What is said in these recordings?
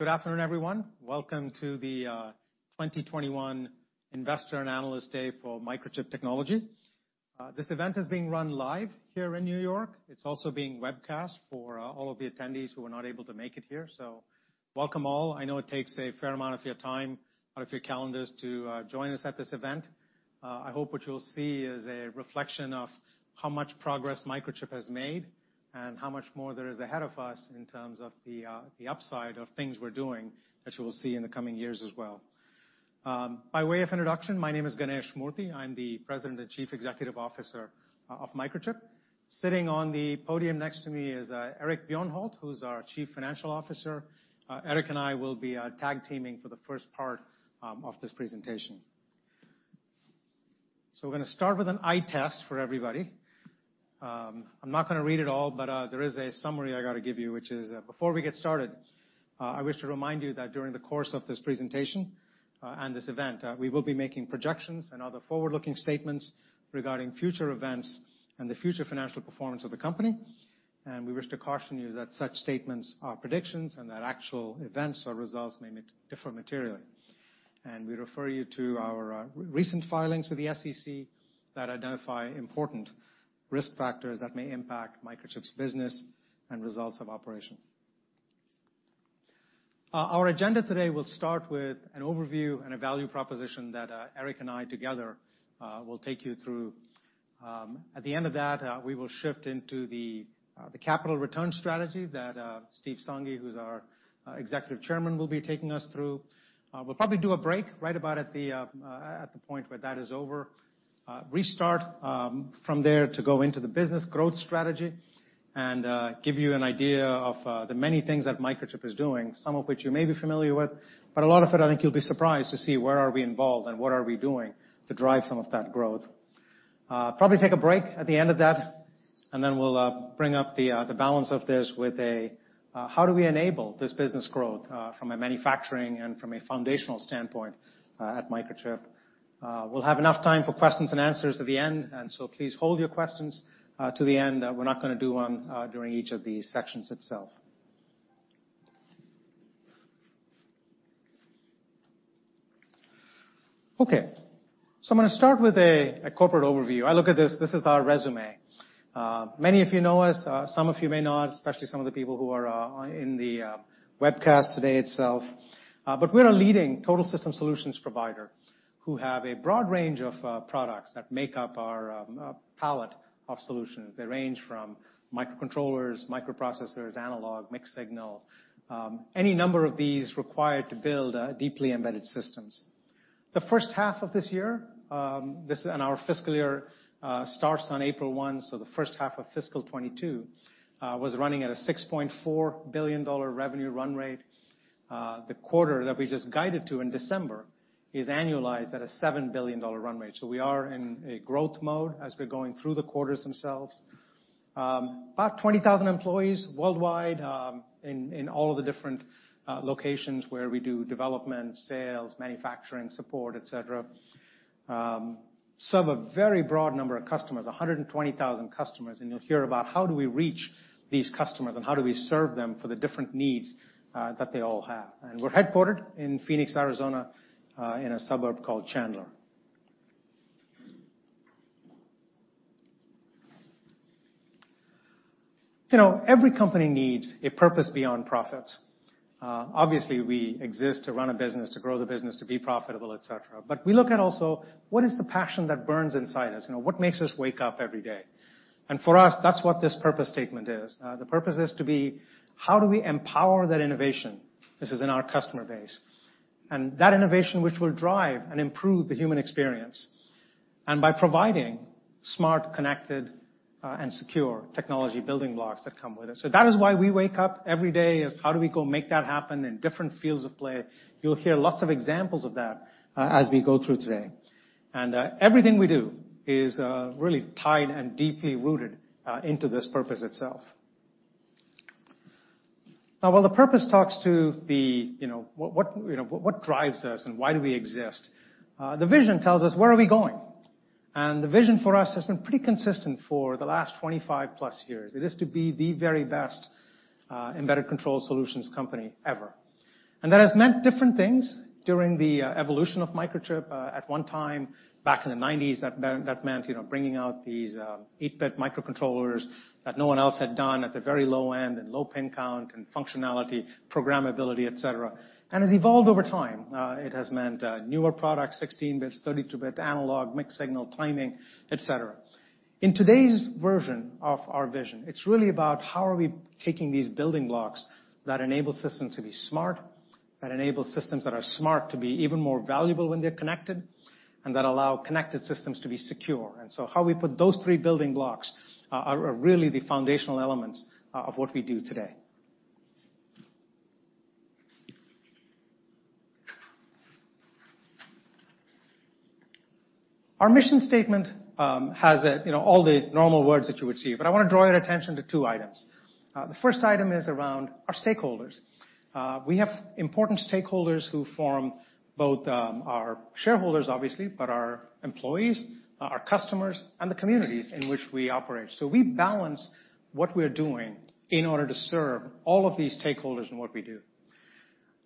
Good afternoon, everyone. Welcome to the 2021 Investor and Analyst Day for Microchip Technology. This event is being run live here in New York. It's also being webcast for all of the attendees who are not able to make it here, so welcome all. I know it takes a fair amount of your time out of your calendars to join us at this event. I hope what you'll see is a reflection of how much progress Microchip has made and how much more there is ahead of us in terms of the upside of things we're doing that you will see in the coming years as well. By way of introduction, my name is Ganesh Moorthy. I'm the President and Chief Executive Officer of Microchip. Sitting on the podium next to me is Eric Bjornholt, who's our Chief Financial Officer. Eric and I will be tag teaming for the first part of this presentation. We're gonna start with an eye test for everybody. I'm not gonna read it all, but there is a summary I got to give you, which is that before we get started, I wish to remind you that during the course of this presentation and this event, we will be making projections and other forward-looking statements regarding future events and the future financial performance of the company. We wish to caution you that such statements are predictions and that actual events or results may differ materially. We refer you to our recent filings with the SEC that identify important risk factors that may impact Microchip's business and results of operations. Our agenda today will start with an overview and a value proposition that Eric and I together will take you through. At the end of that, we will shift into the capital return strategy that Steve Sanghi, who's our Executive Chairman, will be taking us through. We'll probably do a break right about at the point where that is over, restart from there to go into the business growth strategy and give you an idea of the many things that Microchip is doing, some of which you may be familiar with, but a lot of it I think you'll be surprised to see where are we involved and what are we doing to drive some of that growth. Probably take a break at the end of that, and then we'll bring up the balance of this with how do we enable this business growth from a manufacturing and from a foundational standpoint at Microchip. We'll have enough time for questions and answers at the end, and so please hold your questions to the end. We're not gonna do one during each of these sections itself. Okay. I'm gonna start with a corporate overview. I look at this is our resume. Many of you know us, some of you may not, especially some of the people who are in the webcast today itself. But we're a leading total system solutions provider who have a broad range of products that make up our palette of solutions. They range from microcontrollers, microprocessors, analog, mixed signal, any number of these required to build, deeply embedded systems. The first half of this year, our fiscal year starts on April 1, so the first half of fiscal 2022 was running at a $6.4 billion revenue run rate. The quarter that we just guided to in December is annualized at a $7 billion run rate. We are in a growth mode as we're going through the quarters themselves. About 20,000 employees worldwide, in all of the different locations where we do development, sales, manufacturing, support, etc. We serve a very broad number of customers, 120,000 customers, and you'll hear about how we reach these customers and how we serve them for the different needs that they all have. We're headquartered in Phoenix, Arizona, in a suburb called Chandler. You know, every company needs a purpose beyond profits. Obviously, we exist to run a business, to grow the business, to be profitable, et cetera. We look at also, what is the passion that burns inside us? You know, what makes us wake up every day? For us, that's what this purpose statement is. The purpose is to be, how do we empower that innovation, this is in our customer base, and that innovation which will drive and improve the human experience, and by providing smart, connected, and secure technology building blocks that come with it. That is why we wake up every day is how do we go make that happen in different fields of play. You'll hear lots of examples of that, as we go through today. Everything we do is really tied and deeply rooted into this purpose itself. Now, while the purpose talks to the, you know, what, you know, what drives us and why do we exist, the vision tells us where are we going, and the vision for us has been pretty consistent for the last 25+ years. It is to be the very best embedded control solutions company ever. That has meant different things during the evolution of Microchip. At one time, back in the 1990s, that meant you know bringing out these 8-bit microcontrollers that no one else had done at the very low end and low pin count and functionality, programmability, et cetera, and has evolved over time. It has meant newer products, 16-bit, 32-bit, analog, mixed signal, timing, et cetera. In today's version of our vision, it's really about how are we taking these building blocks that enable systems to be smart, that enable systems that are smart to be even more valuable when they're connected, and that allow connected systems to be secure. How we put those three building blocks are really the foundational elements of what we do today. Our mission statement has a, you know, all the normal words that you would see, but I want to draw your attention to two items. The first item is around our stakeholders. We have important stakeholders who form both, our shareholders obviously, but our employees, our customers, and the communities in which we operate. We balance what we are doing in order to serve all of these stakeholders in what we do.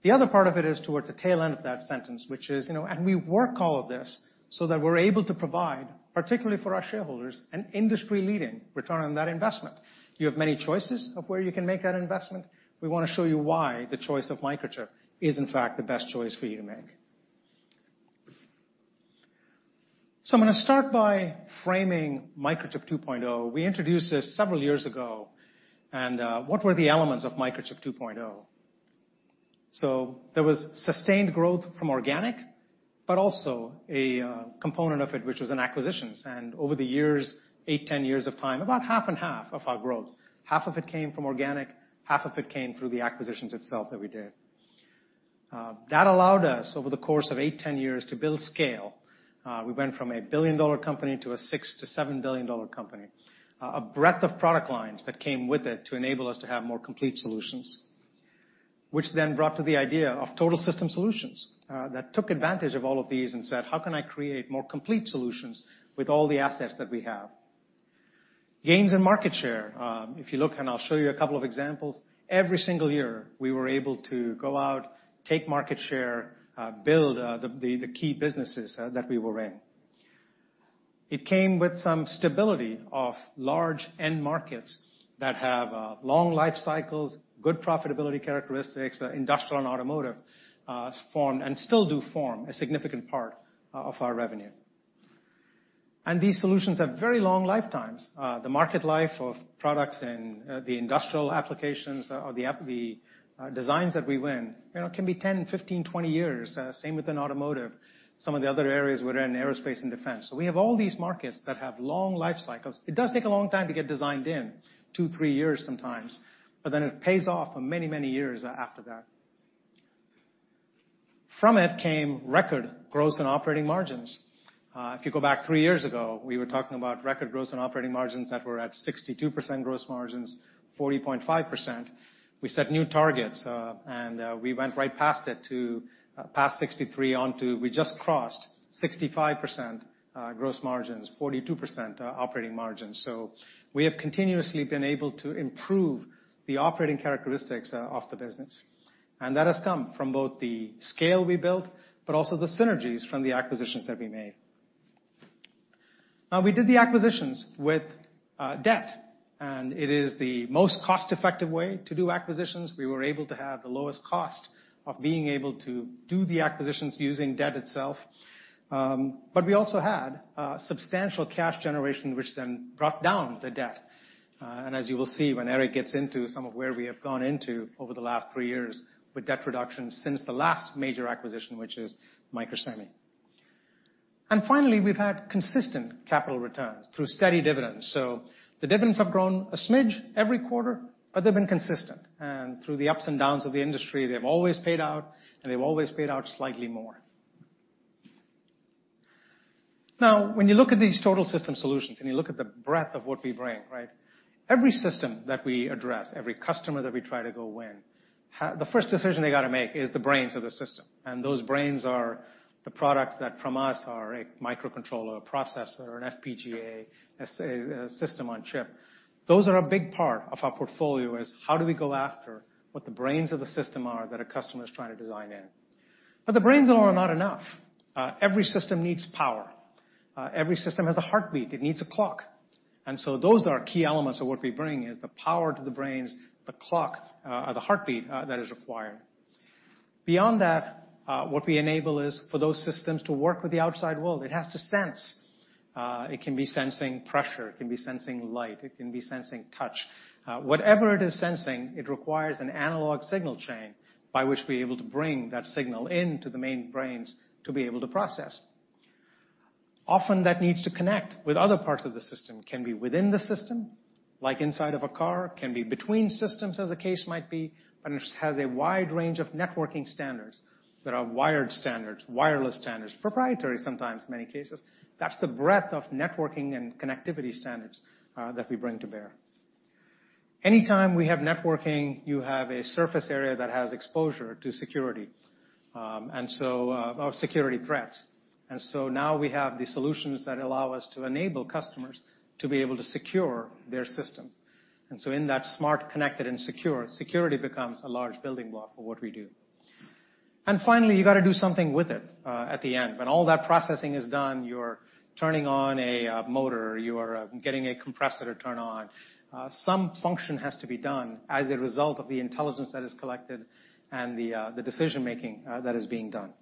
The other part of it is towards the tail end of that sentence, which is, you know, and we work all of this so that we're able to provide, particularly for our shareholders, an industry-leading return on that investment. You have many choices of where you can make that investment. We wanna show you why the choice of Microchip is in fact the best choice for you to make. I'm gonna start by framing Microchip 2.0. We introduced this several years ago, and what were the elements of Microchip 2.0? There was sustained growth from organic, but also a component of it, which was in acquisitions. Over the years, eight-10 years of time, about half and half of our growth, half of it came from organic, half of it came through the acquisitions itself that we did. That allowed us, over the course of eight-10 years, to build scale. We went from a billion-dollar company to a $6 billion–$7 billion company. A breadth of product lines that came with it to enable us to have more complete solutions, which then brought to the idea of total system solutions, that took advantage of all of these and said, "How can I create more complete solutions with all the assets that we have?" Gains in market share. If you look, and I'll show you a couple of examples. Every single year, we were able to go out, take market share, build the key businesses that we were in. It came with some stability of large end markets that have long life cycles, good profitability characteristics, industrial and automotive form, and still do form a significant part of our revenue. These solutions have very long lifetimes. The market life of products in the industrial applications or the app. The designs that we win, you know, can be 10, 15, 20 years. Same within automotive. Some of the other areas we're in, aerospace and defense. We have all these markets that have long life cycles. It does take a long time to get designed in, two, three years sometimes, but then it pays off for many, many years after that. From it came record gross and operating margins. If you go back three years ago, we were talking about record gross and operating margins that were at 62% gross margins, 40.5%. We set new targets, and we went right past it to past 63 onto, we just crossed 65% gross margins, 42% operating margins. We have continuously been able to improve the operating characteristics of the business. That has come from both the scale we built, but also the synergies from the acquisitions that we made. Now, we did the acquisitions with debt, and it is the most cost-effective way to do acquisitions. We were able to have the lowest cost of being able to do the acquisitions using debt itself. But we also had substantial cash generation, which then brought down the debt. As you will see when Eric gets into some of where we have gone into over the last three years with debt reduction since the last major acquisition, which is Microsemi. Finally, we've had consistent capital returns through steady dividends. The dividends have grown a smidge every quarter, but they've been consistent. Through the ups and downs of the industry, they've always paid out, and they've always paid out slightly more. Now, when you look at these total system solutions and you look at the breadth of what we bring, right? Every system that we address, every customer that we try to go win, the first decision they gotta make is the brains of the system, and those brains are the products that from us are a microcontroller, a processor, an FPGA, a system on chip. Those are a big part of our portfolio, is how do we go after what the brains of the system are that a customer is trying to design in. But the brains are not enough. Every system needs power. Every system has a heartbeat. It needs a clock. Those are key elements of what we bring is the power to the brains, the clock, the heartbeat, that is required. Beyond that, what we enable is for those systems to work with the outside world. It has to sense. It can be sensing pressure, it can be sensing light, it can be sensing touch. Whatever it is sensing, it requires an analog signal chain by which we're able to bring that signal into the main brains to be able to process. Often that needs to connect with other parts of the system. It can be within the system, like inside of a car. It can be between systems, as the case might be. It has a wide range of networking standards that are wired standards, wireless standards, proprietary sometimes, in many cases. That's the breadth of networking and connectivity standards that we bring to bear. Anytime we have networking, you have a surface area that has exposure to security, and so, or security threats. Now we have the solutions that allow us to enable customers to be able to secure their systems. In that smart, connected, and secure, security becomes a large building block for what we do. Finally, you gotta do something with it at the end. When all that processing is done, you're turning on a motor, you are getting a compressor to turn on. Some function has to be done as a result of the intelligence that is collected and the decision-making that is being done.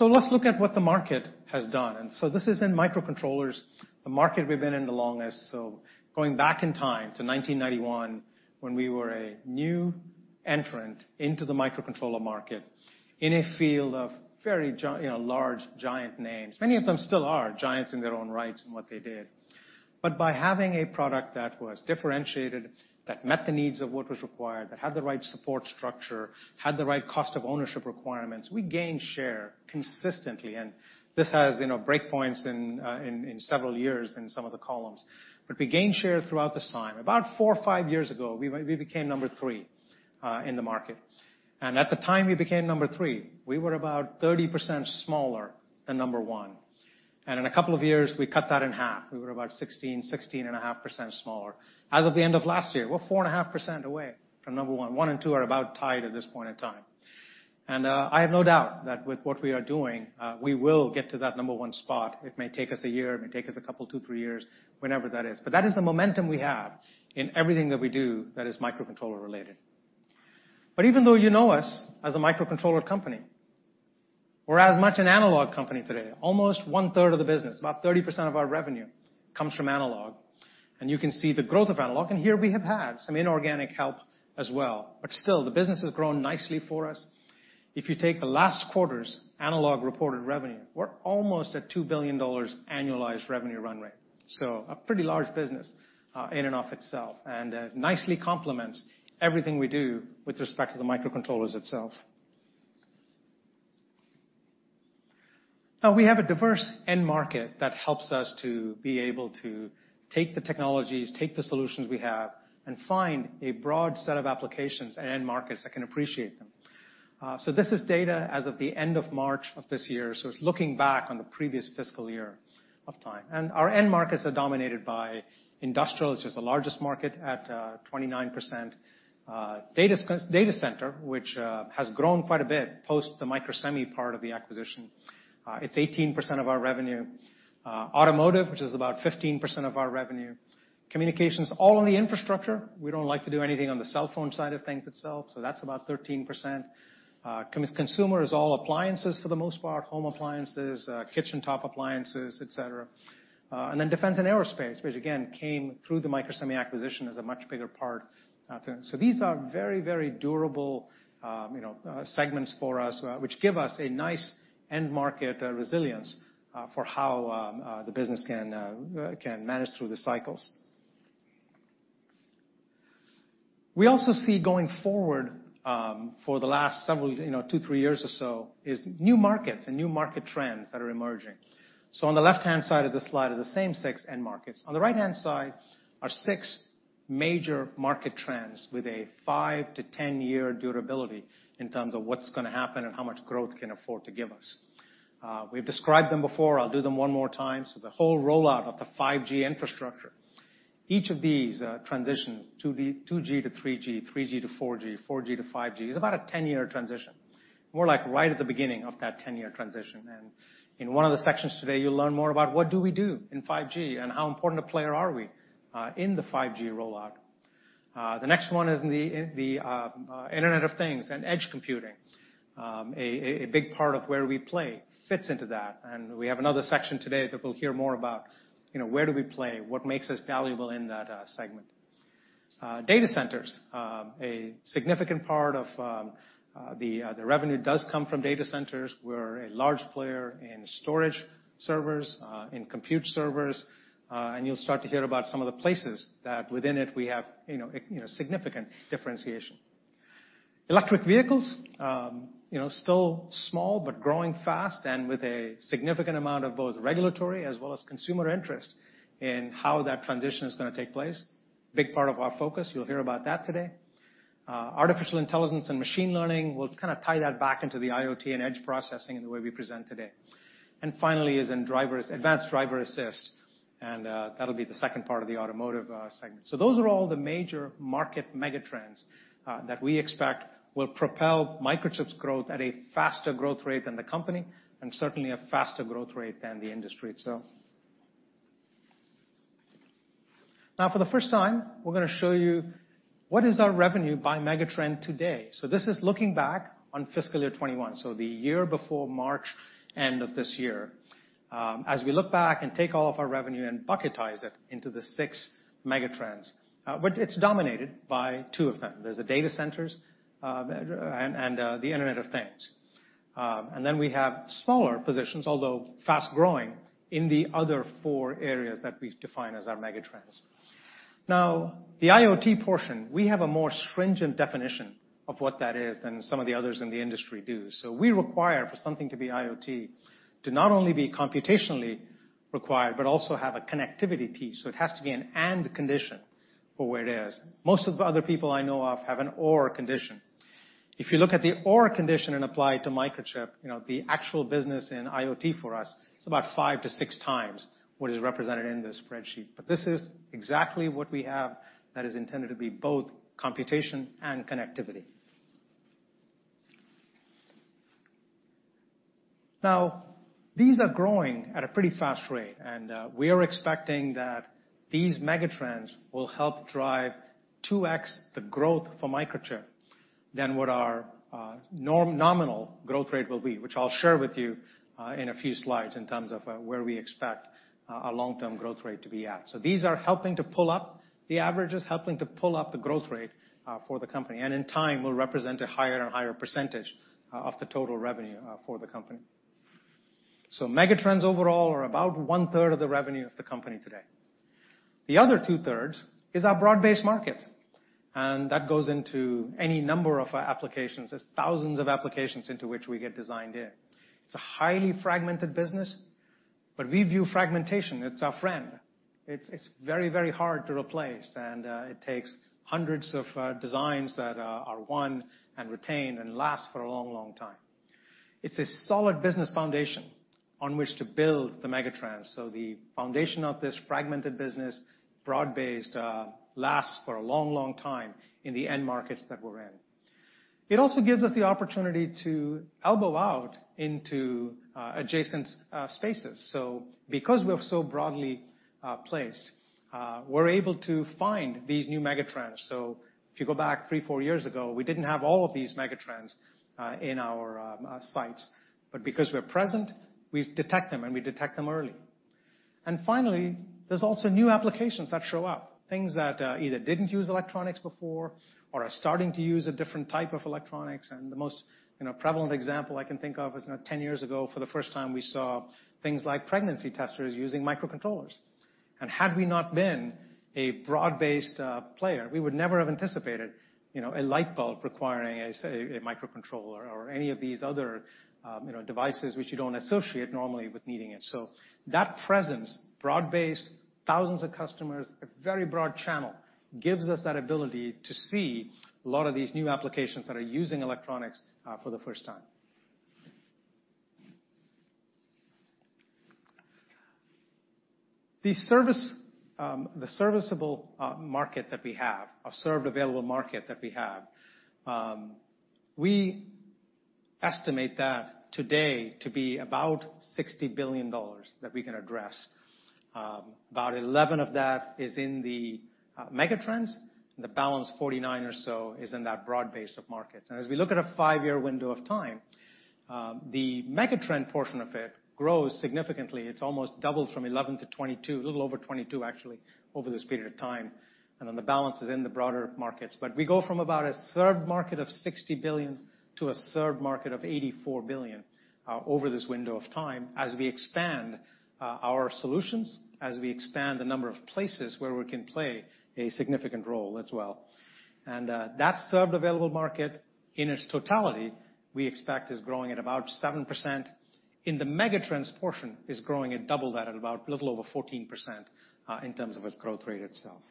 Let's look at what the market has done. This is in microcontrollers, the market we've been in the longest. Going back in time to 1991 when we were a new entrant into the microcontroller market in a field of very you know, large, giant names. Many of them still are giants in their own right in what they did. By having a product that was differentiated, that met the needs of what was required, that had the right support structure, had the right cost of ownership requirements, we gained share consistently. This has, you know, break points in several years in some of the columns. We gained share throughout this time. About four or five years ago, we became number three in the market. At the time we became number three, we were about 30% smaller than number one. In a couple of years, we cut that in half. We were about 16.5% smaller. As of the end of last year, we're 4.5% away from number one. One and two are about tied at this point in time. I have no doubt that with what we are doing, we will get to that number one spot. It may take us a year, it may take us a couple, two, three years, whenever that is. That is the momentum we have in everything that we do that is microcontroller related. Even though you know us as a microcontroller company, we're as much an analog company today. Almost 1/3 of the business, about 30% of our revenue comes from analog, and you can see the growth of analog. Here we have had some inorganic help as well, but still the business has grown nicely for us. If you take the last quarter's analog reported revenue, we're almost at $2 billion annualized revenue run rate. A pretty large business, in and of itself, and nicely complements everything we do with respect to the microcontrollers itself. Now we have a diverse end market that helps us to be able to take the technologies, take the solutions we have, and find a broad set of applications and end markets that can appreciate them. This is data as of the end of March of this year, so it's looking back on the previous fiscal year of time. Our end markets are dominated by industrial, which is the largest market at 29%. Data center, which has grown quite a bit post the Microsemi part of the acquisition. It's 18% of our revenue. Automotive, which is about 15% of our revenue. Communications, all in the infrastructure. We don't like to do anything on the cell phone side of things itself, so that's about 13%. Consumer is all appliances for the most part, home appliances, kitchen top appliances, et cetera. Defense and aerospace, which again came through the Microsemi acquisition as a much bigger part to it. These are very, very durable, you know, segments for us, which give us a nice end market resilience for how the business can manage through the cycles. We also see going forward, for the last several, you know, two, three years or so, is new markets and new market trends that are emerging. So on the left-hand side of this slide are the same six end markets. On the right-hand side are six major market trends with a five- to 10-year durability in terms of what's gonna happen and how much growth can afford to give us. We've described them before. I'll do them one more time. So the whole rollout of the 5G infrastructure, each of these, transitions, 2G to 3G to 4G to 5G, is about a 10-year transition. More like right at the beginning of that 10-year transition. In one of the sections today, you'll learn more about what do we do in 5G and how important a player are we, in the 5G rollout. The next one is in the Internet of Things and edge computing. A big part of where we play fits into that, and we have another section today that we'll hear more about, you know, where do we play, what makes us valuable in that segment. Data centers, a significant part of the revenue does come from data centers. We're a large player in storage servers, in compute servers, and you'll start to hear about some of the places that within it we have, you know, significant differentiation. Electric vehicles, you know, still small but growing fast and with a significant amount of both regulatory as well as consumer interest in how that transition is gonna take place. Big part of our focus. You'll hear about that today. Artificial intelligence and machine learning, we'll kind of tie that back into the IoT and edge processing in the way we present today. Finally is in drivers, advanced driver assistance, and that'll be the second part of the automotive segment. Those are all the major market megatrends that we expect will propel Microchip's growth at a faster growth rate than the company and certainly a faster growth rate than the industry itself. Now for the first time, we're gonna show you what is our revenue by megatrend today. This is looking back on fiscal year 2021, so the year before March end of this year. As we look back and take all of our revenue and bucketize it into the six megatrends, but it's dominated by two of them. There's the data centers and the Internet of Things. We have smaller positions, although fast-growing, in the other four areas that we've defined as our megatrends. Now, the IoT portion, we have a more stringent definition of what that is than some of the others in the industry do. we require for something to be IoT to not only be computationally required, but also have a connectivity piece. it has to be an and condition for what it is. Most of the other people I know of have an or condition. If you look at the or condition and apply it to Microchip, you know, the actual business in IoT for us is about 5x-6x what is represented in this spreadsheet, but this is exactly what we have that is intended to be both computation and connectivity. Now, these are growing at a pretty fast rate, and we are expecting that these megatrends will help drive 2x the growth for Microchip than what our nominal growth rate will be, which I'll share with you in a few slides in terms of where we expect our long-term growth rate to be at. These are helping to pull up the averages, helping to pull up the growth rate for the company, and in time will represent a higher and higher percentage of the total revenue for the company. Megatrends overall are about one-third of the revenue of the company today. The other two-thirds is our broad-based market, and that goes into any number of applications. There are thousands of applications into which we get designed in. It's a highly fragmented business. We view fragmentation. It's our friend. It's very hard to replace, and it takes hundreds of designs that are won and retained and last for a long time. It's a solid business foundation on which to build the megatrends. The foundation of this fragmented business, broad-based, lasts for a long time in the end markets that we're in. It also gives us the opportunity to elbow out into adjacent spaces. Because we're so broadly placed, we're able to find these new megatrends. If you go back three, four years ago, we didn't have all of these megatrends in our sights. Because we're present, we detect them, and we detect them early. Finally, there's also new applications that show up, things that either didn't use electronics before or are starting to use a different type of electronics, and the most, you know, prevalent example I can think of is, you know, 10 years ago, for the first time, we saw things like pregnancy testers using microcontrollers. Had we not been a broad-based player, we would never have anticipated, you know, a light bulb requiring a microcontroller or any of these other, you know, devices which you don't associate normally with needing it. That presence, broad-based, thousands of customers, a very broad channel, gives us that ability to see a lot of these new applications that are using electronics for the first time. The serviceable addressable market that we have, we estimate that today to be about $60 billion that we can address. About 11 of that is in the megatrends, and the balance 49 or so is in that broad base of markets. As we look at a five-year window of time, the megatrend portion of it grows significantly. It almost doubles from 11 to 22, a little over 22 actually, over this period of time. Then the balance is in the broader markets. We go from about a serviceable addressable market of $60 billion to a serviceable addressable market of $84 billion over this window of time as we expand our solutions, as we expand the number of places where we can play a significant role as well. That serviceable addressable market in its totality, we expect, is growing at about 7%, in the megatrends portion is growing at double that, at about a little over 14%, in terms of its growth rate itself.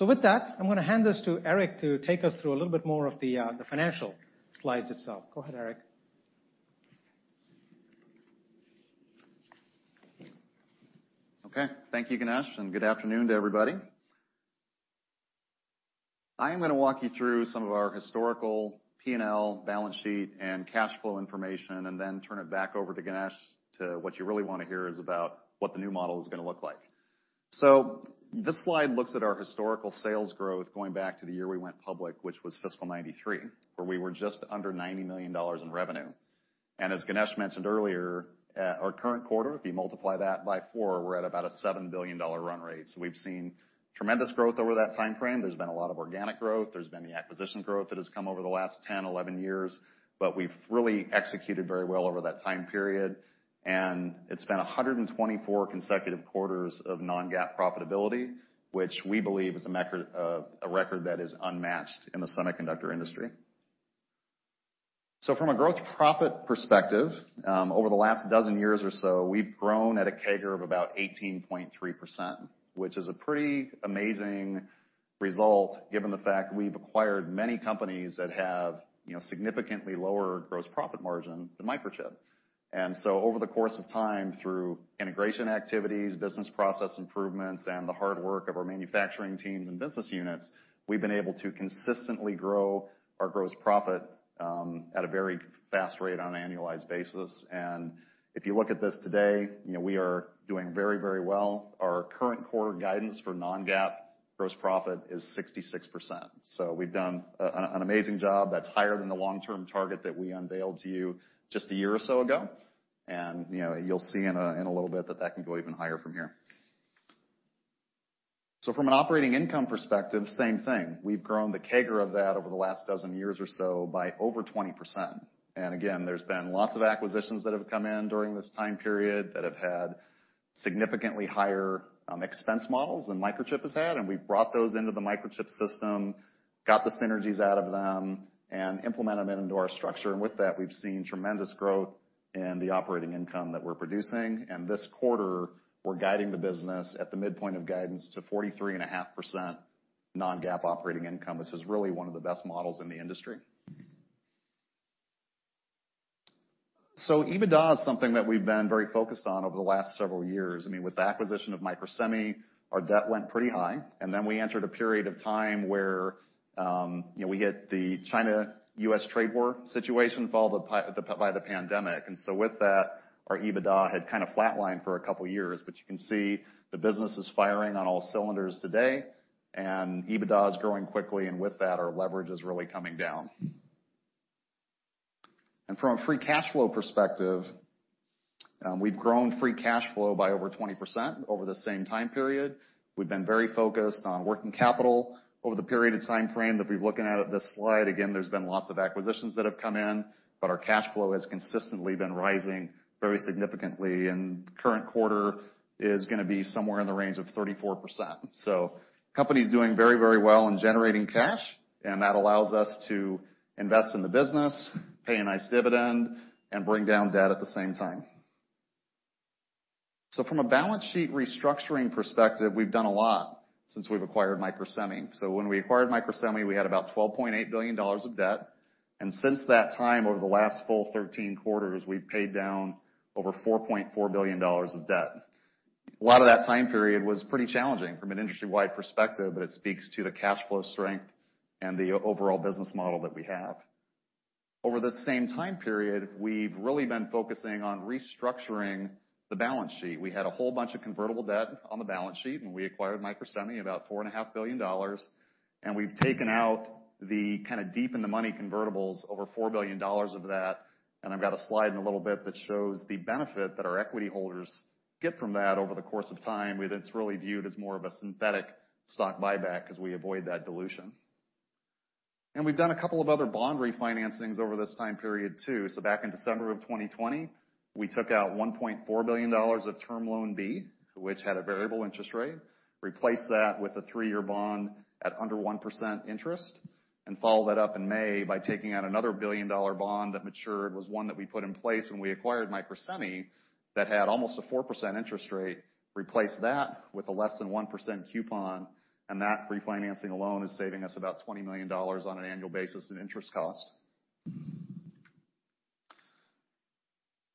With that, I'm gonna hand this to Eric to take us through a little bit more of the financial slides themselves. Go ahead, Eric. Okay. Thank you, Ganesh, and good afternoon to everybody. I am gonna walk you through some of our historical P&L balance sheet and cash flow information and then turn it back over to Ganesh to what you really wanna hear is about what the new model is gonna look like. This slide looks at our historical sales growth going back to the year we went public, which was fiscal 1993, where we were just under $90 million in revenue. And as Ganesh mentioned earlier, our current quarter, if you multiply that by four, we're at about a $7 billion run rate. We've seen tremendous growth over that timeframe. There's been a lot of organic growth. There's been the acquisition growth that has come over the last 10, 11 years, but we've really executed very well over that time period. It's been 124 consecutive quarters of non-GAAP profitability, which we believe is a record that is unmatched in the semiconductor industry. From a gross profit perspective, over the last 12 years or so, we've grown at a CAGR of about 18.3%, which is a pretty amazing result given the fact we've acquired many companies that have, you know, significantly lower gross profit margin than Microchip. Over the course of time, through integration activities, business process improvements, and the hard work of our manufacturing teams and business units, we've been able to consistently grow our gross profit at a very fast rate on an annualized basis. If you look at this today, you know, we are doing very, very well. Our current quarter guidance for non-GAAP gross profit is 66%. We've done an amazing job that's higher than the long-term target that we unveiled to you just a year or so ago. You know, you'll see in a little bit that can go even higher from here. From an operating income perspective, same thing. We've grown the CAGR of that over the last dozen years or so by over 20%. Again, there's been lots of acquisitions that have come in during this time period that have had significantly higher expense models than Microchip has had, and we've brought those into the Microchip system, got the synergies out of them and implemented them into our structure. With that, we've seen tremendous growth in the operating income that we're producing. This quarter, we're guiding the business at the midpoint of guidance to 43.5% non-GAAP operating income, which is really one of the best models in the industry. EBITDA is something that we've been very focused on over the last several years. I mean, with the acquisition of Microsemi, our debt went pretty high, and then we entered a period of time where, you know, we hit the China-U.S. trade war situation followed by the pandemic. With that, our EBITDA had kind of flatlined for a couple years, but you can see the business is firing on all cylinders today, and EBITDA is growing quickly, and with that, our leverage is really coming down. From a free cash flow perspective, we've grown free cash flow by over 20% over the same time period. We've been very focused on working capital over the period of timeframe that we're looking at this slide. Again, there's been lots of acquisitions that have come in, but our cash flow has consistently been rising very significantly, and current quarter is gonna be somewhere in the range of 34%. The company's doing very, very well in generating cash, and that allows us to invest in the business, pay a nice dividend, and bring down debt at the same time. From a balance sheet restructuring perspective, we've done a lot since we've acquired Microsemi. When we acquired Microsemi, we had about $12.8 billion of debt, and since that time, over the last full 13 quarters, we've paid down over $4.4 billion of debt. A lot of that time period was pretty challenging from an industry-wide perspective, but it speaks to the cash flow strength and the overall business model that we have. Over the same time period, we've really been focusing on restructuring the balance sheet. We had a whole bunch of convertible debt on the balance sheet when we acquired Microsemi, about $4.5 billion, and we've taken out the kind of deep in the money convertibles, over $4 billion of that, and I've got a slide in a little bit that shows the benefit that our equity holders get from that over the course of time, where it's really viewed as more of a synthetic stock buyback because we avoid that dilution. We've done a couple of other bond refinancings over this time period too. Back in December 2020, we took out $1.4 billion of Term Loan B, which had a variable interest rate, replaced that with a three-year bond at under 1% interest, and followed that up in May by taking out another billion-dollar bond that matured. It was one that we put in place when we acquired Microsemi that had almost 4% interest rate, replaced that with a less than 1% coupon, and that refinancing alone is saving us about $20 million on an annual basis in interest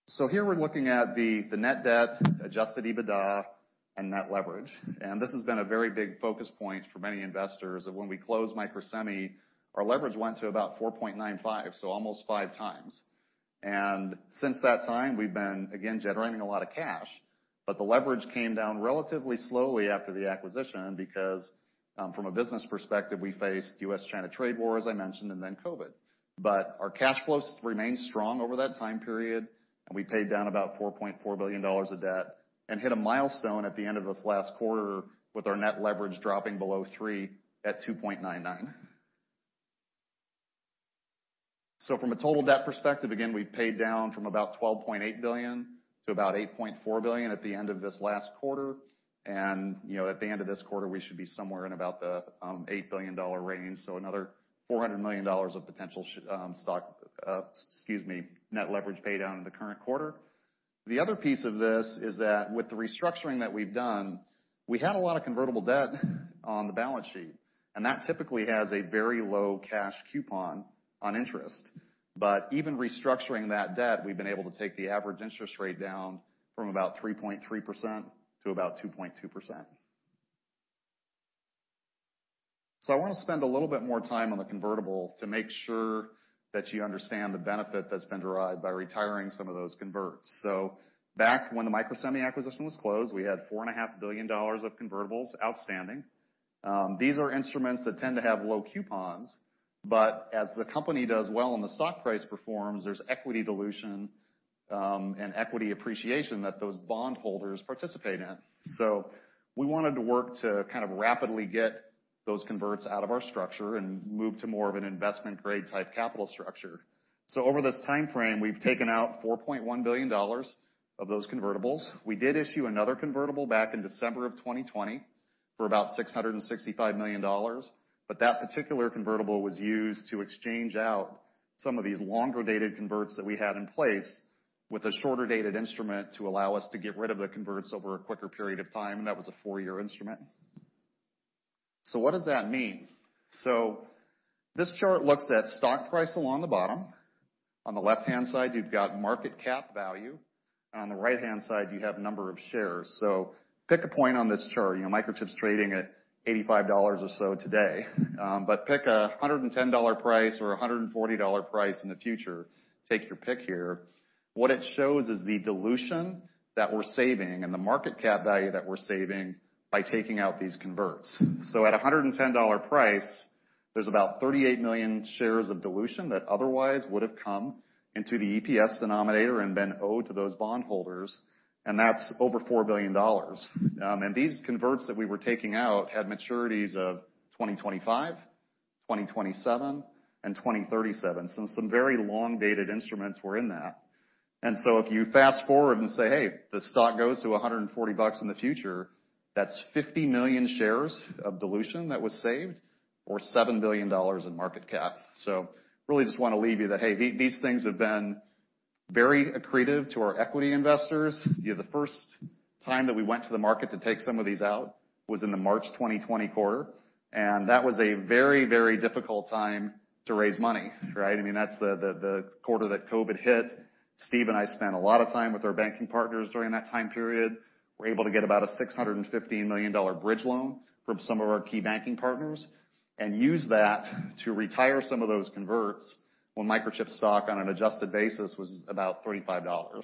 cost. Here we're looking at the net debt, adjusted EBITDA, and net leverage. This has been a very big focus point for many investors, of when we closed Microsemi, our leverage went to about 4.95, so almost 5x. Since that time, we've been, again, generating a lot of cash. The leverage came down relatively slowly after the acquisition because, from a business perspective, we faced U.S.-China trade war, as I mentioned, and then COVID. Our cash flows remained strong over that time period, and we paid down about $4.4 billion of debt and hit a milestone at the end of this last quarter with our net leverage dropping below 3 at 2.99. From a total debt perspective, again, we paid down from about $12.8 billion to about $8.4 billion at the end of this last quarter. You know, at the end of this quarter, we should be somewhere in about the $8 billion range, so another $400 million of potential net leverage pay down in the current quarter. The other piece of this is that with the restructuring that we've done, we had a lot of convertible debt on the balance sheet, and that typically has a very low cash coupon on interest. Even restructuring that debt, we've been able to take the average interest rate down from about 3.3% to about 2.2%. I wanna spend a little bit more time on the convertible to make sure that you understand the benefit that's been derived by retiring some of those converts. Back when the Microsemi acquisition was closed, we had $4.5 billion of convertibles outstanding. These are instruments that tend to have low coupons, but as the company does well and the stock price performs, there's equity dilution, and equity appreciation that those bondholders participate in. We wanted to work to kind of rapidly get those converts out of our structure and move to more of an investment-grade type capital structure. Over this timeframe, we've taken out $4.1 billion of those convertibles. We did issue another convertible back in December of 2020 for about $665 million, but that particular convertible was used to exchange out some of these longer-dated converts that we had in place with a shorter-dated instrument to allow us to get rid of the converts over a quicker period of time. That was a four-year instrument. What does that mean? This chart looks at stock price along the bottom. On the left-hand side, you've got market cap value. On the right-hand side, you have number of shares. Pick a point on this chart. You know, Microchip's trading at $85 or so today. But pick a $110 price or a $140 price in the future. Take your pick here. What it shows is the dilution that we're saving and the market cap value that we're saving by taking out these converts. At a $110 price, there's about 38 million shares of dilution that otherwise would have come into the EPS denominator and been owed to those bondholders, and that's over $4 billion. These converts that we were taking out had maturities of 2025, 2027, and 2037. Some very long-dated instruments were in that. If you fast-forward and say, "Hey, the stock goes to $140 in the future," that's 50 million shares of dilution that was saved or $7 billion in market cap. Really just wanna leave you that, hey, these things have been very accretive to our equity investors. You know, the first time that we went to the market to take some of these out was in the March 2020 quarter, and that was a very, very difficult time to raise money, right? I mean, that's the quarter that COVID hit. Steve and I spent a lot of time with our banking partners during that time period. We were able to get about a $650 million bridge loan from some of our key banking partners and used that to retire some of those converts when Microchip's stock on an adjusted basis was about $35.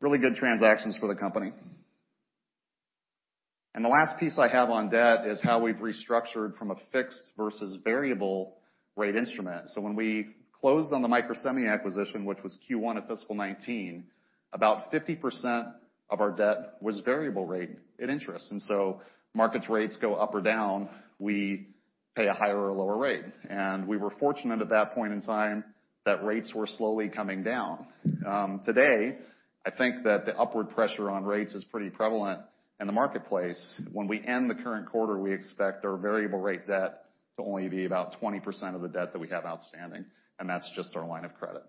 Really good transactions for the company. The last piece I have on debt is how we've restructured from a fixed versus variable rate instrument. When we closed on the Microsemi acquisition, which was Q1 of fiscal 2019, about 50% of our debt was variable rate and interest. Market rates go up or down, we pay a higher or lower rate. We were fortunate at that point in time that rates were slowly coming down. Today, I think that the upward pressure on rates is pretty prevalent. In the marketplace, when we end the current quarter, we expect our variable rate debt to only be about 20% of the debt that we have outstanding, and that's just our line of credit.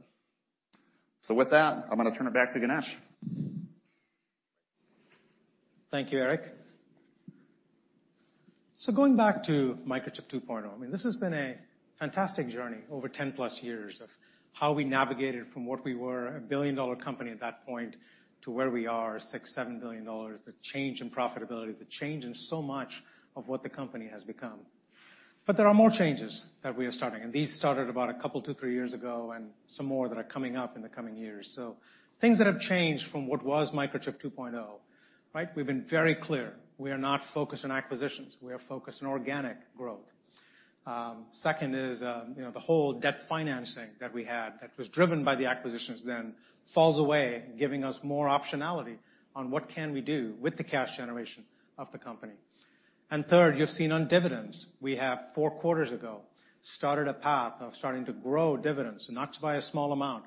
With that, I'm gonna turn it back to Ganesh. Thank you, Eric. Going back to Microchip 2.0, I mean, this has been a fantastic journey over 10+ years of how we navigated from what we were, a billion-dollar company at that point, to where we are, $6 billion-$7 billion. The change in profitability, the change in so much of what the company has become. There are more changes that we are starting, and these started about a couple, two to three years ago and some more that are coming up in the coming years. Things that have changed from what was Microchip 2.0, right? We've been very clear, we are not focused on acquisitions. We are focused on organic growth. Second is, you know, the whole debt financing that we had that was driven by the acquisitions then falls away, giving us more optionality on what we can do with the cash generation of the company. Third, you've seen on dividends, we have four quarters ago started a path of starting to grow dividends, and not by a small amount,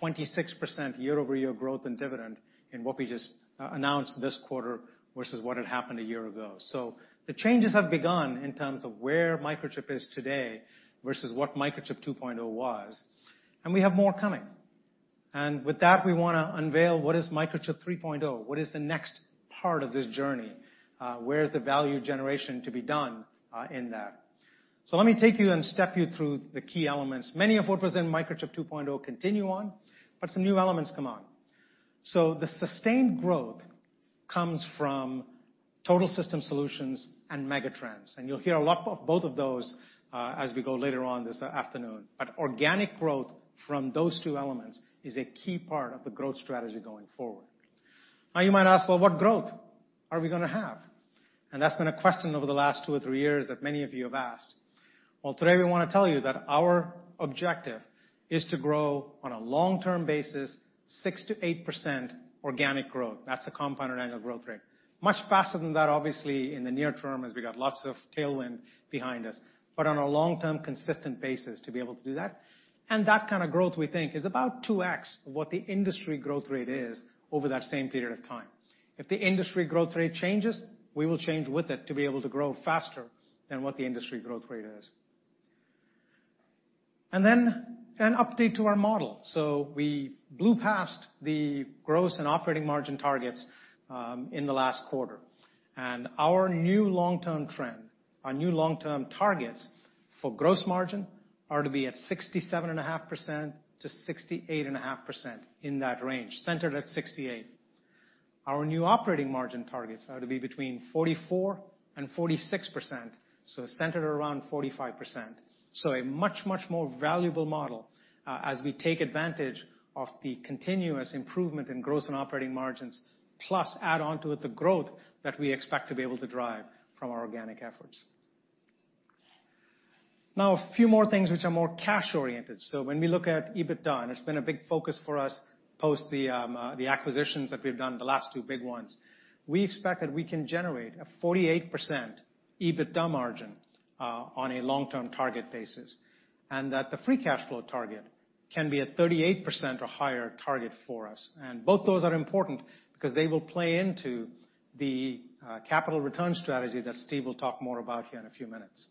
26% year-over-year growth in dividend in what we just announced this quarter versus what had happened a year ago. The changes have begun in terms of where Microchip is today versus what Microchip 2.0 was, and we have more coming. With that, we wanna unveil what is Microchip 3.0. What is the next part of this journey? Where is the value generation to be done, in that? Let me take you and step you through the key elements. Many of what was in Microchip 2.0 continue on, but some new elements come on. The sustained growth comes from total system solutions and mega trends, and you'll hear a lot of both of those, as we go later on this afternoon. Organic growth from those two elements is a key part of the growth strategy going forward. Now you might ask, "Well, what growth are we gonna have?" That's been a question over the last two or three years that many of you have asked. Well, today, we wanna tell you that our objective is to grow on a long-term basis 6%-8% organic growth. That's a compounded annual growth rate. Much faster than that, obviously, in the near term, as we got lots of tailwind behind us, but on a long-term consistent basis to be able to do that. That kind of growth we think is about 2x what the industry growth rate is over that same period of time. If the industry growth rate changes, we will change with it to be able to grow faster than what the industry growth rate is. Then an update to our model. We blew past the gross and operating margin targets in the last quarter. Our new long-term trend, our new long-term targets for gross margin are to be at 67.5%-68.5%, in that range, centered at 68%. Our new operating margin targets are to be between 44%-46%, so centered around 45%. A much, much more valuable model, as we take advantage of the continuous improvement in gross and operating margins, plus add onto it the growth that we expect to be able to drive from our organic efforts. Now, a few more things which are more cash-oriented. When we look at EBITDA, and it's been a big focus for us post the acquisitions that we've done, the last two big ones. We expect that we can generate a 48% EBITDA margin on a long-term target basis, and that the free cash flow target can be a 38% or higher target for us. Both those are important because they will play into the capital return strategy that Steve will talk more about here in a few minutes.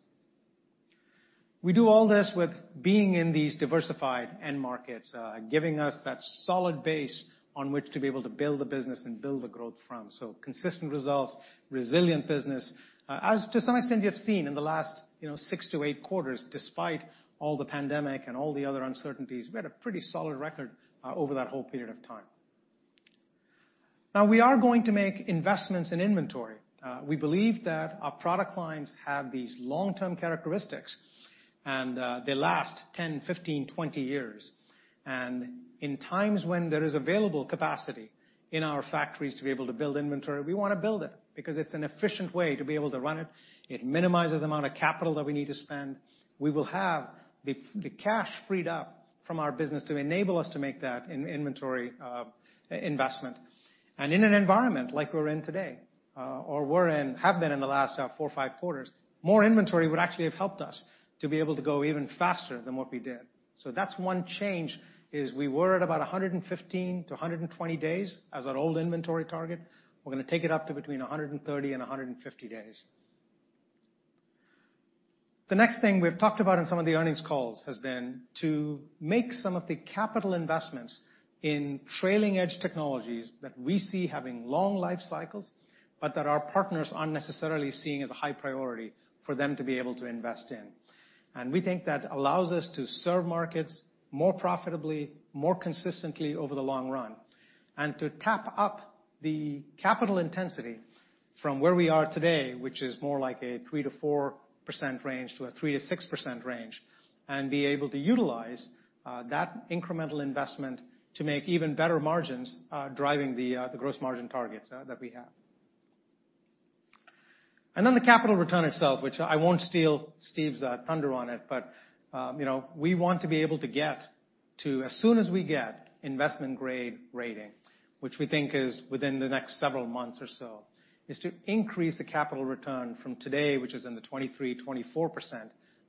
We do all this with being in these diversified end markets, giving us that solid base on which to be able to build a business and build the growth from. Consistent results, resilient business. As to some extent you have seen in the last, you know, six to eight quarters, despite all the pandemic and all the other uncertainties, we had a pretty solid record over that whole period of time. Now we are going to make investments in inventory. We believe that our product lines have these long-term characteristics and they last 10, 15, 20 years. In times when there is available capacity in our factories to be able to build inventory, we wanna build it because it's an efficient way to be able to run it. It minimizes the amount of capital that we need to spend. We will have the cash freed up from our business to enable us to make that in inventory investment. In an environment like we're in today or have been in the last four, five quarters, more inventory would actually have helped us to be able to go even faster than what we did. That's one change, is we were at about 115-120 days as our old inventory target. We're gonna take it up to between 130 and 150 days. The next thing we've talked about in some of the earnings calls has been to make some of the capital investments in trailing edge technologies that we see having long life cycles, but that our partners aren't necessarily seeing as a high priority for them to be able to invest in. We think that allows us to serve markets more profitably, more consistently over the long run, and to tap up the capital intensity from where we are today, which is more like a 3%-4% range to a 3%-6% range, and be able to utilize that incremental investment to make even better margins, driving the gross margin targets that we have. The capital return itself, which I won't steal Steve's thunder on it, but you know, we want to be able to get to as soon as we get investment-grade rating, which we think is within the next several months or so, is to increase the capital return from today, which is in the 23%-24%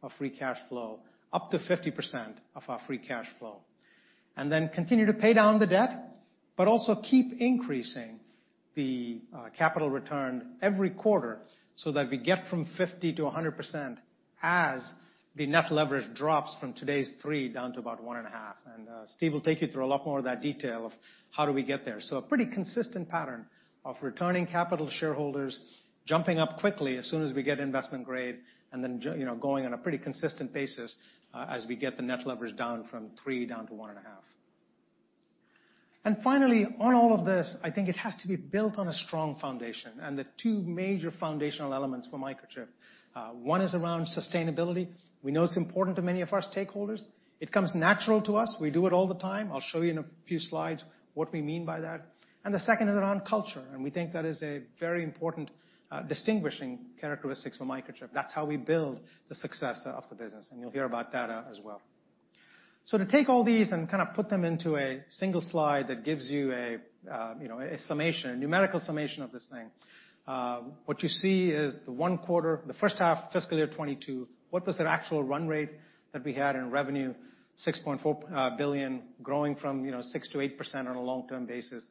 of free cash flow, up to 50% of our free cash flow. Continue to pay down the debt, but also keep increasing the capital return every quarter so that we get from 50% to 100% as the net leverage drops from today's 3 down to about 1.5. Steve will take you through a lot more of that detail of how do we get there. A pretty consistent pattern of returning capital to shareholders, jumping up quickly as soon as we get investment grade, and then you know, going on a pretty consistent basis as we get the net leverage down from 3 down to 1.5. Finally, on all of this, I think it has to be built on a strong foundation, and the two major foundational elements for Microchip. One is around sustainability. We know it's important to many of our stakeholders. It comes natural to us. We do it all the time. I'll show you in a few slides what we mean by that. The second is around culture, and we think that is a very important distinguishing characteristics for Microchip. That's how we build the success of the business, and you'll hear about that as well. To take all these and kind of put them into a single slide that gives you a, you know, a summation, a numerical summation of this thing, what you see is the first half fiscal year 2022, what was the actual run rate that we had in revenue, $6.4 billion growing from, you know, 6%-8% on a long-term basis.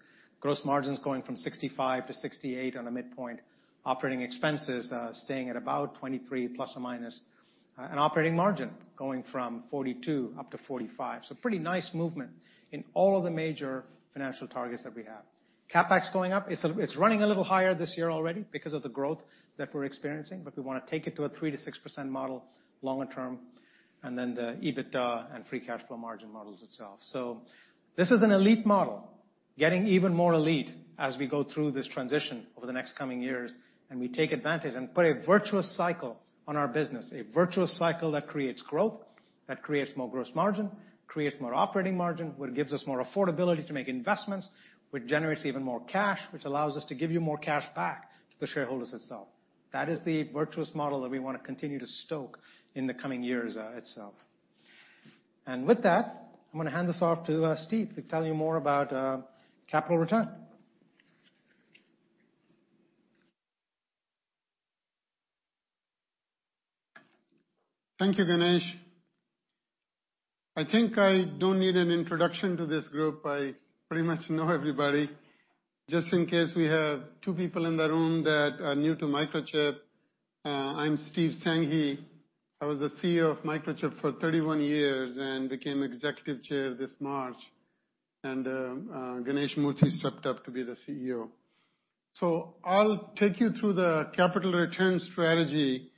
Gross margins going from 65%-68% on a midpoint. Operating expenses staying at about 23%±, an operating margin going from 42%-45%. Pretty nice movement in all of the major financial targets that we have. CapEx going up. It's running a little higher this year already because of the growth that we're experiencing, but we want to take it to a 3%-6% model longer term. The EBITDA and free cash flow margin models itself. This is an elite model, getting even more elite as we go through this transition over the next coming years, and we take advantage and put a virtuous cycle on our business, a virtuous cycle that creates growth, that creates more gross margin, creates more operating margin, where it gives us more affordability to make investments, which generates even more cash, which allows us to give you more cash back to the shareholders itself. That is the virtuous model that we wanna continue to stoke in the coming years, itself. With that, I'm gonna hand this off to Steve to tell you more about capital return. Thank you, Ganesh. I think I don't need an introduction to this group. I pretty much know everybody. Just in case, we have two people in the room that are new to Microchip. I'm Steve Sanghi. I was the CEO of Microchip for 31 years and became executive chair this March, and Ganesh Moorthy stepped up to be the CEO. I'll take you through the capital return strategy,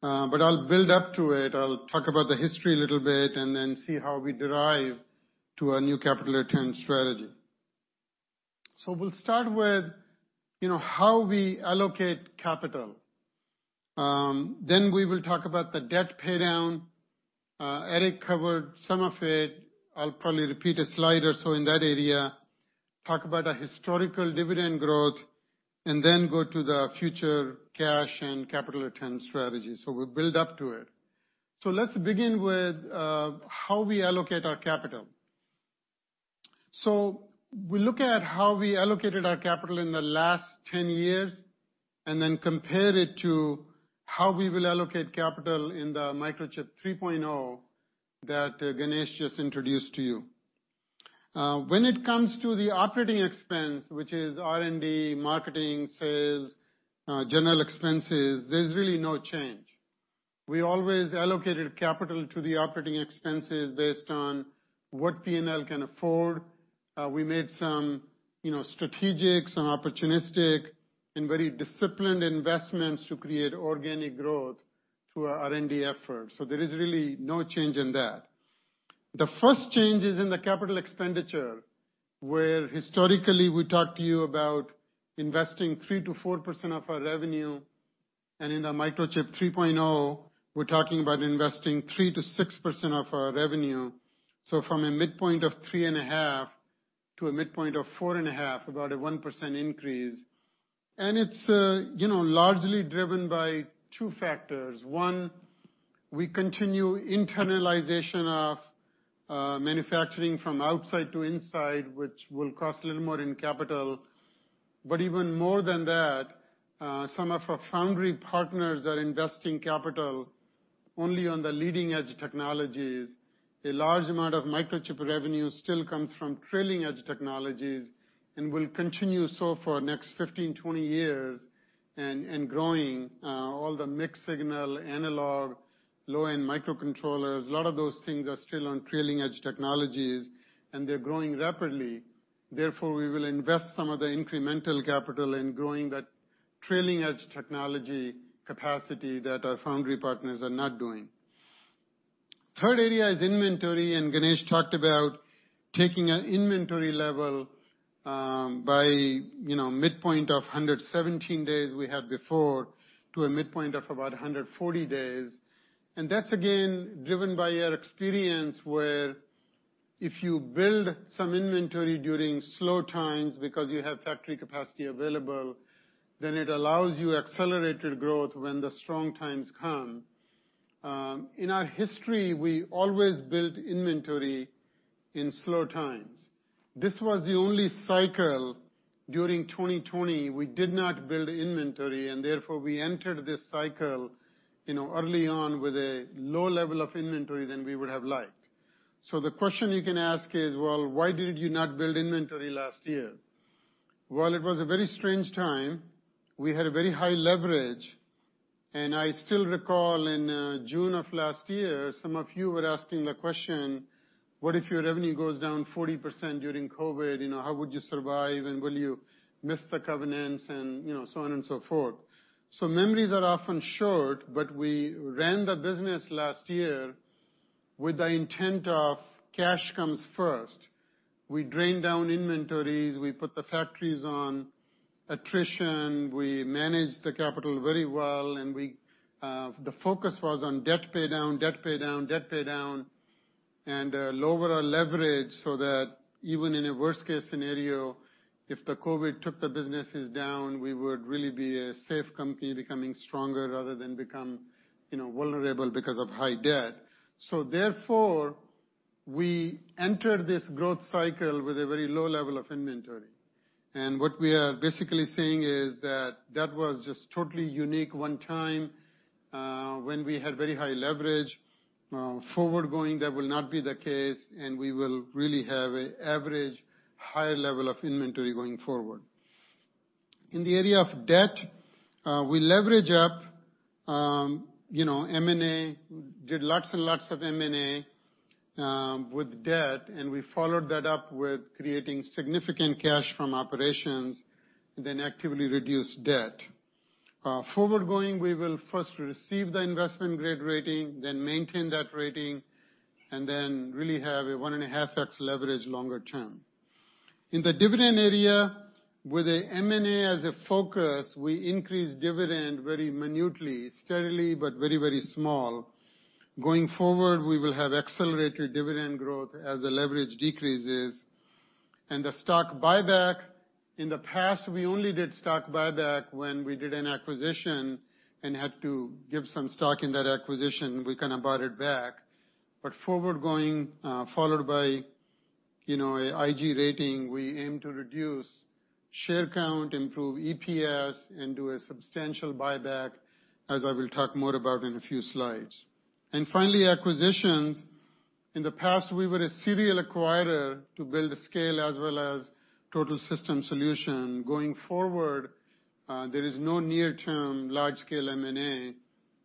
but I'll build up to it. I'll talk about the history a little bit and then see how we derive to our new capital return strategy. We'll start with how we allocate capital. Then we will talk about the debt paydown. Eric covered some of it. I'll probably repeat a slide or so in that area. Talk about our historical dividend growth, and then go to the future cash and capital return strategy. We'll build up to it. Let's begin with how we allocate our capital. We look at how we allocated our capital in the last 10 years and then compare it to how we will allocate capital in the Microchip 3.0 that Ganesh just introduced to you. When it comes to the operating expense, which is R&D, marketing, sales, general expenses, there's really no change. We always allocated capital to the operating expenses based on what P&L can afford. We made some, you know, strategic, some opportunistic and very disciplined investments to create organic growth through our R&D efforts. There is really no change in that. The first change is in the capital expenditure, where historically we talked to you about investing 3%-4% of our revenue, and in the Microchip 3.0, we're talking about investing 3%-6% of our revenue. From a midpoint of 3.5 to a midpoint of 4.5, about a 1% increase. It's, you know, largely driven by two factors. One, we continue internalization of manufacturing from outside to inside, which will cost a little more in capital. Even more than that, some of our foundry partners are investing capital only on the leading-edge technologies. A large amount of Microchip revenue still comes from trailing-edge technologies and will continue so for next 15, 20 years and growing, all the mixed signal, analog, low-end microcontrollers. A lot of those things are still on trailing-edge technologies, and they're growing rapidly. Therefore, we will invest some of the incremental capital in growing that trailing-edge technology capacity that our foundry partners are not doing. Third area is inventory, and Ganesh talked about taking our inventory level, by, you know, midpoint of 117 days we had before to a midpoint of about 140 days. That's again driven by our experience where if you build some inventory during slow times because you have factory capacity available, then it allows you accelerated growth when the strong times come. In our history, we always built inventory in slow times. This was the only cycle during 2020 we did not build inventory, and therefore, we entered this cycle, you know, early on with a low level of inventory than we would have liked. The question you can ask is, well, why did you not build inventory last year? Well, it was a very strange time. We had a very high leverage, and I still recall in June of last year, some of you were asking the question: What if your revenue goes down 40% during COVID? You know, how would you survive? Will you miss the covenants and, you know, so on and so forth. Memories are often short, but we ran the business last year with the intent of cash comes first. We drained down inventories, we put the factories on attrition, we managed the capital very well, and we, the focus was on debt pay down and lower our leverage so that even in a worst case scenario, if the COVID took the businesses down, we would really be a safe company becoming stronger rather than become you know, vulnerable because of high debt. We entered this growth cycle with a very low level of inventory. What we are basically saying is that that was just totally unique one time when we had very high leverage. Going forward, that will not be the case, and we will really have an average higher level of inventory going forward. In the area of debt, we leverage up you know, M&A. Did lots and lots of M&A with debt, and we followed that up with creating significant cash from operations, then actively reduced debt. Going forward, we will first receive the investment-grade rating, then maintain that rating, and then really have a 1.5x leverage longer term. In the dividend area, with the M&A as a focus, we increased dividend very minutely, steadily, but very, very small. Going forward, we will have accelerated dividend growth as the leverage decreases. The stock buyback, in the past, we only did stock buyback when we did an acquisition and had to give some stock in that acquisition, we kinda bought it back. Going forward, followed by, you know, a IG rating, we aim to reduce share count, improve EPS, and do a substantial buyback, as I will talk more about in a few slides. Finally, acquisitions. In the past, we were a serial acquirer to build scale as well as total system solution. Going forward, there is no near-term large-scale M&A,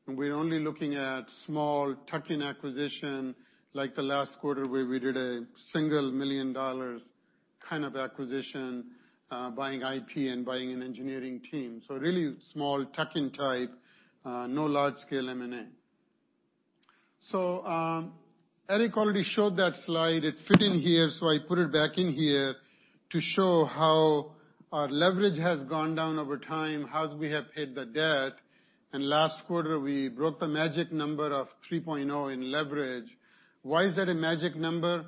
and we're only looking at small tuck-in acquisition like the last quarter, where we did a $1 million kind of acquisition, buying IP and buying an engineering team. So really small tuck-in type, no large scale M&A. Eric already showed that slide. It fit in here, so I put it back in here to show how our leverage has gone down over time, how we have paid the debt. Last quarter we broke the magic number of 3.0 in leverage. Why is that a magic number?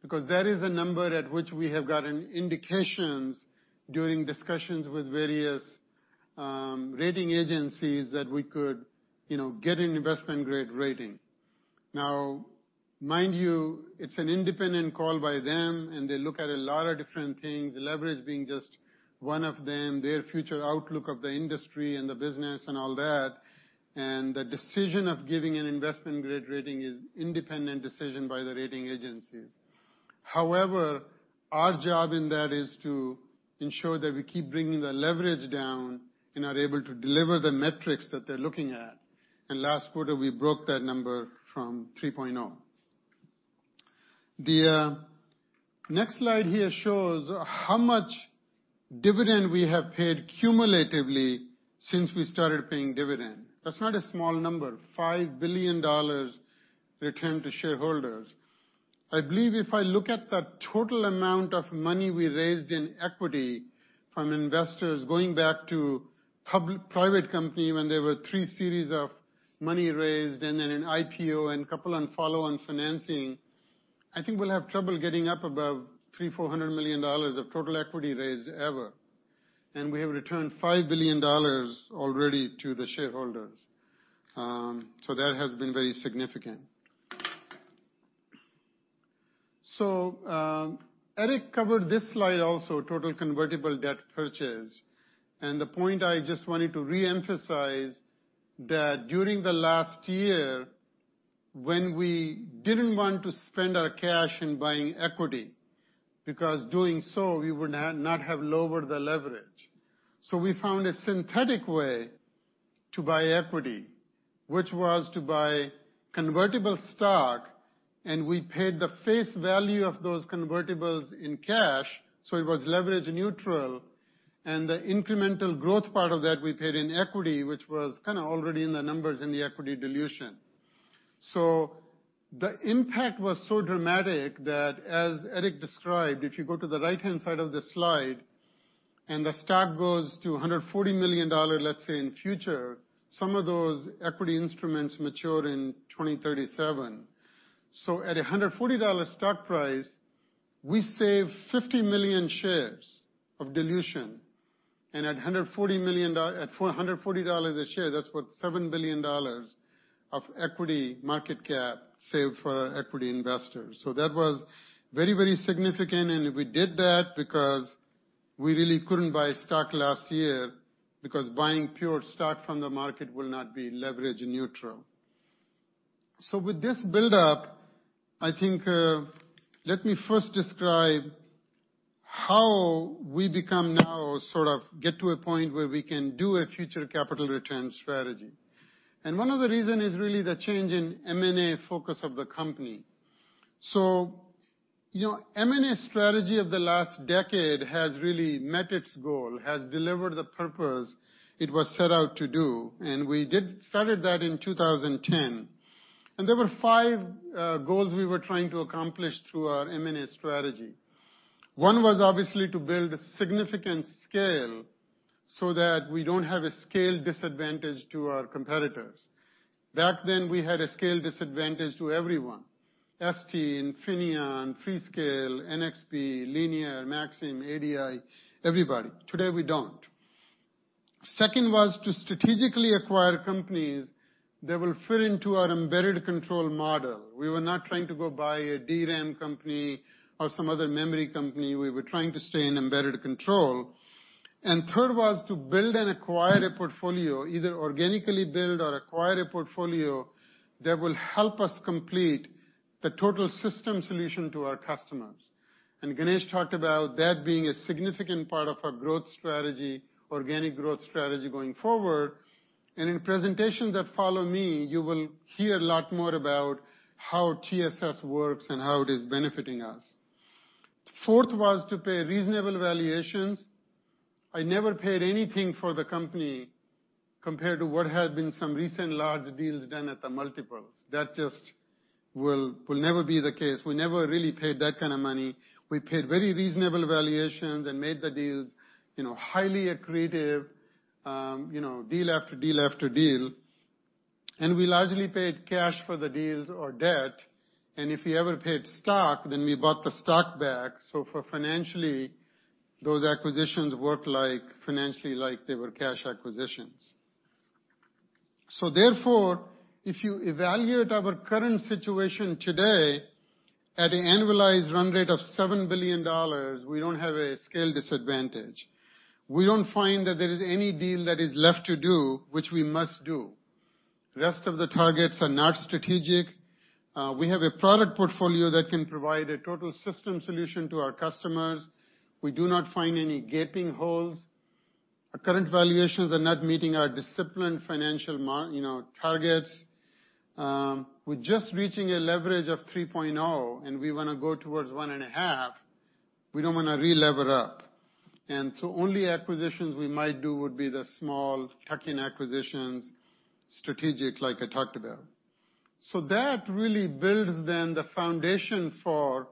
Because that is a number at which we have gotten indications during discussions with various rating agencies that we could, you know, get an investment-grade rating. Now mind you, it's an independent call by them, and they look at a lot of different things, leverage being just one of them, their future outlook of the industry and the business and all that. The decision of giving an investment-grade rating is an independent decision by the rating agencies. However, our job in that is to ensure that we keep bringing the leverage down and are able to deliver the metrics that they're looking at. Last quarter we broke that number from 3.0. The next slide here shows how much dividend we have paid cumulatively since we started paying dividend. That's not a small number, $5 billion returned to shareholders. I believe if I look at the total amount of money we raised in equity from investors going back to private company, when there were three series of money raised and then an IPO and couple of follow-on financing, I think we'll have trouble getting up above $300 million-$400 million of total equity raised ever. We have returned $5 billion already to the shareholders. That has been very significant. Eric covered this slide also, total convertible debt repurchase. The point I just wanted to reemphasize that during the last year, when we didn't want to spend our cash in buying equity, because doing so we would not have lowered the leverage. We found a synthetic way to buy equity, which was to buy convertible stock, and we paid the face value of those convertibles in cash, so it was leverage neutral. The incremental growth part of that we paid in equity, which was kinda already in the numbers in the equity dilution. The impact was so dramatic that, as Eric described, if you go to the right-hand side of the slide and the stock goes to $140, let's say in future, some of those equity instruments mature in 2037. At a $140 stock price, we save 50 million shares of dilution. At $440 a share, that's $7 billion of equity market cap saved for our equity investors. That was very, very significant, and we did that because we really couldn't buy stock last year because buying pure stock from the market will not be leverage neutral. With this build-up, I think, let me first describe how we become now sort of get to a point where we can do a future capital return strategy. One of the reason is really the change in M&A focus of the company. You know, M&A strategy of the last decade has really met its goal, has delivered the purpose it was set out to do, and we started that in 2010. There were five goals we were trying to accomplish through our M&A strategy. One was obviously to build a significant scale so that we don't have a scale disadvantage to our competitors. Back then, we had a scale disadvantage to everyone, ST, Infineon, Freescale, NXP, Linear, Maxim, ADI, everybody. Today, we don't. Second was to strategically acquire companies that will fit into our embedded control model. We were not trying to go buy a DRAM company or some other memory company. We were trying to stay in embedded control. Third was to build and acquire a portfolio, either organically build or acquire a portfolio that will help us complete the total system solution to our customers. Ganesh talked about that being a significant part of our growth strategy, organic growth strategy going forward. In presentations that follow me, you will hear a lot more about how TSS works and how it is benefiting us. Fourth was to pay reasonable valuations. I never paid anything for the company compared to what has been some recent large deals done at the multiples. That just will never be the case. We never really paid that kind of money. We paid very reasonable valuations and made the deals, you know, highly accretive, you know, deal after deal after deal. We largely paid cash for the deals or debt. If we ever paid stock, then we bought the stock back. For financially, those acquisitions work like, financially like they were cash acquisitions. Therefore, if you evaluate our current situation today, at an annualized run rate of $7 billion, we don't have a scale disadvantage. We don't find that there is any deal that is left to do, which we must do. The rest of the targets are not strategic. We have a product portfolio that can provide a total system solution to our customers. We do not find any gaping holes. Our current valuations are not meeting our disciplined financial you know, targets. We're just reaching a leverage of 3.0, and we wanna go towards 1.5. We don't wanna relever up. Only acquisitions we might do would be the small tuck-in acquisitions, strategic like I talked about. That really builds then the foundation for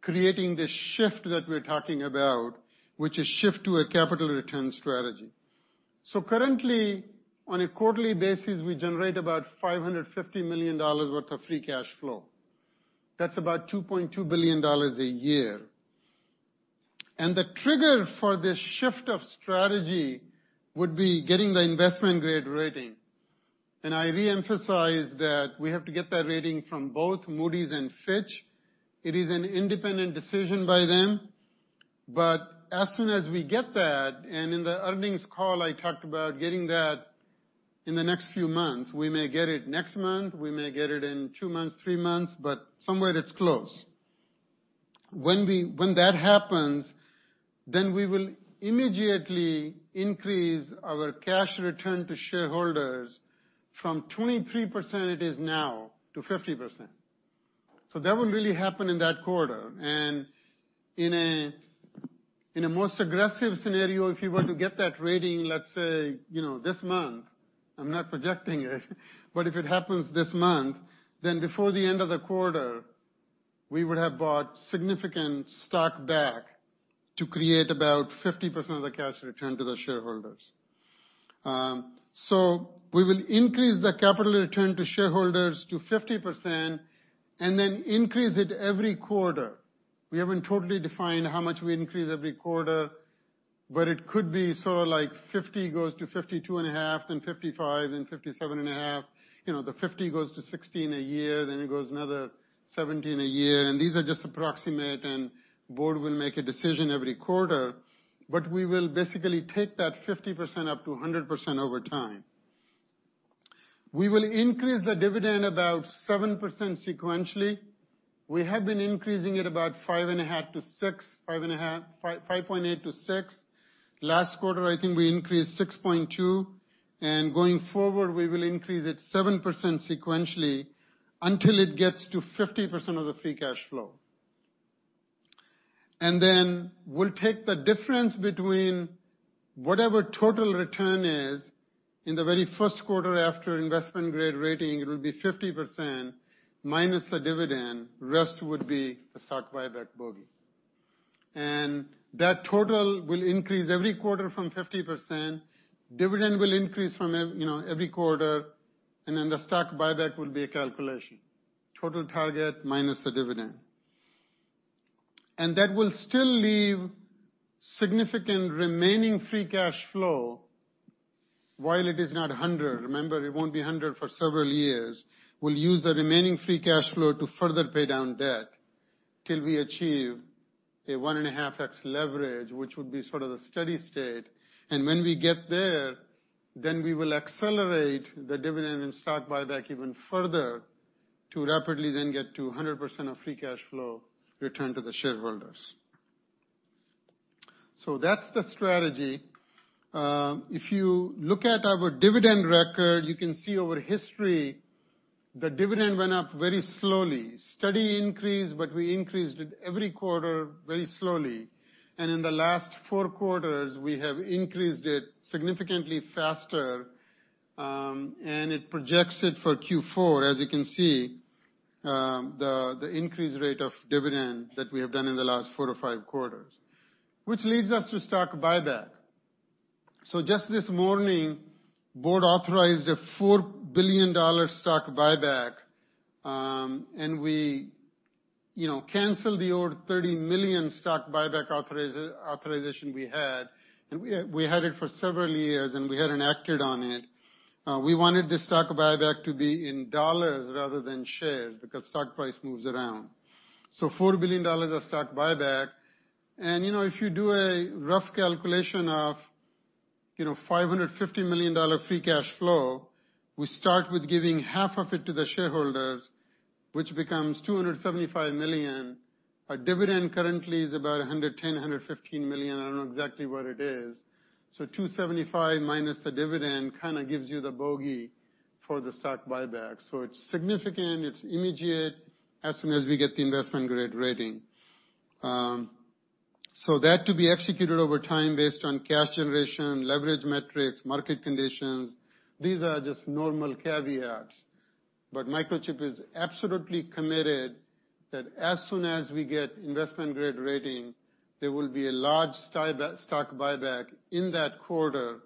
creating the shift that we're talking about, which is shift to a capital return strategy. Currently, on a quarterly basis, we generate about $550 million worth of free cash flow. That's about $2.2 billion a year. The trigger for this shift of strategy would be getting the investment-grade rating. I reemphasize that we have to get that rating from both Moody's and Fitch. It is an independent decision by them. As soon as we get that, and in the earnings call, I talked about getting that in the next few months. We may get it next month, we may get it in two months, three months, but somewhere it's close. When that happens, then we will immediately increase our cash return to shareholders from 23% it is now to 50%. That will really happen in that quarter. In a most aggressive scenario, if you were to get that rating, let's say, you know, this month, I'm not projecting it, but if it happens this month, then before the end of the quarter, we would have bought significant stock back to create about 50% of the cash return to the shareholders. So we will increase the capital return to shareholders to 50% and then increase it every quarter. We haven't totally defined how much we increase every quarter, but it could be sort of like 50% goes to 52.5%, then 55%, then 57.5%. You know, the 50% goes to 60% in a year, then it goes another 70% in a year. These are just approximate, and board will make a decision every quarter. We will basically take that 50% up to 100% over time. We will increase the dividend about 7% sequentially. We have been increasing it about 5.5-6, 5.5.8-6. Last quarter, I think we increased 6.2%, and going forward, we will increase it 7% sequentially until it gets to 50% of the free cash flow. Then we'll take the difference between whatever total return is in the very first quarter after investment grade rating, it will be 50% minus the dividend, rest would be the stock buyback bogey. That total will increase every quarter from 50%. Dividend will increase from you know, every quarter, and then the stock buyback will be a calculation, total target minus the dividend. That will still leave significant remaining free cash flow. While it is not 100, remember, it won't be 100 for several years. We'll use the remaining free cash flow to further pay down debt till we achieve a 1.5x leverage, which would be sort of the steady-state. When we get there, then we will accelerate the dividend and stock buyback even further to rapidly then get to 100% of free cash flow return to the shareholders. That's the strategy. If you look at our dividend record, you can see over history, the dividend went up very slowly. Steady increase, but we increased it every quarter very slowly. In the last four quarters, we have increased it significantly faster, and it projects it for Q4, as you can see, the increased rate of dividend that we have done in the last four to five quarters, which leads us to stock buyback. Just this morning, Board authorized a $4 billion stock buyback, and we, you know, canceled the old $30 million stock buyback authorization we had. We had it for several years, and we hadn't acted on it. We wanted the stock buyback to be in dollars rather than shares because stock price moves around. $4 billion of stock buyback. You know, if you do a rough calculation of $550 million free cash flow, we start with giving half of it to the shareholders, which becomes $275 million. Our dividend currently is about $110-$115 million. I don't know exactly what it is. $275 minus the dividend kinda gives you the bogey for the stock buyback. It's significant, it's immediate, as soon as we get the investment-grade rating. That to be executed over time based on cash generation, leverage metrics, market conditions. These are just normal caveats. Microchip is absolutely committed that as soon as we get investment-grade rating, there will be a large stock buyback in that quarter,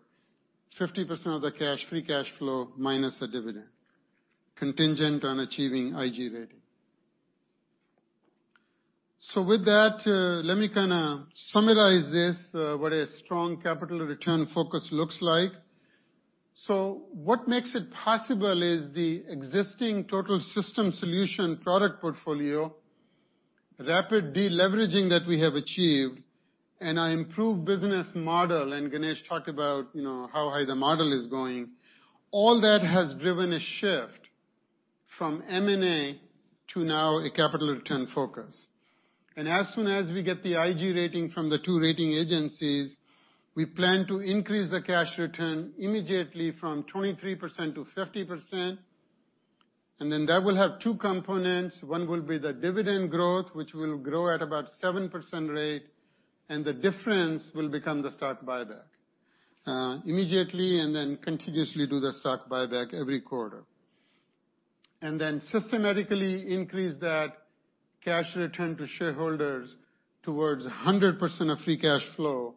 50% of the cash, free cash flow minus the dividend, contingent on achieving IG rating. With that, let me kinda summarize this, what a strong capital return focus looks like. What makes it possible is the existing total system solution product portfolio, rapid deleveraging that we have achieved, and our improved business model, and Ganesh talked about, you know, how high the model is going. All that has driven a shift from M&A to now a capital return focus. As soon as we get the IG rating from the two rating agencies, we plan to increase the cash return immediately from 23% to 50%, and then that will have two components. One will be the dividend growth, which will grow at about 7% rate, and the difference will become the stock buyback, immediately and then continuously do the stock buyback every quarter. Then systematically increase that cash return to shareholders towards 100% of free cash flow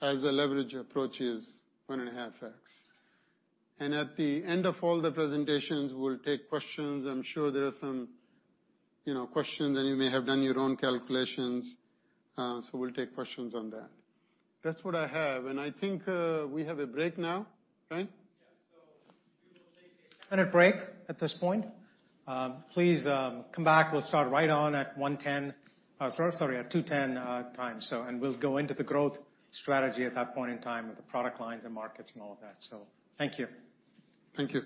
as the leverage approaches 1.5x. At the end of all the presentations, we'll take questions. I'm sure there are some, you know, questions, and you may have done your own calculations, so we'll take questions on that. That's what I have. I think we have a break now, right? We will take a 10-minute break at this point. Please come back. We'll start right on at 2:10. We'll go into the growth strategy at that point in time with the product lines and markets and all of that. Thank you. Thank you.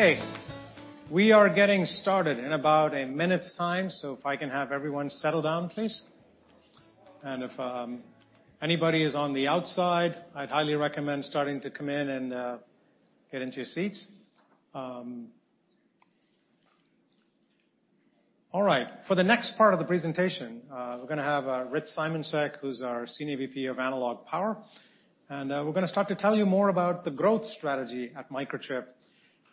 Hey, we are getting started in about a minute's time, so if I can have everyone settle down, please. If anybody is on the outside, I'd highly recommend starting to come in and get into your seats. All right. For the next part of the presentation, we're gonna have Richard Simoncic, who's our Senior VP of Analog Power, and we're gonna start to tell you more about the growth strategy at Microchip.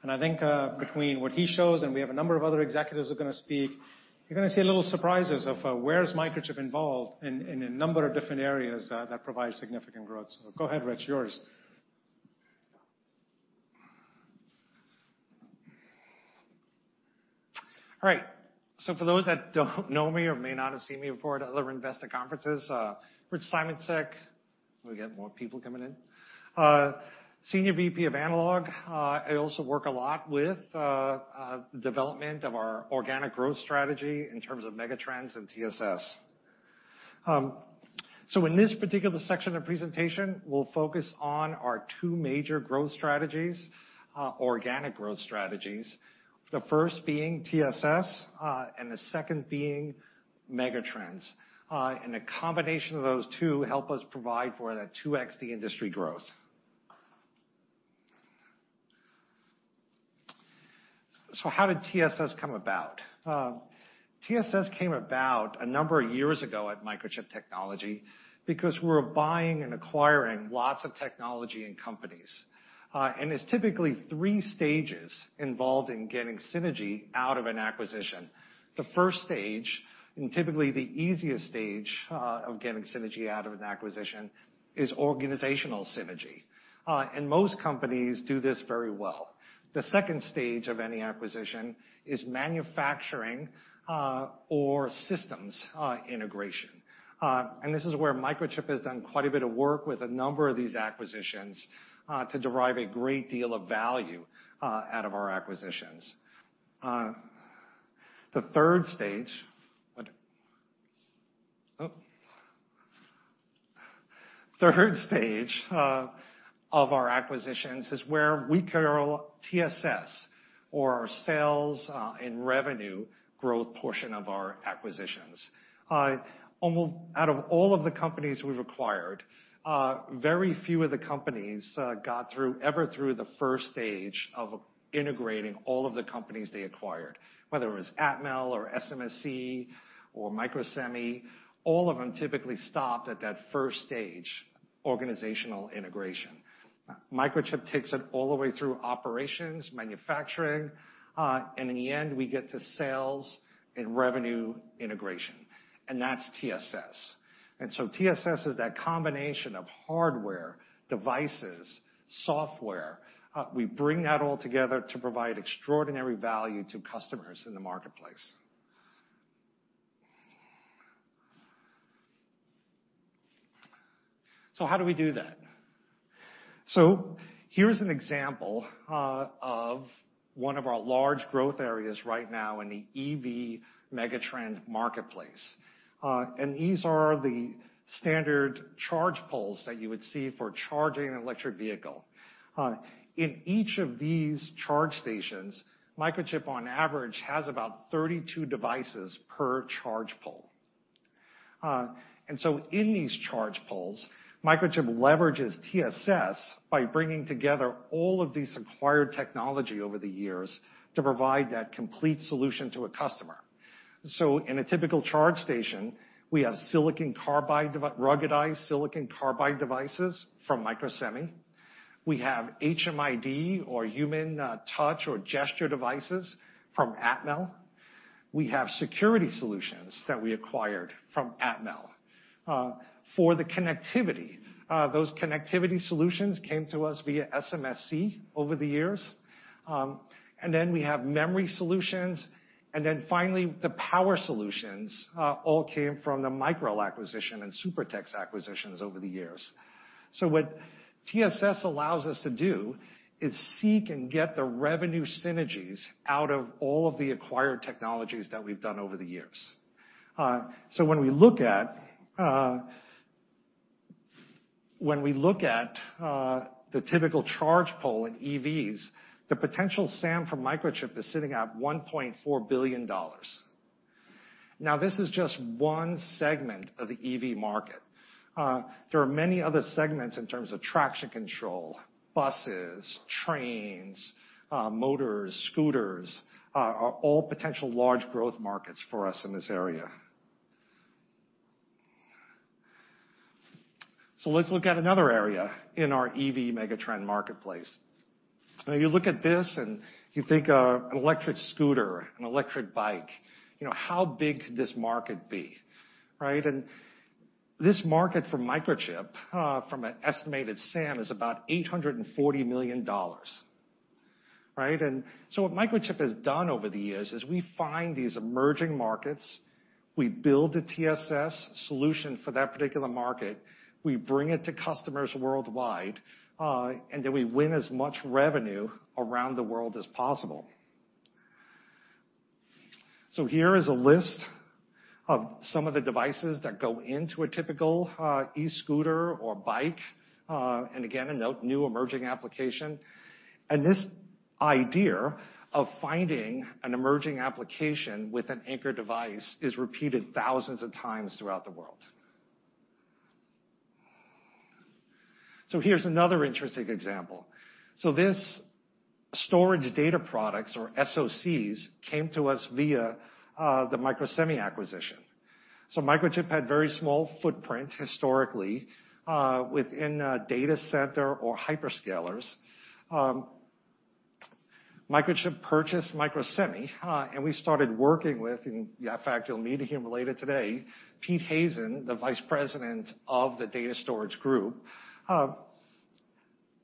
I think between what he shows, and we have a number of other executives who are gonna speak, you're gonna see little surprises of where Microchip is involved in a number of different areas that provide significant growth. Go ahead, Rich. Yours. All right. For those that don't know me or may not have seen me before at other investor conferences, Richard Simoncic. We got more people coming in. Senior VP of Analog. I also work a lot with the development of our organic growth strategy in terms of megatrends and TSS. In this particular section of presentation, we'll focus on our two major growth strategies, organic growth strategies, the first being TSS, and the second being megatrends. A combination of those two help us provide for that 2x industry growth. How did TSS come about? TSS came about a number of years ago at Microchip Technology because we were buying and acquiring lots of technology and companies. There's typically three stages involved in getting synergy out of an acquisition. The first stage, and typically the easiest stage, of getting synergy out of an acquisition is organizational synergy. Most companies do this very well. The second stage of any acquisition is manufacturing or systems integration. This is where Microchip has done quite a bit of work with a number of these acquisitions to derive a great deal of value out of our acquisitions. The third stage of our acquisitions is where we capture synergies from our sales and revenue growth portion of our acquisitions. Almost all of the companies we've acquired, very few of the companies got through the first stage of integrating all of the companies they acquired. Whether it was Atmel or SMSC or Microsemi, all of them typically stopped at that first stage, organizational integration. Microchip takes it all the way through operations, manufacturing, and in the end, we get to sales and revenue integration, and that's TSS. TSS is that combination of hardware, devices, software. We bring that all together to provide extraordinary value to customers in the marketplace. How do we do that? Here's an example of one of our large growth areas right now in the EV megatrend marketplace. These are the standard charge poles that you would see for charging an electric vehicle. In each of these charge stations, Microchip on average has about 32 devices per charge pole. In these charge poles, Microchip leverages TSS by bringing together all of these acquired technology over the years to provide that complete solution to a customer. In a typical charge station, we have ruggedized silicon carbide devices from Microsemi. We have HMI or human touch or gesture devices from Atmel. We have security solutions that we acquired from Atmel. For the connectivity, those connectivity solutions came to us via SMSC over the years. We have memory solutions. The power solutions all came from the Micrel acquisition and Supertex acquisitions over the years. What TSS allows us to do is seek and get the revenue synergies out of all of the acquired technologies that we've done over the years. When we look at the typical charge pole in EVs, the potential SAM from Microchip is sitting at $1.4 billion. This is just one segment of the EV market. There are many other segments in terms of traction control, buses, trains, motors, scooters, are all potential large growth markets for us in this area. Let's look at another area in our EV megatrend marketplace. When you look at this and you think of an electric scooter, an electric bike, you know, how big could this market be, right? This market for Microchip, from an estimated SAM is about $840 million, right? What Microchip has done over the years is we find these emerging markets, we build a TSS solution for that particular market, we bring it to customers worldwide, and then we win as much revenue around the world as possible. Here is a list of some of the devices that go into a typical e-scooter or bike, and again, a note, new emerging application. This idea of finding an emerging application with an anchor device is repeated thousands of times throughout the world. Here's another interesting example. This storage data products or SoCs came to us via the Microsemi acquisition. Microchip had very small footprint historically within a data center or hyperscalers. Microchip purchased Microsemi and we started working with, in fact, you'll meet him later today, Pete Hazen, the Vice President of the Data Storage Group,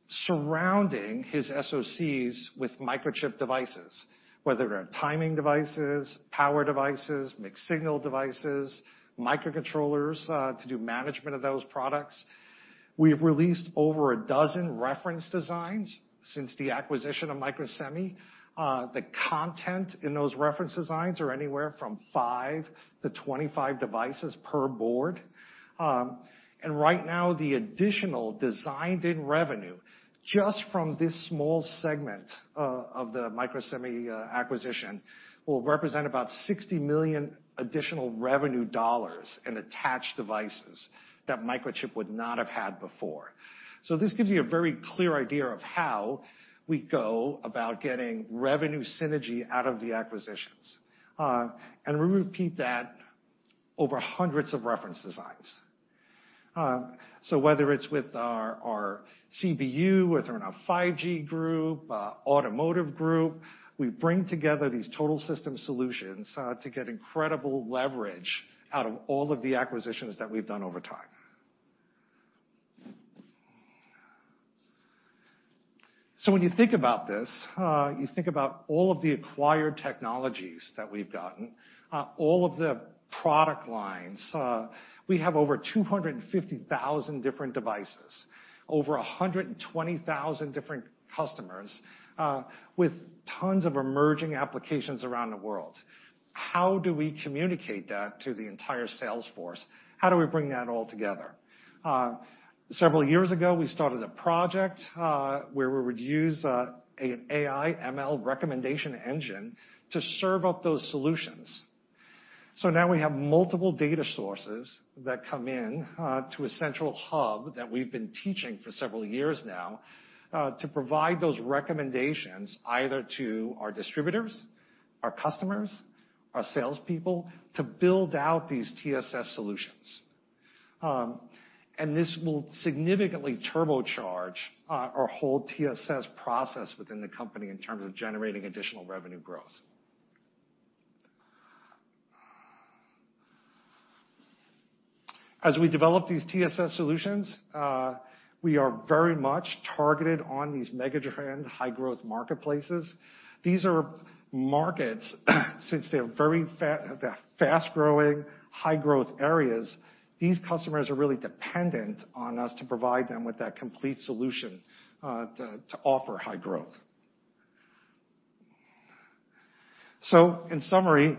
surrounding his SoCs with Microchip devices, whether they're timing devices, power devices, mixed signal devices, microcontrollers to do management of those products. We've released over a dozen reference designs since the acquisition of Microsemi. The content in those reference designs are anywhere from 5-25 devices per board. Right now, the additional designed-in revenue just from this small segment of the Microsemi acquisition will represent about $60 million additional revenue in attached devices that Microchip would not have had before. This gives you a very clear idea of how we go about getting revenue synergy out of the acquisitions. We repeat that over hundreds of reference designs. Whether it's with our CBU, whether in a 5G group, automotive group, we bring together these total system solutions to get incredible leverage out of all of the acquisitions that we've done over time. When you think about this, you think about all of the acquired technologies that we've gotten, all of the product lines. We have over 250,000 different devices, over 120,000 different customers, with tons of emerging applications around the world. How do we communicate that to the entire sales force? How do we bring that all together? Several years ago, we started a project, where we would use AI/ML recommendation engine to serve up those solutions. Now we have multiple data sources that come in, to a central hub that we've been training for several years now, to provide those recommendations either to our distributors, our customers, our salespeople, to build out these TSS solutions. This will significantly turbocharge our whole TSS process within the company in terms of generating additional revenue growth. As we develop these TSS solutions, we are very much targeted on these megatrend high growth marketplaces. These are markets, since they're very fast-growing, high growth areas. These customers are really dependent on us to provide them with that complete solution, to offer high growth. In summary,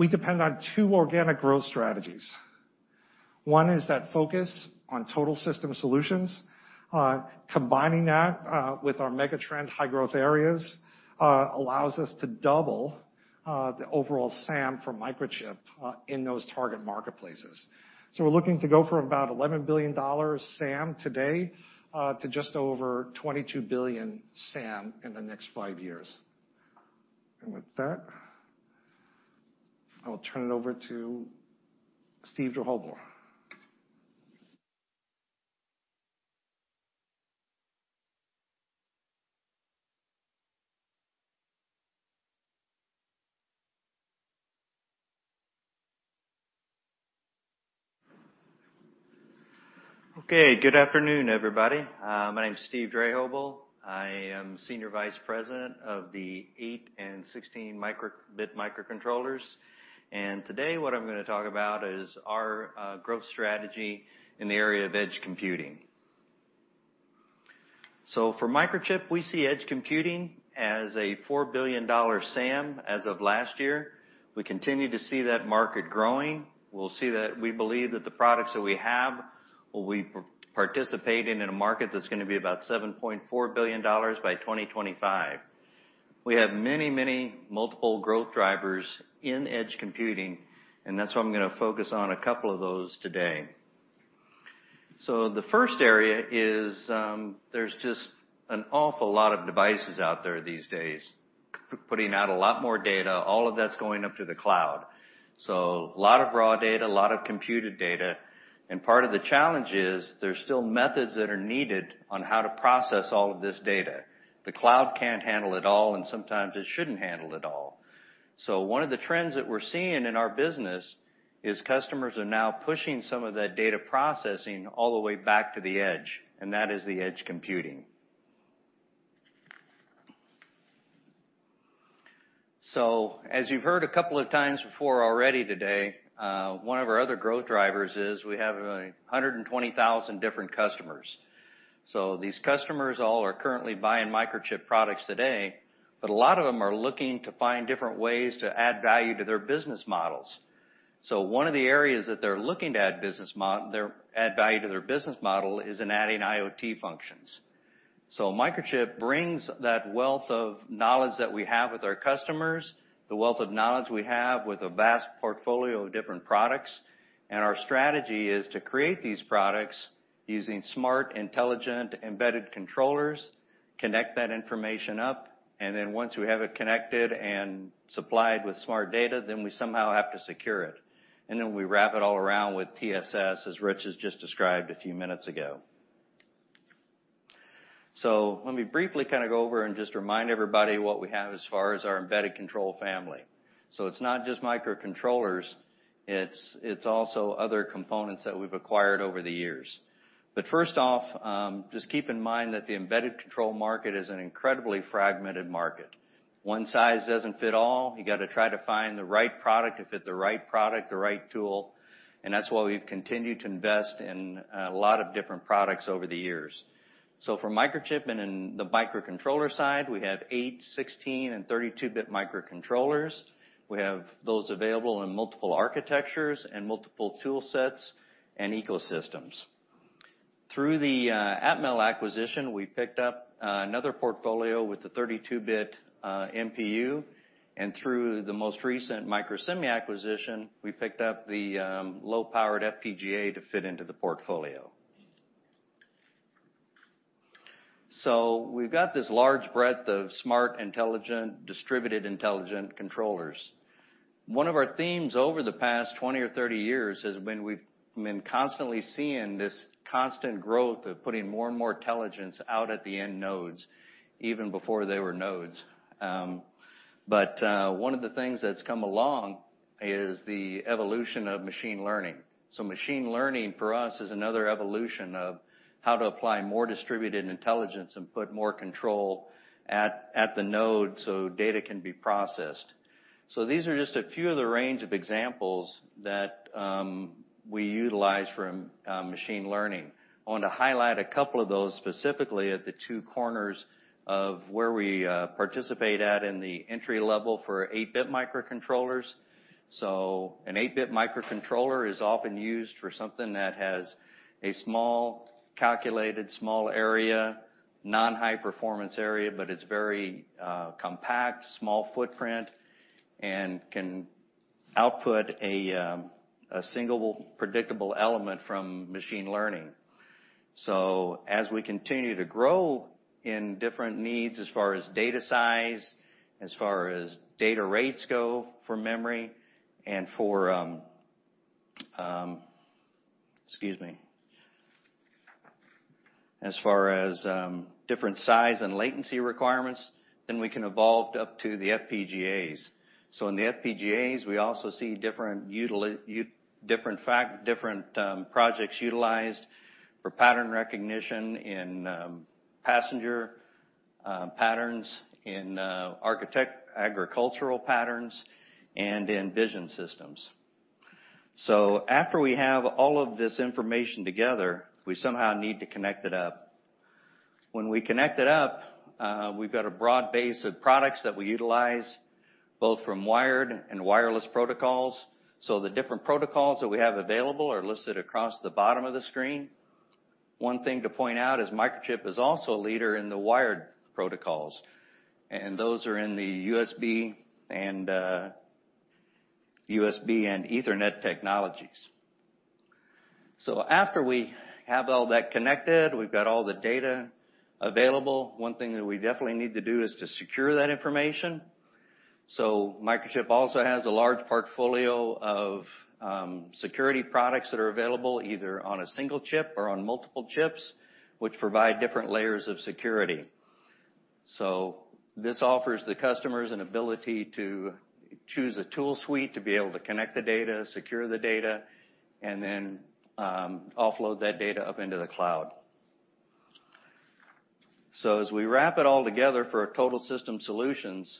we depend on two organic growth strategies. One is that focus on total system solutions. Combining that with our megatrend high growth areas allows us to double the overall SAM for Microchip in those target marketplaces. We're looking to go from about $11 billion SAM today to just over $22 billion SAM in the next five years. With that, I'll turn it over to Steve Drehobl. Okay. Good afternoon, everybody. My name is Steve Drehobl. I am Senior Vice President of 8‑bit and 16‑bit microcontrollers. Today, what I'm gonna talk about is our growth strategy in the area of edge computing. For Microchip, we see edge computing as a $4 billion SAM as of last year. We continue to see that market growing. We believe that the products that we have, we participate in a market that's gonna be about $7.4 billion by 2025. We have many multiple growth drivers in edge computing, and that's why I'm gonna focus on a couple of those today. The first area is, there's just an awful lot of devices out there these days, putting out a lot more data, all of that's going up to the cloud. A lot of raw data, a lot of computed data. Part of the challenge is there's still methods that are needed on how to process all of this data. The cloud can't handle it all, and sometimes it shouldn't handle it all. One of the trends that we're seeing in our business is customers are now pushing some of that data processing all the way back to the edge, and that is the edge computing. As you've heard a couple of times before already today, one of our other growth drivers is we have 120,000 different customers. These customers all are currently buying Microchip products today, but a lot of them are looking to find different ways to add value to their business models. One of the areas that they're looking to add business mod-- they're add value to their business model is in adding IoT functions. Microchip brings that wealth of knowledge that we have with our customers, the wealth of knowledge we have with a vast portfolio of different products. Our strategy is to create these products using smart, intelligent, embedded controllers, connect that information up, and then once we have it connected and supplied with smart data, then we somehow have to secure it. We wrap it all around with TSS, as Rich has just described a few minutes ago. Let me briefly kind of go over and just remind everybody what we have as far as our embedded control family. It's not just microcontrollers, it's also other components that we've acquired over the years. First off, just keep in mind that the embedded control market is an incredibly fragmented market. One size doesn't fit all. You gotta try to find the right product to fit the right product, the right tool, and that's why we've continued to invest in a lot of different products over the years. For Microchip and in the microcontroller side, we have 8-, 16-, and 32-bit microcontrollers. We have those available in multiple architectures and multiple tool sets and ecosystems. Through the Atmel acquisition, we picked up another portfolio with the 32-bit MPU. And through the most recent Microsemi acquisition, we picked up the low-powered FPGA to fit into the portfolio. We've got this large breadth of smart, intelligent, distributed, intelligent controllers. One of our themes over the past 20 or 30 years has been we've been constantly seeing this constant growth of putting more and more intelligence out at the end nodes, even before they were nodes. One of the things that's come along is the evolution of machine learning. Machine learning, for us, is another evolution of how to apply more distributed intelligence and put more control at the node so data can be processed. These are just a few of the range of examples that we utilize from machine learning. I want to highlight a couple of those specifically at the two corners of where we participate at in the entry-level for 8-bit microcontrollers. An 8-bit microcontroller is often used for something that has a small, dedicated, small area, non-high-performance area, but it's very compact, small footprint and can output a single predictable element from machine learning. As we continue to grow in different needs as far as data size, as far as data rates go for memory, and for different size and latency requirements, then we can evolve up to the FPGAs. In the FPGAs, we also see different projects utilized for pattern recognition in passenger patterns in agricultural patterns and in vision systems. After we have all of this information together, we somehow need to connect it up. When we connect it up, we've got a broad base of products that we utilize, both from wired and wireless protocols. The different protocols that we have available are listed across the bottom of the screen. One thing to point out is Microchip is also a leader in the wired protocols, and those are in the USB and Ethernet technologies. After we have all that connected, we've got all the data available, one thing that we definitely need to do is to secure that information. Microchip also has a large portfolio of security products that are available either on a single chip or on multiple chips, which provide different layers of security. This offers the customers an ability to choose a tool suite to be able to connect the data, secure the data, and then offload that data up into the cloud. As we wrap it all together for our total system solutions,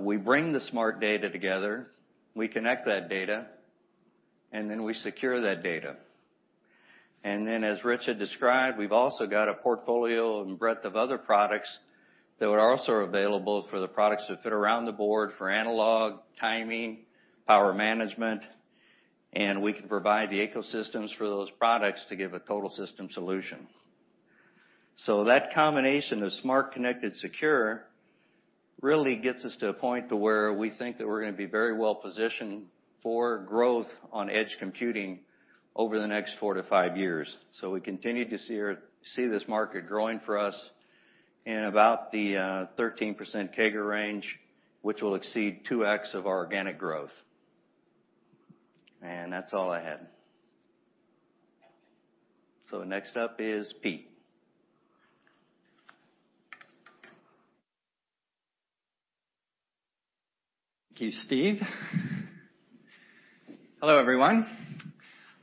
we bring the smart data together, we connect that data, and then we secure that data. Then, as Rich had described, we've also got a portfolio and breadth of other products that are also available for the products that fit around the board for analog, timing, power management, and we can provide the ecosystems for those products to give a total system solution. That combination of smart, connected, secure really gets us to a point to where we think that we're gonna be very well positioned for growth on edge computing over the next four to five years. We continue to see this market growing for us in about the 13% CAGR range, which will exceed 2x of our organic growth. That's all I had. Next up is Pete. Thank you, Steve. Hello, everyone.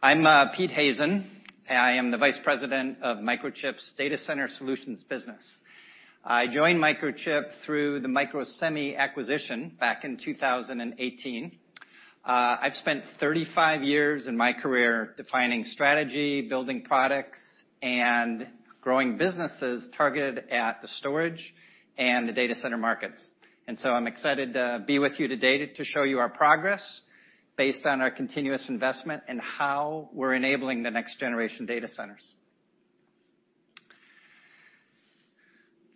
I'm Pete Hazen. I am the Vice President of Microchip's Data Center Solutions business. I joined Microchip through the Microsemi acquisition back in 2018. I've spent 35 years in my career defining strategy, building products, and growing businesses targeted at the storage and the data center markets. I'm excited to be with you today to show you our progress based on our continuous investment and how we're enabling the next generation data centers.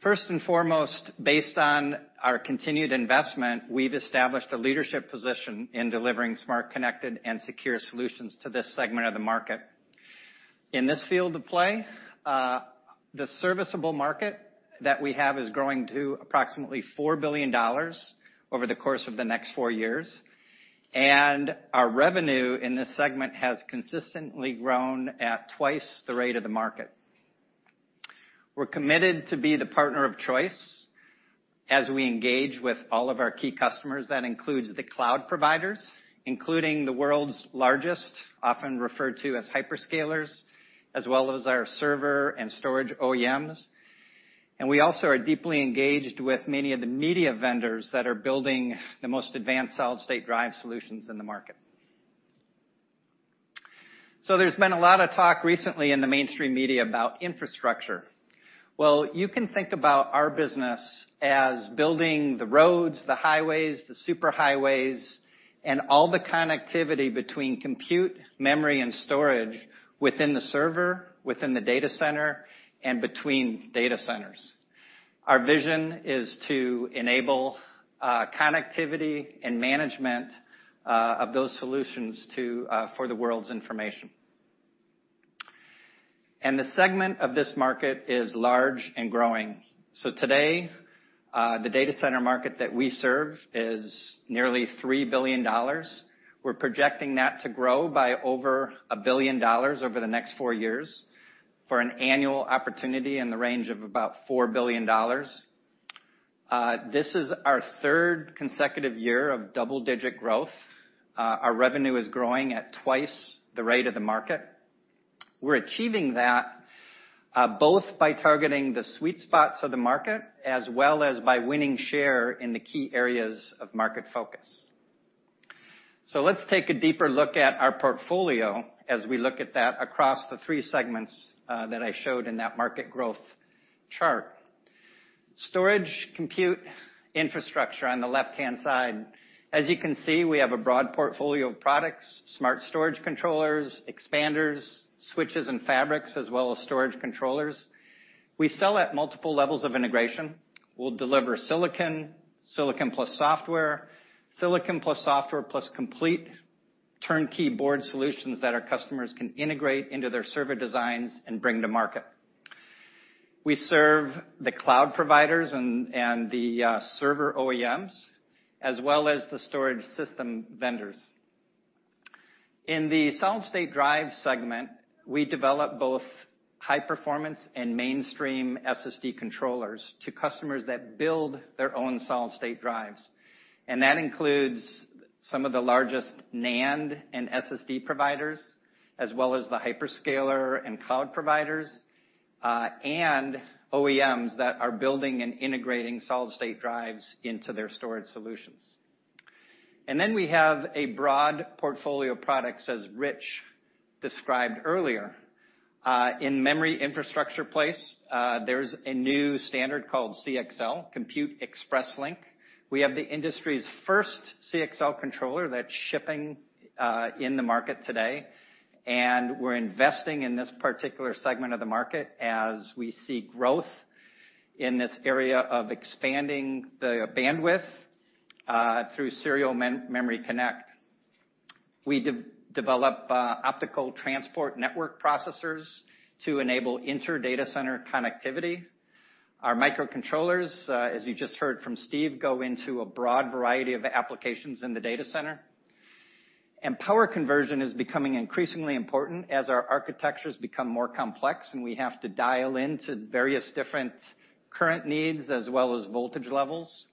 First and foremost, based on our continued investment, we've established a leadership position in delivering smart, connected, and secure solutions to this segment of the market. In this field of play, the serviceable market that we have is growing to approximately $4 billion over the course of the next four years, and our revenue in this segment has consistently grown at twice the rate of the market. We're committed to be the partner of choice as we engage with all of our key customers. That includes the cloud providers, including the world's largest, often referred to as hyperscalers, as well as our server and storage OEMs. We also are deeply engaged with many of the media vendors that are building the most advanced solid-state drive solutions in the market. There's been a lot of talk recently in the mainstream media about infrastructure. Well, you can think about our business as building the roads, the highways, the super highways, and all the connectivity between compute, memory, and storage within the server, within the data center, and between data centers. Our vision is to enable, connectivity and management, of those solutions to, for the world's information. The segment of this market is large and growing. Today, the data center market that we serve is nearly $3 billion. We're projecting that to grow by over $1 billion over the next four years for an annual opportunity in the range of about $4 billion. This is our third consecutive year of double-digit growth. Our revenue is growing at twice the rate of the market. We're achieving that, both by targeting the sweet spots of the market, as well as by winning share in the key areas of market focus. Let's take a deeper look at our portfolio as we look at that across the three segments, that I showed in that market growth chart. Storage, compute, infrastructure on the left-hand side. As you can see, we have a broad portfolio of products, smart storage controllers, expanders, switches, and fabrics, as well as storage controllers. We sell at multiple levels of integration. We'll deliver silicon plus software, silicon plus software plus complete turnkey board solutions that our customers can integrate into their server designs and bring to market. We serve the cloud providers and the server OEMs, as well as the storage system vendors. In the solid-state drive segment, we develop both high-performance and mainstream SSD controllers to customers that build their own solid-state drives. That includes some of the largest NAND and SSD providers, as well as the hyperscaler and cloud providers, and OEMs that are building and integrating solid-state drives into their storage solutions. We have a broad portfolio of products, as Rich described earlier. In memory infrastructure space, there's a new standard called CXL, Compute Express Link. We have the industry's first CXL controller that's shipping in the market today, and we're investing in this particular segment of the market as we see growth in this area of expanding the bandwidth through serial memory connect. We develop optical transport network processors to enable inter data center connectivity. Our microcontrollers, as you just heard from Steve, go into a broad variety of applications in the data center. Power conversion is becoming increasingly important as our architectures become more complex, and we have to dial into various different current needs as well as voltage levels.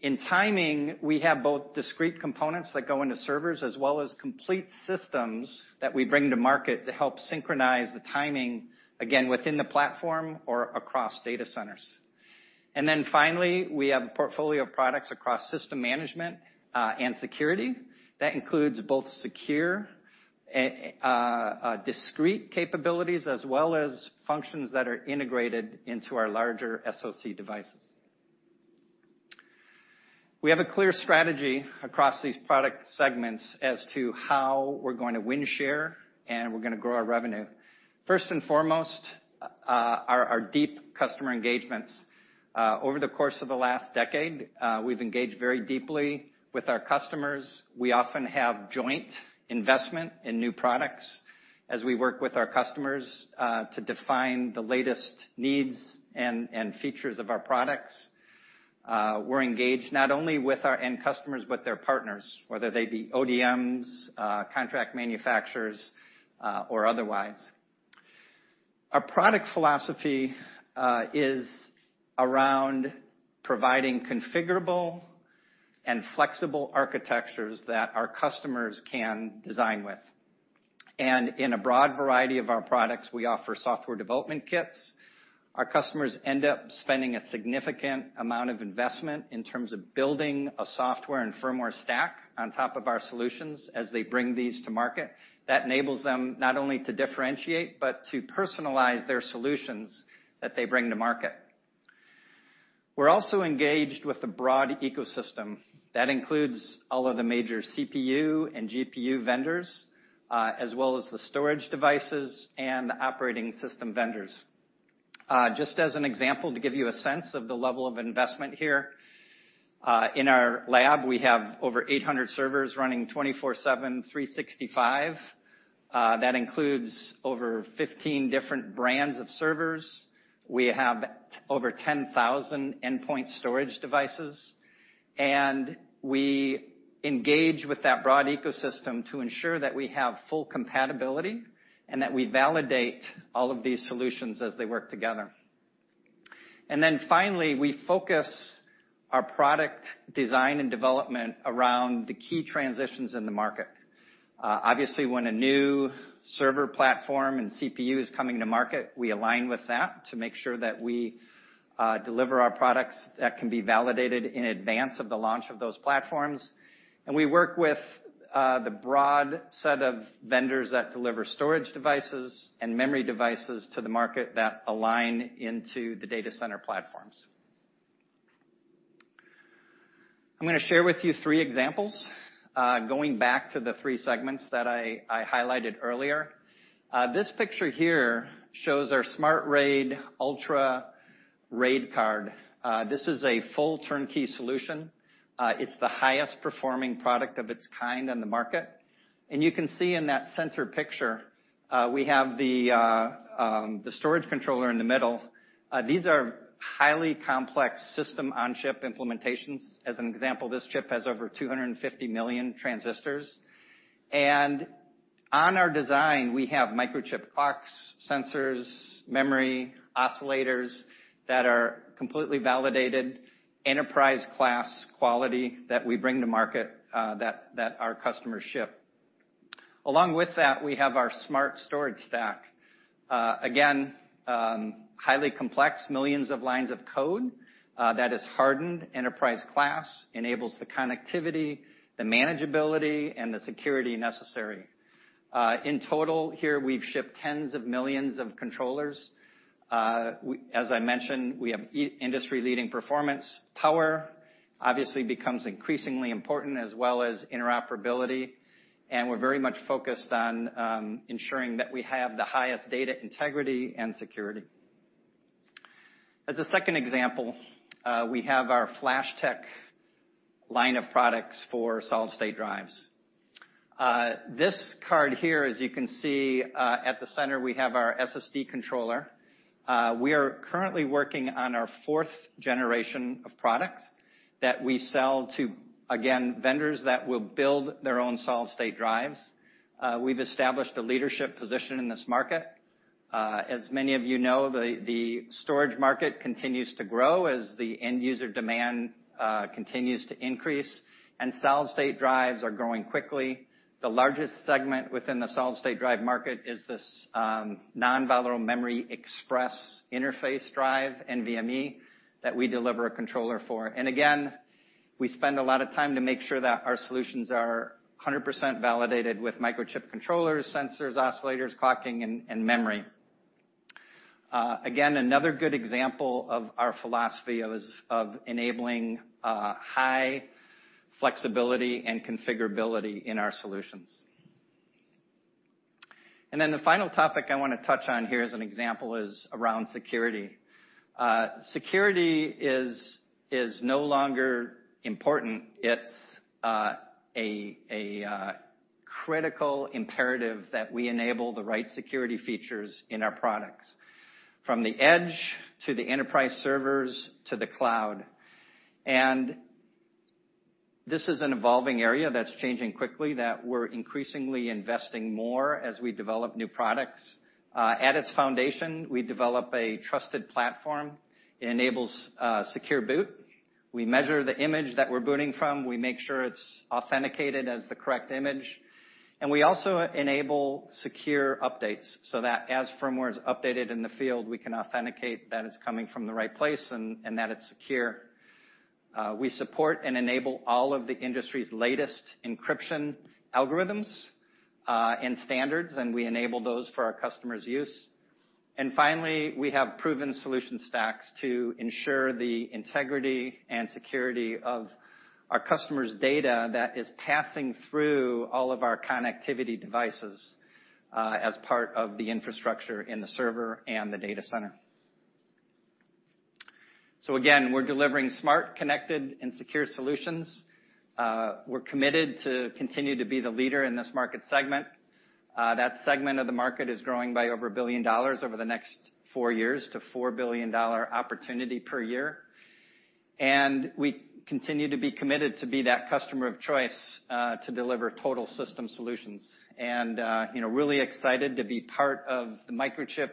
In timing, we have both discrete components that go into servers, as well as complete systems that we bring to market to help synchronize the timing, again, within the platform or across data centers. Finally, we have a portfolio of products across system management, and security that includes both secure, discrete capabilities as well as functions that are integrated into our larger SoC devices. We have a clear strategy across these product segments as to how we're going to win share, and we're gonna grow our revenue. First and foremost, our deep customer engagements. Over the course of the last decade, we've engaged very deeply with our customers. We often have joint investment in new products as we work with our customers to define the latest needs and features of our products. We're engaged not only with our end customers, but their partners, whether they be ODMs, contract manufacturers, or otherwise. Our product philosophy is around providing configurable and flexible architectures that our customers can design with. In a broad variety of our products, we offer software development kits. Our customers end up spending a significant amount of investment in terms of building a software and firmware stack on top of our solutions as they bring these to market. That enables them not only to differentiate, but to personalize their solutions that they bring to market. We're also engaged with the broad ecosystem that includes all of the major CPU and GPU vendors, as well as the storage devices and operating system vendors. Just as an example, to give you a sense of the level of investment here, in our lab, we have over 800 servers running 24/7, 365. That includes over 15 different brands of servers. We have over 10,000 endpoint storage devices, and we engage with that broad ecosystem to ensure that we have full compatibility and that we validate all of these solutions as they work together. Finally, we focus our product design and development around the key transitions in the market. Obviously, when a new server platform and CPU is coming to market, we align with that to make sure that we deliver our products that can be validated in advance of the launch of those platforms. We work with the broad set of vendors that deliver storage devices and memory devices to the market that align into the data center platforms. I'm gonna share with you three examples, going back to the three segments that I highlighted earlier. This picture here shows our SmartRAID Ultra RAID card. This is a full turnkey solution. It's the highest performing product of its kind on the market. You can see in that center picture, we have the storage controller in the middle. These are highly complex system on chip implementations. As an example, this chip has over 250 million transistors. On our design, we have Microchip clocks, sensors, memory, oscillators that are completely validated, enterprise-class quality that we bring to market, that our customers ship. Along with that, we have our smart storage stack. Again, highly complex, millions of lines of code, that is hardened, enterprise-class, enables the connectivity, the manageability, and the security necessary. In total here, we've shipped tens of millions of controllers. As I mentioned, we have industry-leading performance. Power obviously becomes increasingly important as well as interoperability, and we're very much focused on ensuring that we have the highest data integrity and security. As a second example, we have our Flashtec line of products for solid-state drives. This card here, as you can see, at the center, we have our SSD controller. We are currently working on our fourth generation of products that we sell to, again, vendors that will build their own solid-state drives. We've established a leadership position in this market. As many of you know, the storage market continues to grow as the end user demand continues to increase, and solid-state drives are growing quickly. The largest segment within the solid-state drive market is this Non-Volatile Memory Express interface drive, NVMe, that we deliver a controller for. Again, we spend a lot of time to make sure that our solutions are 100% validated with Microchip controllers, sensors, oscillators, clocking, and memory. Again, another good example of our philosophy is of enabling high flexibility and configurability in our solutions. Then the final topic I wanna touch on here as an example is around security. Security is no longer important. It's a critical imperative that we enable the right security features in our products, from the edge to the enterprise servers to the cloud. This is an evolving area that's changing quickly, that we're increasingly investing more as we develop new products. At its foundation, we develop a trusted platform. It enables secure boot. We measure the image that we're booting from. We make sure it's authenticated as the correct image. We also enable secure updates so that as firmware is updated in the field, we can authenticate that it's coming from the right place and that it's secure. We support and enable all of the industry's latest encryption algorithms, and standards, and we enable those for our customers' use. Finally, we have proven solution stacks to ensure the integrity and security of our customers' data that is passing through all of our connectivity devices, as part of the infrastructure in the server and the data center. Again, we're delivering smart, connected and secure solutions. We're committed to continue to be the leader in this market segment. That segment of the market is growing by over $1 billion over the next four years to $4 billion opportunity per year. We continue to be committed to be that customer of choice, to deliver total system solutions and, you know, really excited to be part of the Microchip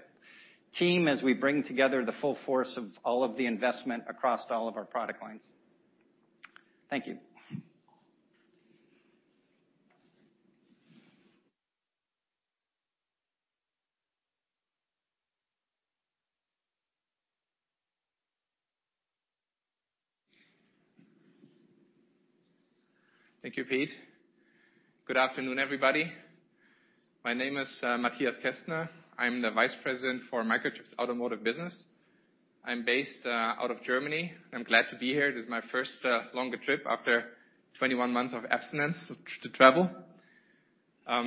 team as we bring together the full force of all of the investment across all of our product lines. Thank you. Thank you, Pete. Good afternoon, everybody. My name is Matthias Kaestner. I'm the Vice President for Microchip's Automotive business. I'm based out of Germany. I'm glad to be here. This is my first longer trip after 21 months of abstinence to travel. I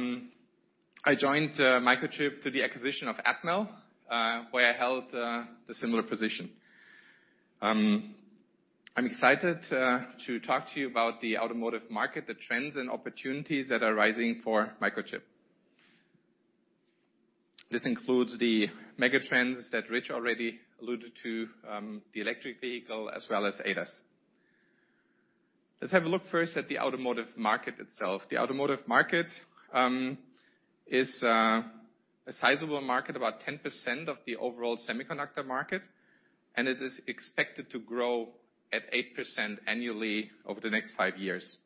joined Microchip through the acquisition of Atmel, where I held the similar position. I'm excited to talk to you about the automotive market, the trends and opportunities that are rising for Microchip. This includes the megatrends that Rich already alluded to, the electric vehicle, as well as ADAS. Let's have a look first at the automotive market itself. The automotive market is a sizable market, about 10% of the overall semiconductor market, and it is expected to grow at 8% annually over the next five years.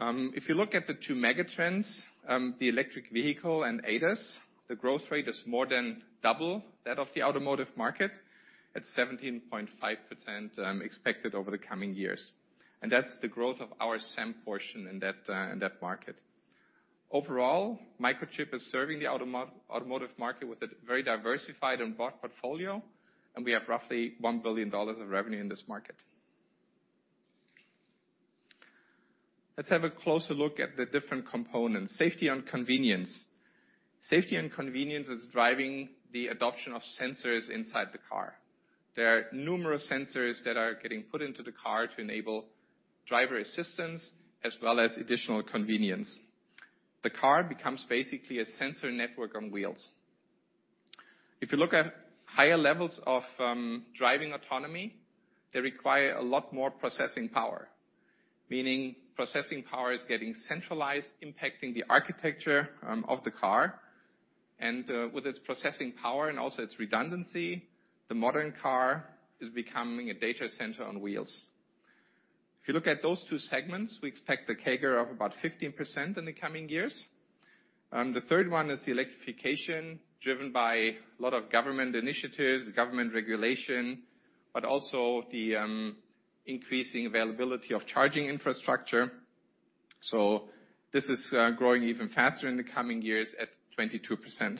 If you look at the two megatrends, the electric vehicle and ADAS, the growth rate is more than double that of the automotive market at 17.5%, expected over the coming years. That's the growth of our SEM portion in that market. Overall, Microchip is serving the automotive market with a very diversified and broad portfolio, and we have roughly $1 billion of revenue in this market. Let's have a closer look at the different components, safety and convenience. Safety and convenience is driving the adoption of sensors inside the car. There are numerous sensors that are getting put into the car to enable driver assistance as well as additional convenience. The car becomes basically a sensor network on wheels. If you look at higher levels of driving autonomy, they require a lot more processing power, meaning processing power is getting centralized, impacting the architecture of the car. With its processing power and also its redundancy, the modern car is becoming a data center on wheels. If you look at those two segments, we expect a CAGR of about 15% in the coming years. The third one is the electrification, driven by a lot of government initiatives, government regulation, but also the increasing availability of charging infrastructure. This is growing even faster in the coming years at 22%.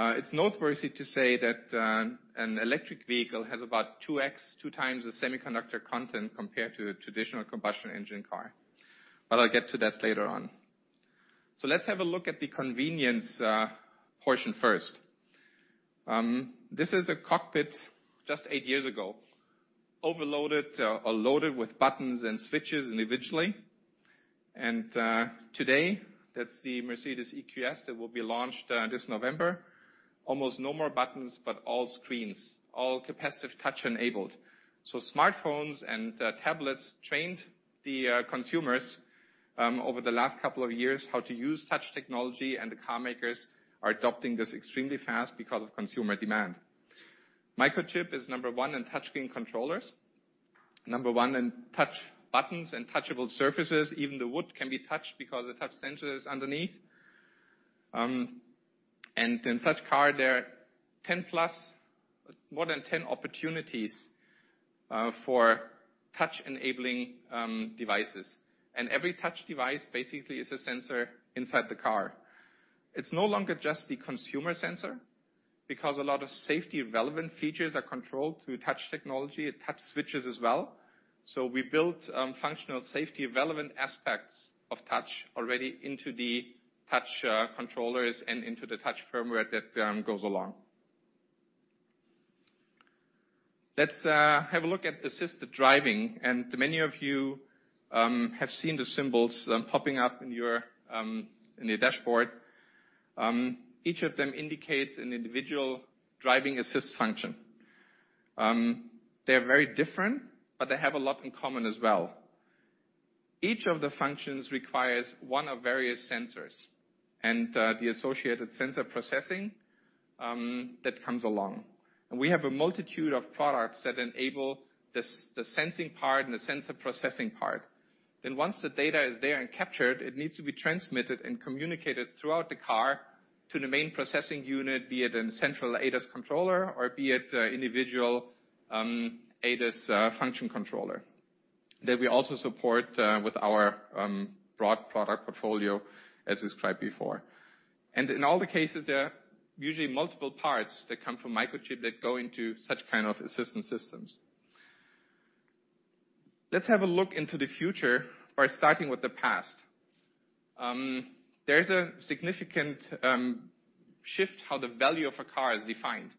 It's noteworthy to say that an electric vehicle has about 2x the semiconductor content compared to a traditional combustion engine car. But I'll get to that later on. Let's have a look at the convenience portion first. This is a cockpit just eight years ago, overloaded or loaded with buttons and switches individually. Today, that's the Mercedes-Benz EQS that will be launched this November. Almost no more buttons, but all screens, all capacitive touch-enabled. Smartphones and tablets trained the consumers over the last couple of years how to use touch technology, and the car makers are adopting this extremely fast because of consumer demand. Microchip is number one in touchscreen controllers, number one in touch buttons and touchable surfaces. Even the wood can be touched because the touch sensor is underneath. In such car, there are 10+, more than 10 opportunities for touch-enabling devices. Every touch device basically is a sensor inside the car. It's no longer just the consumer sensor because a lot of safety relevant features are controlled through touch technology, touch switches as well. We built functional safety relevant aspects of touch already into the touch controllers and into the touch firmware that goes along. Let's have a look at assisted driving. Many of you have seen the symbols popping up in your dashboard. Each of them indicates an individual driving assist function. They're very different, but they have a lot in common as well. Each of the functions requires one of various sensors and the associated sensor processing that comes along. We have a multitude of products that enable the sensing part and the sensor processing part. Once the data is there and captured, it needs to be transmitted and communicated throughout the car to the main processing unit, be it in central ADAS controller or be it individual ADAS function controller. That we also support with our broad product portfolio, as described before. In all the cases, there are usually multiple parts that come from Microchip that go into such kind of assistance systems. Let's have a look into the future by starting with the past. There is a significant shift in how the value of a car is defined.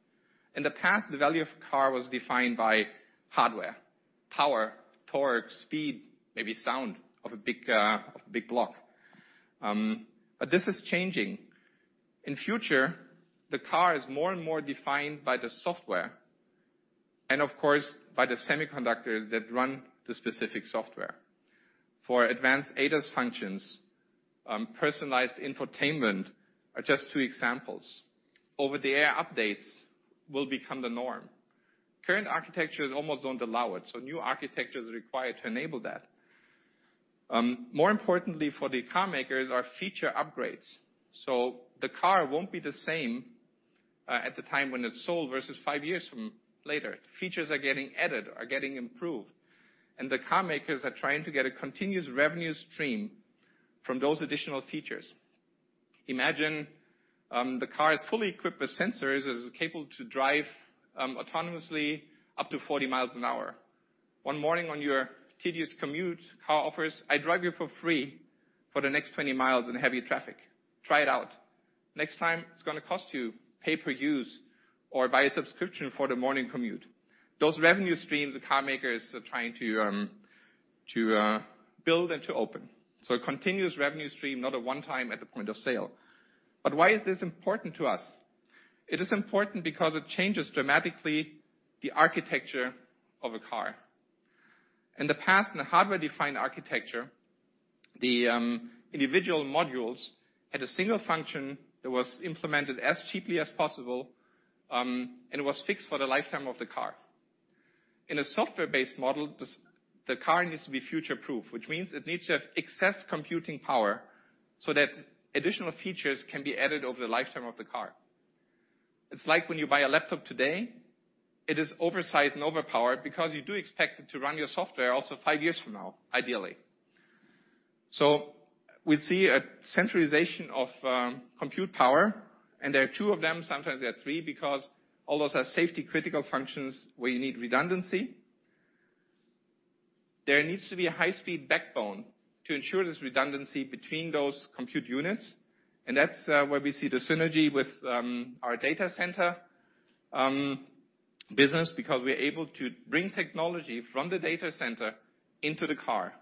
In the past, the value of a car was defined by hardware, power, torque, speed, maybe sound of a big block. But this is changing. In future, the car is more and more defined by the software and of course, by the semiconductors that run the specific software. For advanced ADAS functions, personalized infotainment are just two examples. Over-the-air updates will become the norm. Current architectures almost don't allow it, so new architecture is required to enable that. More importantly for the car makers are feature upgrades. The car won't be the same at the time when it's sold versus five years from later. Features are getting added, are getting improved, and the car makers are trying to get a continuous revenue stream from those additional features. Imagine the car is fully equipped with sensors. It is capable to drive autonomously up to 40 mph. One morning on your tedious commute, car offers, "I drive you for free for the next 20 mi in heavy traffic. Try it out." Next time, it's gonna cost you pay-per-use or buy a subscription for the morning commute. Those revenue streams the car makers are trying to build and to open. A continuous revenue stream, not a one-time at the point of sale. Why is this important to us? It is important because it changes dramatically the architecture of a car. In the past, in the hardware-defined architecture, individual modules had a single function that was implemented as cheaply as possible, and was fixed for the lifetime of the car. In a software-based model, the car needs to be future-proof, which means it needs to have excess computing power so that additional features can be added over the lifetime of the car. It's like when you buy a laptop today, it is oversized and overpowered because you do expect it to run your software also five years from now, ideally. We see a centralization of compute power, and there are two of them. Sometimes there are three, because all those are safety-critical functions where you need redundancy. There needs to be a high-speed backbone to ensure there's redundancy between those compute units, and that's where we see the synergy with our data center business, because we're able to bring technology from the data center into the car.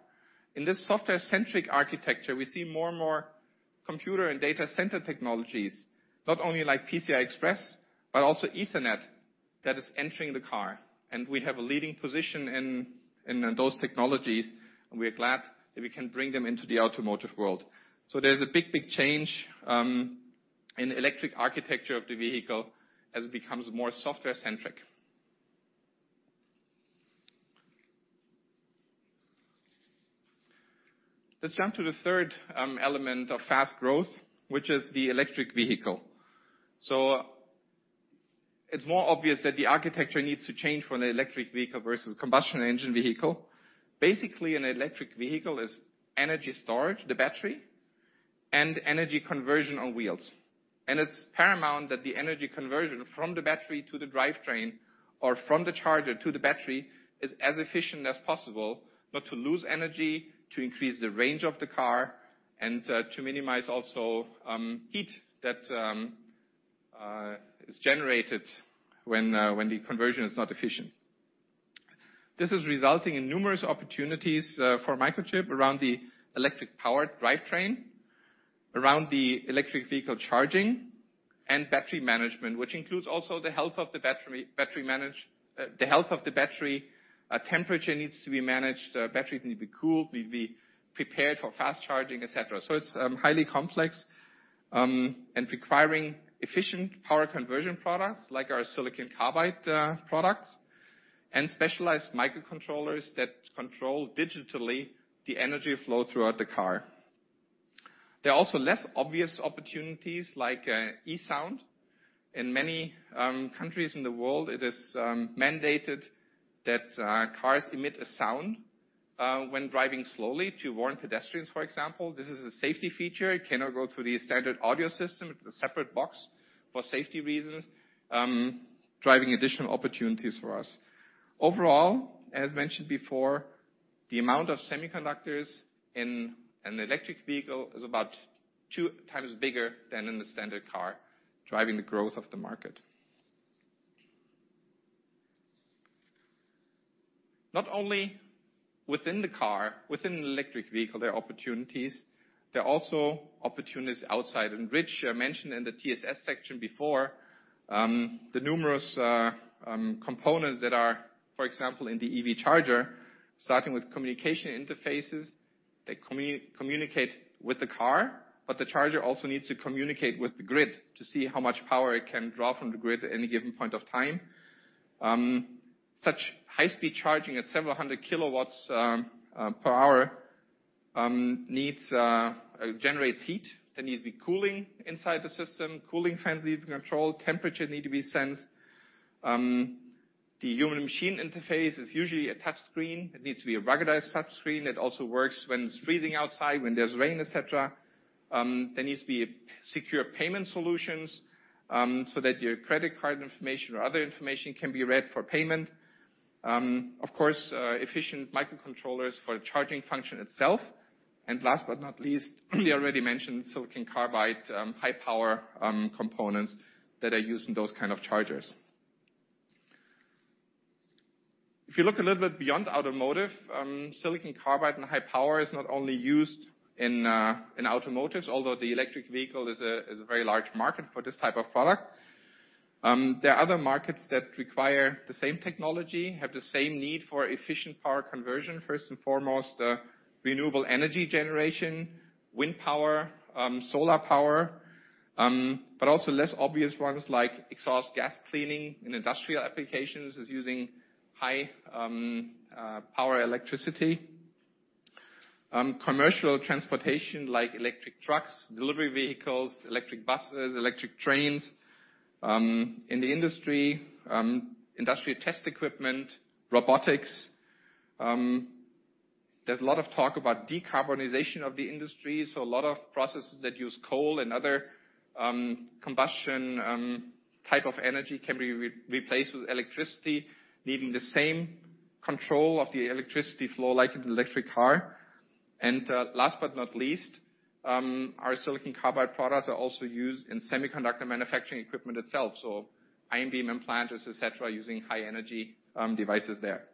In this software-centric architecture, we see more and more computer and data center technologies, not only like PCI Express, but also Ethernet that is entering the car. We have a leading position in those technologies, and we are glad that we can bring them into the automotive world. There's a big change in electrical architecture of the vehicle as it becomes more software-centric. Let's jump to the third element of fast growth, which is the electric vehicle. It's more obvious that the architecture needs to change from the electric vehicle versus combustion engine vehicle. Basically, an electric vehicle is energy storage, the battery, and energy conversion on wheels. It's paramount that the energy conversion from the battery to the drivetrain or from the charger to the battery is as efficient as possible, not to lose energy, to increase the range of the car, and to minimize also heat that is generated when the conversion is not efficient. This is resulting in numerous opportunities for Microchip around the electric-powered drivetrain, around the electric vehicle charging and battery management, which includes also the health of the battery. Temperature needs to be managed, battery needs to be cooled, need to be prepared for fast charging, et cetera. It's highly complex and requiring efficient power conversion products like our silicon carbide products and specialized microcontrollers that control digitally the energy flow throughout the car. There are also less obvious opportunities like eSound. In many countries in the world, it is mandated that cars emit a sound when driving slowly to warn pedestrians, for example. This is a safety feature. It cannot go through the standard audio system. It's a separate box for safety reasons, driving additional opportunities for us. Overall, as mentioned before, the amount of semiconductors in an electric vehicle is about 2x bigger than in the standard car, driving the growth of the market. Not only within the car, within the electric vehicle, there are opportunities. There are also opportunities outside, and which I mentioned in the TSS section before, the numerous components that are, for example, in the EV charger, starting with communication interfaces that communicate with the car, but the charger also needs to communicate with the grid to see how much power it can draw from the grid at any given point of time. Such high-speed charging at several hundred kilowatts per hour needs generates heat. There need to be cooling inside the system, cooling fans need to be controlled, temperature need to be sensed. The human machine interface is usually a touch screen. It needs to be a ruggedized touch screen that also works when it's freezing outside, when there's rain, et cetera. There needs to be secure payment solutions, so that your credit card information or other information can be read for payment. Of course, efficient microcontrollers for the charging function itself. Last but not least, we already mentioned silicon carbide, high power components that are used in those kind of chargers. If you look a little bit beyond automotive, silicon carbide and high power is not only used in automotive, although the electric vehicle is a very large market for this type of product. There are other markets that require the same technology, have the same need for efficient power conversion. First and foremost, renewable energy generation, wind power, solar power, but also less obvious ones like exhaust gas cleaning in industrial applications is using high power electricity. Commercial transportation like electric trucks, delivery vehicles, electric buses, electric trains. In the industry, industrial test equipment, robotics. There's a lot of talk about decarbonization of the industry, so a lot of processes that use coal and other combustion type of energy can be replaced with electricity, needing the same control of the electricity flow like in the electric car. Last but not least, our silicon carbide products are also used in semiconductor manufacturing equipment itself. Ion beam implanters, et cetera, using high energy devices there.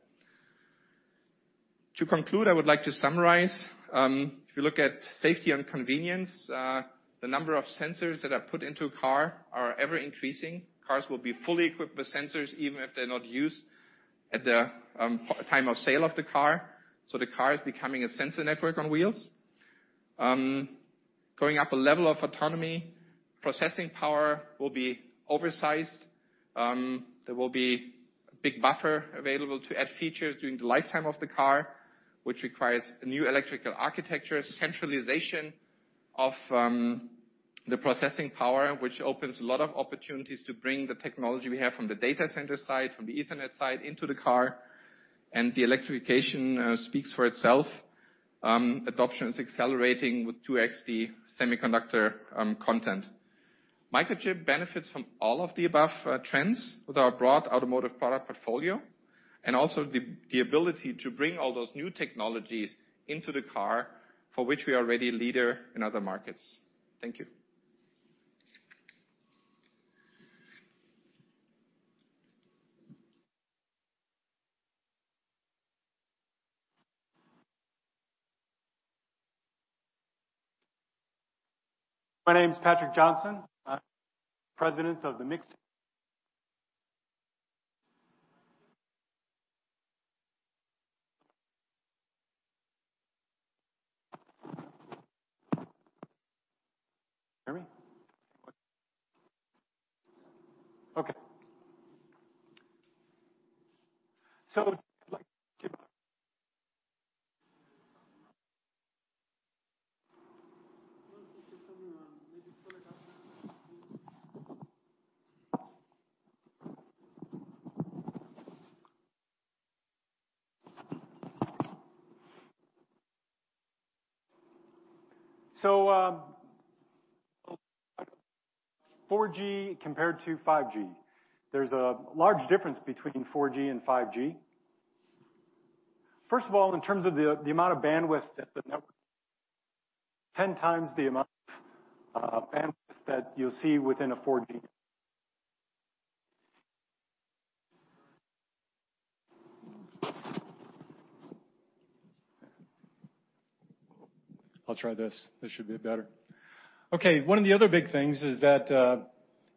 To conclude, I would like to summarize. If you look at safety and convenience, the number of sensors that are put into a car are ever-increasing. Cars will be fully equipped with sensors, even if they're not used at the time of sale of the car. The car is becoming a sensor network on wheels. Going up a level of autonomy, processing power will be oversized. There will be a big buffer available to add features during the lifetime of the car, which requires a new electrical architecture, centralization of the processing power, which opens a lot of opportunities to bring the technology we have from the data center side, from the Ethernet side into the car, and the electrification speaks for itself. Adoption is accelerating with 2x semiconductor content. Microchip benefits from all of the above, trends with our broad automotive product portfolio, and also the ability to bring all those new technologies into the car for which we are already a leader in other markets. Thank you. My name is Patrick Johnson. I'm Senior Vice President of the Mixed Signal. Can you hear me? Okay. I'd like to... I think there's something wrong. Maybe pull it up. 4G compared to 5G. There's a large difference between 4G and 5G. First of all, in terms of the amount of bandwidth, 10x the amount of bandwidth that you'll see within a 4G. I'll try this. This should be better. Okay. One of the other big things is that,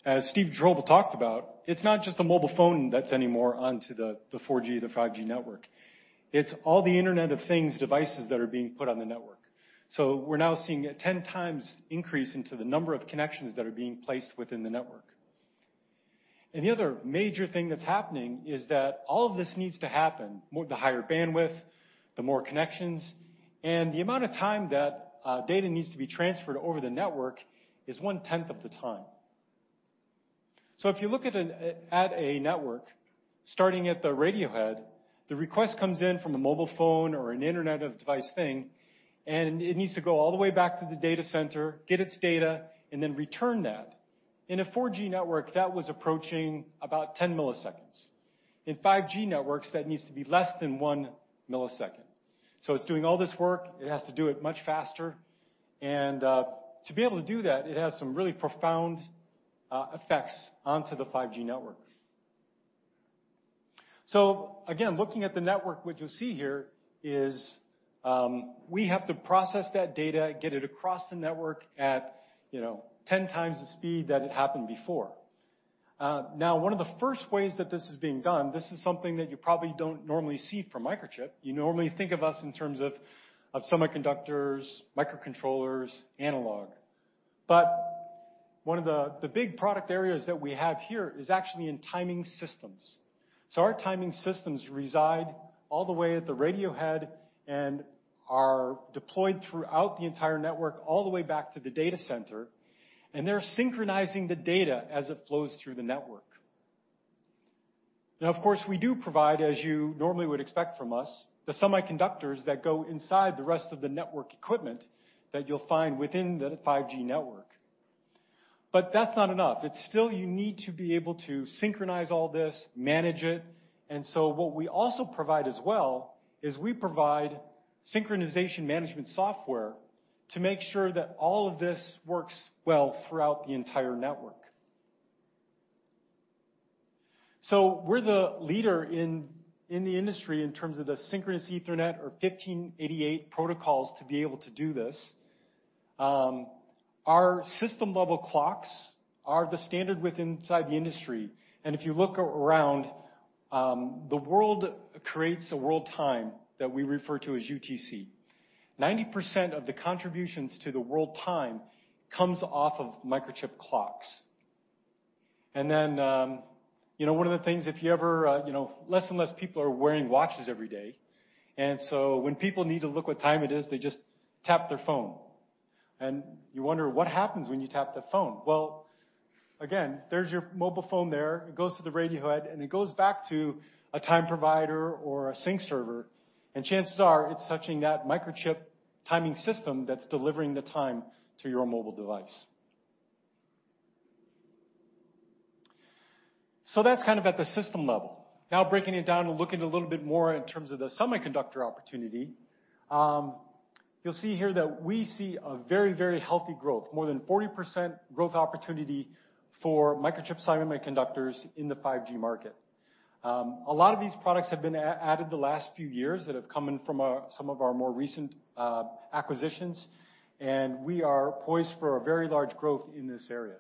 as Steve Drehobl talked about, it's not just a mobile phone that's anymore onto the 5G network. It's all the Internet of Things devices that are being put on the network. We're now seeing a 10x increase in the number of connections that are being placed within the network. The other major thing that's happening is that all of this needs to happen, more the higher bandwidth, the more connections, and the amount of time that data needs to be transferred over the network is 1/10 of the time. If you look at a network starting at the radio head, the request comes in from a mobile phone or an Internet of Things device, and it needs to go all the way back to the data center, get its data, and then return that. In a 4G network, that was approaching about 10 milliseconds. In 5G networks, that needs to be less than 1 millisecond. It's doing all this work, it has to do it much faster. To be able to do that, it has some really profound effects onto the 5G network. Again, looking at the network, what you'll see here is, we have to process that data, get it across the network at, you know, 10x the speed that it happened before. Now, one of the first ways that this is being done, this is something that you probably don't normally see from Microchip. You normally think of us in terms of semiconductors, microcontrollers, analog. One of the big product areas that we have here is actually in timing systems. Our timing systems reside all the way at the radio head and are deployed throughout the entire network, all the way back to the data center, and they're synchronizing the data as it flows through the network. Now, of course, we do provide, as you normally would expect from us, the semiconductors that go inside the rest of the network equipment that you'll find within the 5G network. That's not enough. It's still, you need to be able to synchronize all this, manage it. What we also provide as well is we provide synchronization management software to make sure that all of this works well throughout the entire network. We're the leader in the industry in terms of the Synchronous Ethernet or IEEE 1588 protocols to be able to do this. Our system-level clocks are the standard with inside the industry. If you look around, the world creates a world time that we refer to as UTC. 90% of the contributions to the world time comes off of Microchip clocks. You know, one of the things, if you ever, you know, less and less people are wearing watches every day, and so when people need to look what time it is, they just tap their phone. You wonder what happens when you tap the phone. Well, again, there's your mobile phone there. It goes to the radio head, and it goes back to a time provider or a sync server. Chances are, it's touching that Microchip timing system that's delivering the time to your mobile device. That's kind of at the system level. Now, breaking it down and looking a little bit more in terms of the semiconductor opportunity, you'll see here that we see a very, very healthy growth, more than 40% growth opportunity for Microchip semiconductors in the 5G market. A lot of these products have been added the last few years that have come in from some of our more recent acquisitions, and we are poised for a very large growth in this area.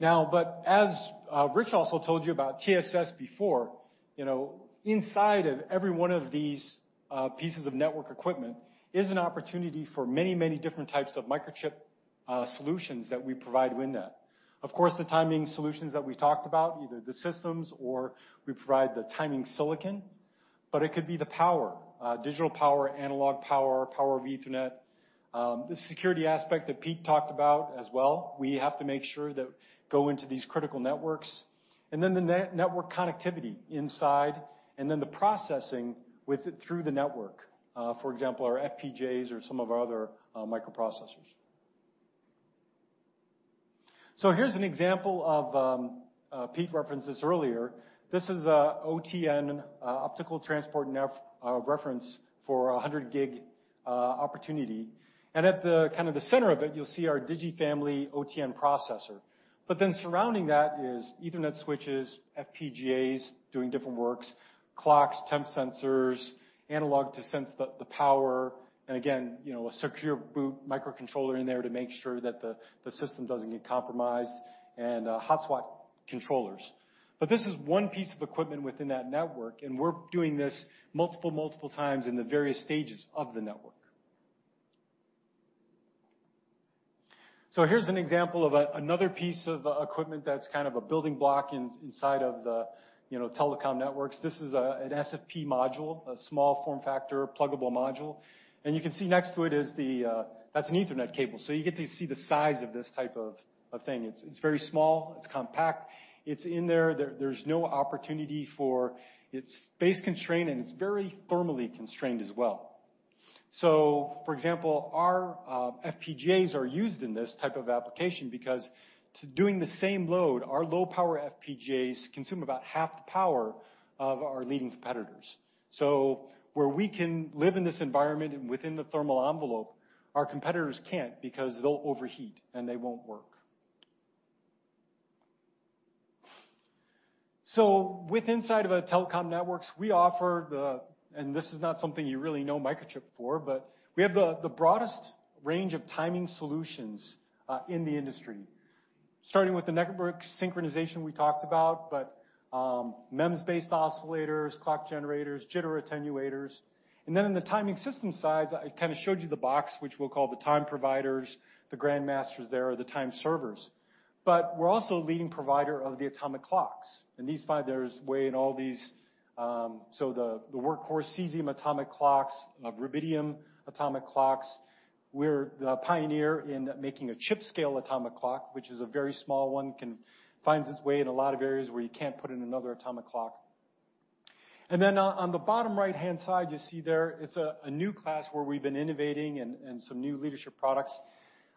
As Rich also told you about TSS before, you know, inside of every one of these pieces of network equipment is an opportunity for many, many different types of Microchip solutions that we provide within that. Of course, the timing solutions that we talked about, either the systems or we provide the timing silicon, but it could be the power, digital power, analog power, Power over Ethernet. The security aspect that Pete talked about as well, we have to make sure that go into these critical networks. The network connectivity inside and then the processing with it through the network, for example, our FPGAs or some of our other microprocessors. Here's an example of Pete referenced this earlier. This is OTN, Optical Transport Network reference for a 100-gig opportunity. At the kind of the center of it, you'll see our DIGI OTN processor. Then surrounding that is Ethernet switches, FPGAs doing different works, clocks, temp sensors, analog to sense the power, and again, you know, a secure boot microcontroller in there to make sure that the system doesn't get compromised, and hot-swap controllers. This is one piece of equipment within that network, and we're doing this multiple times in the various stages of the network. Here's an example of another piece of equipment that's kind of a building block inside of the telecom networks. This is an SFP module, a small form-factor pluggable module. You can see next to it that's an Ethernet cable. You get to see the size of this type of thing. It's very small. It's compact. It's in there. There's no opportunity for... It's space-constrained, and it's very thermally constrained as well. For example, our FPGAs are used in this type of application because to do the same load, our low-power FPGAs consume about half the power of our leading competitors. Where we can live in this environment and within the thermal envelope, our competitors can't because they'll overheat, and they won't work. Within telecom networks, we offer, and this is not something you really know Microchip for, but we have the broadest range of timing solutions in the industry, starting with the network synchronization we talked about, MEMS-based oscillators, clock generators, jitter attenuators. In the timing system side, I kind of showed you the box, which we'll call the time providers, the grandmasters there, or the time servers. We're also a leading provider of the atomic clocks, the workhorse cesium atomic clocks, rubidium atomic clocks. We're the pioneer in making a chip-scale atomic clock, which is a very small one, can find its way in a lot of areas where you can't put in another atomic clock. Then, on the bottom right-hand side, you see there it's a new class where we've been innovating and some new leadership products.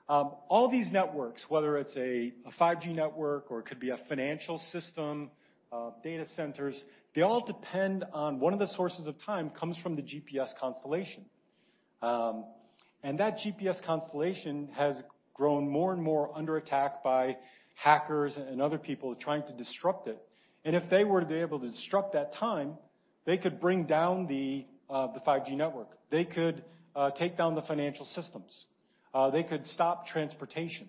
All these networks, whether it's a 5G network or it could be a financial system, data centers, they all depend on one of the sources of time comes from the GPS constellation. That GPS constellation has grown more and more under attack by hackers and other people trying to disrupt it. If they were to be able to disrupt that time, they could bring down the 5G network. They could take down the financial systems. They could stop transportation.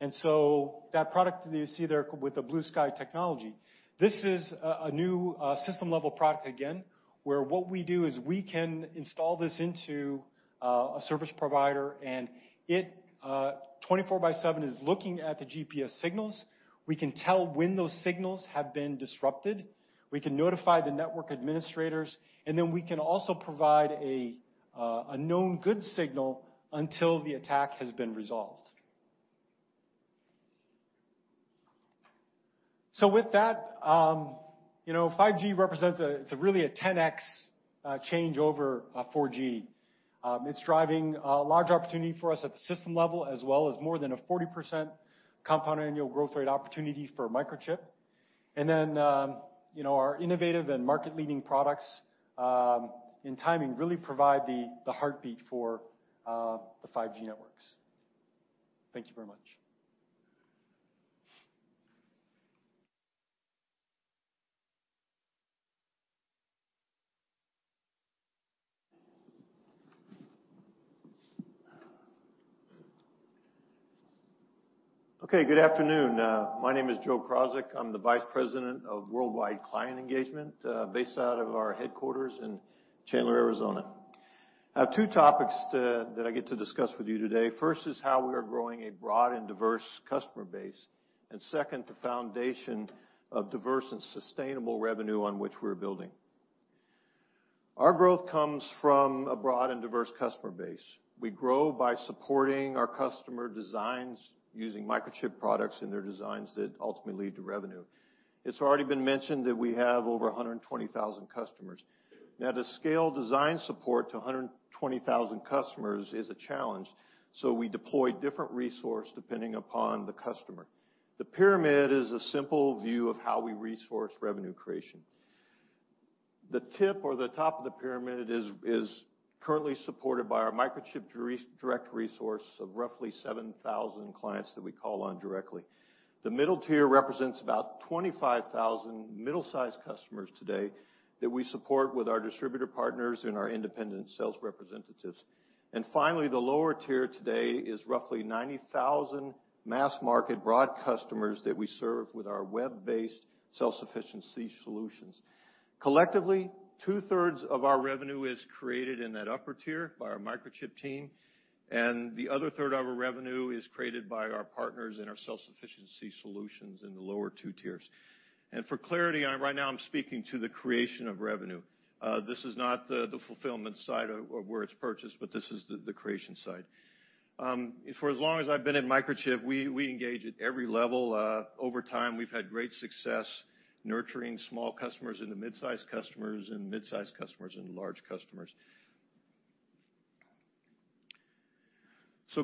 That product that you see there with the BlueSky Technology, this is a new system level product again, where what we do is we can install this into a service provider, and it 24/7 is looking at the GPS signals. We can tell when those signals have been disrupted. We can notify the network administrators, and then we can also provide a known good signal until the attack has been resolved. With that, you know, 5G represents a 10x change over 4G. It's driving a large opportunity for us at the system level, as well as more than a 40% compound annual growth rate opportunity for Microchip. You know, our innovative and market-leading products in timing really provide the heartbeat for the 5G networks. Thank you very much. Okay. Good afternoon. My name is Joe Krawczyk. I'm the Vice President of Worldwide Client Engagement, based out of our headquarters in Chandler, Arizona. I have two topics that I get to discuss with you today. First is how we are growing a broad and diverse customer base, and second, the foundation of diverse and sustainable revenue on which we're building. Our growth comes from a broad and diverse customer base. We grow by supporting our customer designs using Microchip products in their designs that ultimately lead to revenue. It's already been mentioned that we have over 120,000 customers. Now, to scale design support to 120,000 customers is a challenge, so we deploy different resource depending upon the customer. The pyramid is a simple view of how we resource revenue creation. The tip or the top of the pyramid is currently supported by our Microchip direct resource of roughly 7,000 clients that we call on directly. The middle tier represents about 25,000 middle-sized customers today that we support with our distributor partners and our independent sales representatives. Finally, the lower tier today is roughly 90,000 mass market broad customers that we serve with our web-based self-sufficiency solutions. Collectively, 2/3 of our revenue is created in that upper tier by our Microchip team, and the other third of our revenue is created by our partners in our self-sufficiency solutions in the lower two tiers. For clarity, right now I'm speaking to the creation of revenue. This is not the fulfillment side of where it's purchased, but this is the creation side. For as long as I've been at Microchip, we engage at every level. Over time, we've had great success nurturing small customers into mid-sized customers and mid-sized customers into large customers.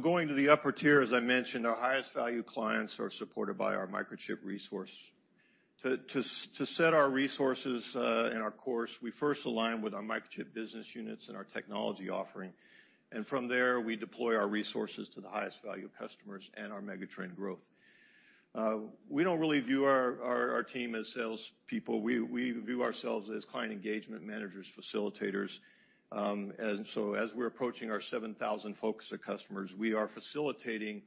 Going to the upper tier, as I mentioned, our highest value clients are supported by our Microchip resource. To set our resources and our course, we first align with our Microchip business units and our technology offering. From there, we deploy our resources to the highest value customers and our mega trend growth. We don't really view our team as salespeople. We view ourselves as client engagement managers, facilitators. As we're approaching our 7,000 focused customers, we are facilitating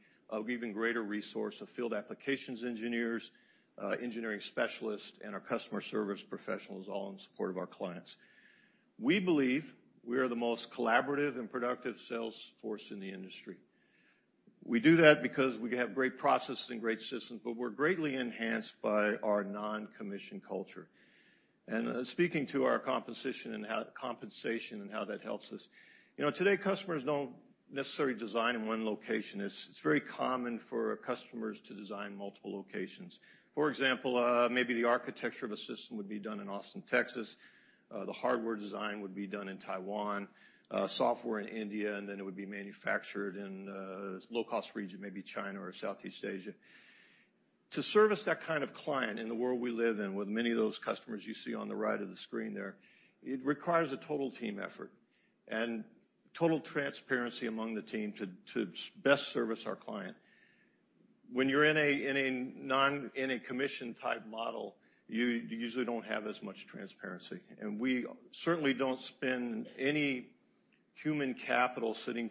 even greater resources of field applications engineers, engineering specialists, and our customer service professionals, all in support of our clients. We believe we are the most collaborative and productive sales force in the industry. We do that because we have great processes and great systems, but we're greatly enhanced by our non-commission culture. Speaking to our composition and compensation and how that helps us. You know, today, customers don't necessarily design in one location. It's very common for our customers to design in multiple locations. For example, maybe the architecture of a system would be done in Austin, Texas, the hardware design would be done in Taiwan, software in India, and then it would be manufactured in a low-cost region, maybe China or Southeast Asia. To service that kind of client in the world we live in, with many of those customers you see on the right of the screen there, it requires a total team effort and total transparency among the team to best service our client. When you're in a non-commission type model, you usually don't have as much transparency. We certainly don't spend any human capital sitting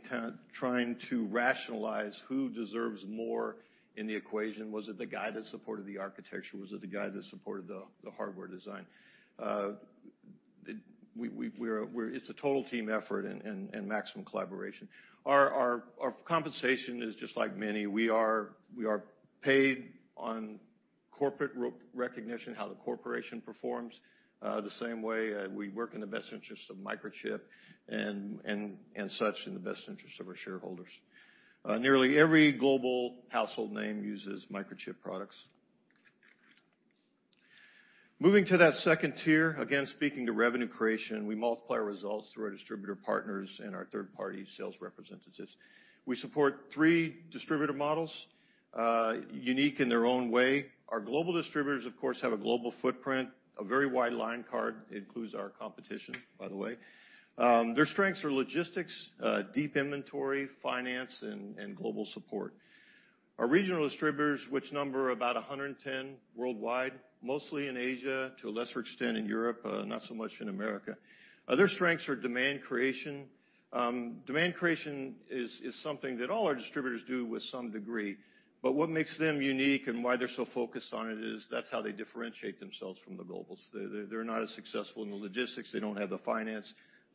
trying to rationalize who deserves more in the equation. Was it the guy that supported the architecture? Was it the guy that supported the hardware design? It's a total team effort and maximum collaboration. Our compensation is just like many. We are paid on corporate recognition, how the corporation performs, the same way, we work in the best interests of Microchip and such in the best interests of our shareholders. Nearly every global household name uses Microchip products. Moving to that second tier, again, speaking to revenue creation, we multiply results through our distributor partners and our third-party sales representatives. We support three distributor models, unique in their own way. Our global distributors, of course, have a global footprint, a very wide line card, includes our competition, by the way. Their strengths are logistics, deep inventory, finance and global support. Our regional distributors, which number about 110 worldwide, mostly in Asia, to a lesser extent in Europe, not so much in America. Their strengths are demand creation. Demand creation is something that all our distributors do with some degree. What makes them unique and why they're so focused on it is that's how they differentiate themselves from the globals. They're not as successful in the logistics. They don't have the finance.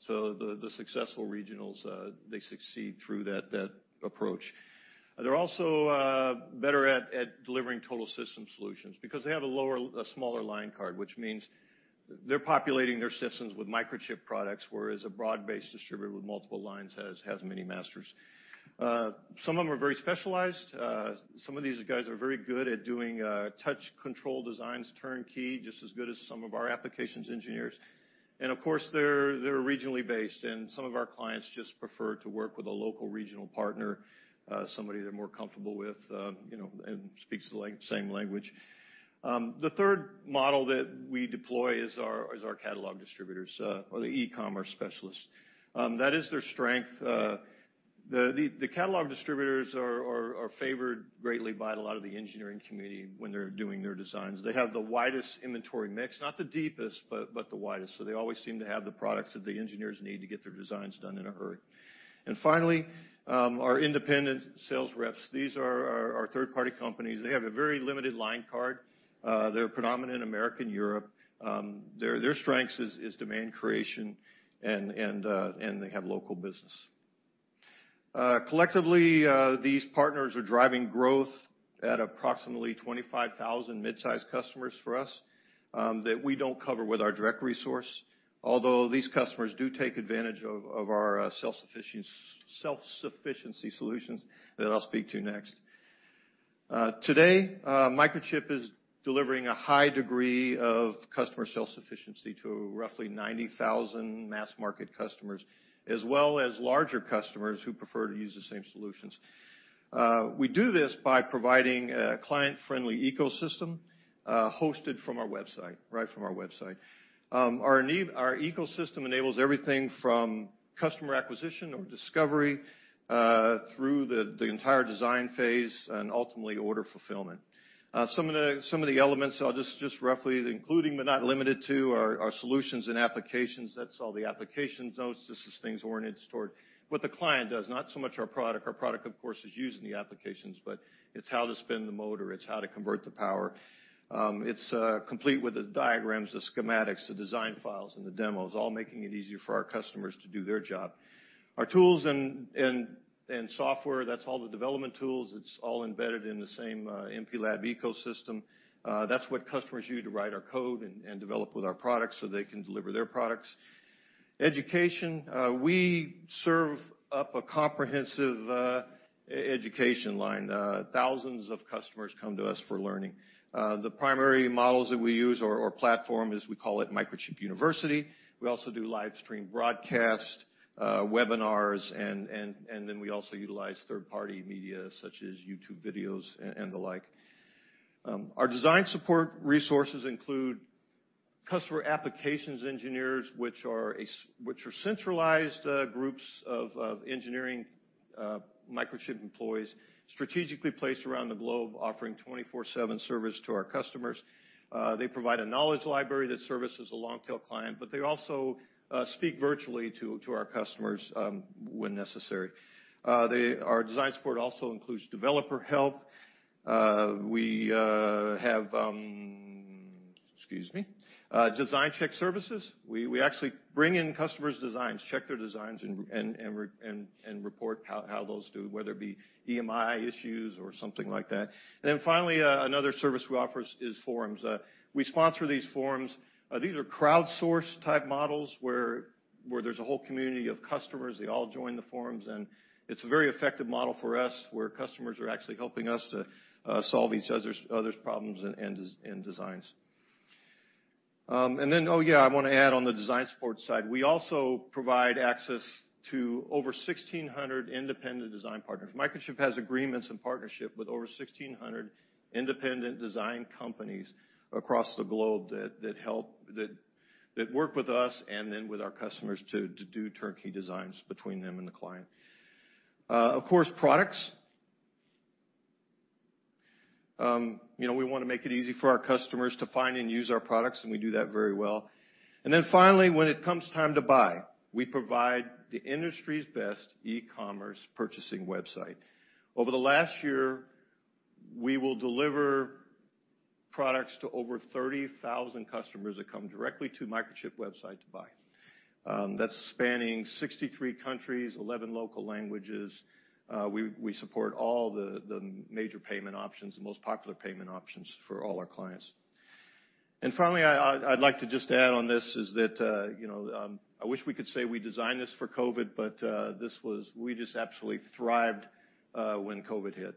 The successful regionals succeed through that approach. They're also better at delivering total system solutions because they have a smaller line card, which means they're populating their systems with Microchip products, whereas a broad-based distributor with multiple lines has many masters. Some of them are very specialized. Some of these guys are very good at doing touch control designs turnkey, just as good as some of our applications engineers. Of course, they're regionally based, and some of our clients just prefer to work with a local regional partner, somebody they're more comfortable with, and speaks the same language. The third model that we deploy is our catalog distributors, or the e-commerce specialists. That is their strength. The catalog distributors are favored greatly by a lot of the engineering community when they're doing their designs. They have the widest inventory mix, not the deepest, but the widest. They always seem to have the products that the engineers need to get their designs done in a hurry. Finally, our independent sales reps are our third-party companies. They have a very limited line card. They're predominant in America and Europe. Their strengths is demand creation and they have local business. Collectively, these partners are driving growth at approximately 25,000 mid-sized customers for us, that we don't cover with our direct resource, although these customers do take advantage of our self-sufficiency solutions that I'll speak to next. Today, Microchip is delivering a high degree of customer self-sufficiency to roughly 90,000 mass market customers, as well as larger customers who prefer to use the same solutions. We do this by providing a client-friendly ecosystem, hosted from our website, right from our website. Our ecosystem enables everything from customer acquisition or discovery, through the entire design phase and ultimately order fulfillment. Some of the elements, I'll just roughly, including but not limited to, are solutions and applications. That's all the application notes. This is things oriented toward what the client does, not so much our product. Our product, of course, is used in the applications, but it's how to spin the motor, it's how to convert the power. It's complete with the diagrams, the schematics, the design files, and the demos, all making it easier for our customers to do their job. Our tools and software, that's all the development tools. It's all embedded in the same MPLAB ecosystem. That's what customers use to write our code and develop with our products so they can deliver their products. Education, we serve up a comprehensive education line. Thousands of customers come to us for learning. The primary models that we use or platform is, we call it Microchip University. We also do live stream broadcast, webinars and then we also utilize third-party media such as YouTube videos and the like. Our design support resources include customer applications engineers, which are centralized groups of engineering Microchip employees strategically placed around the globe offering 24/7 service to our customers. They provide a knowledge library that services a long-tail client, but they also speak virtually to our customers when necessary. Our design support also includes developer help. We have design check services. We actually bring in customers' designs, check their designs and report how those do, whether it be EMI issues or something like that. Finally, another service we offer is forums. We sponsor these forums. These are crowdsourced type models where there's a whole community of customers. They all join the forums, and it's a very effective model for us where customers are actually helping us to solve each other's problems and designs. I want to add on the design support side. We also provide access to over 1,600 independent design partners. Microchip has agreements and partnership with over 1,600 independent design companies across the globe that help that work with us and then with our customers to do turnkey designs between them and the client. Of course, products. You know, we want to make it easy for our customers to find and use our products, and we do that very well. Then finally, when it comes time to buy, we provide the industry's best e-commerce purchasing website. Over the last year, we will deliver products to over 30,000 customers that come directly to Microchip website to buy. That's spanning 63 countries, 11 local languages. We support all the major payment options, the most popular payment options for all our clients. Finally, I'd like to just add on this is that, you know, I wish we could say we designed this for COVID, but this was. We just absolutely thrived when COVID hit.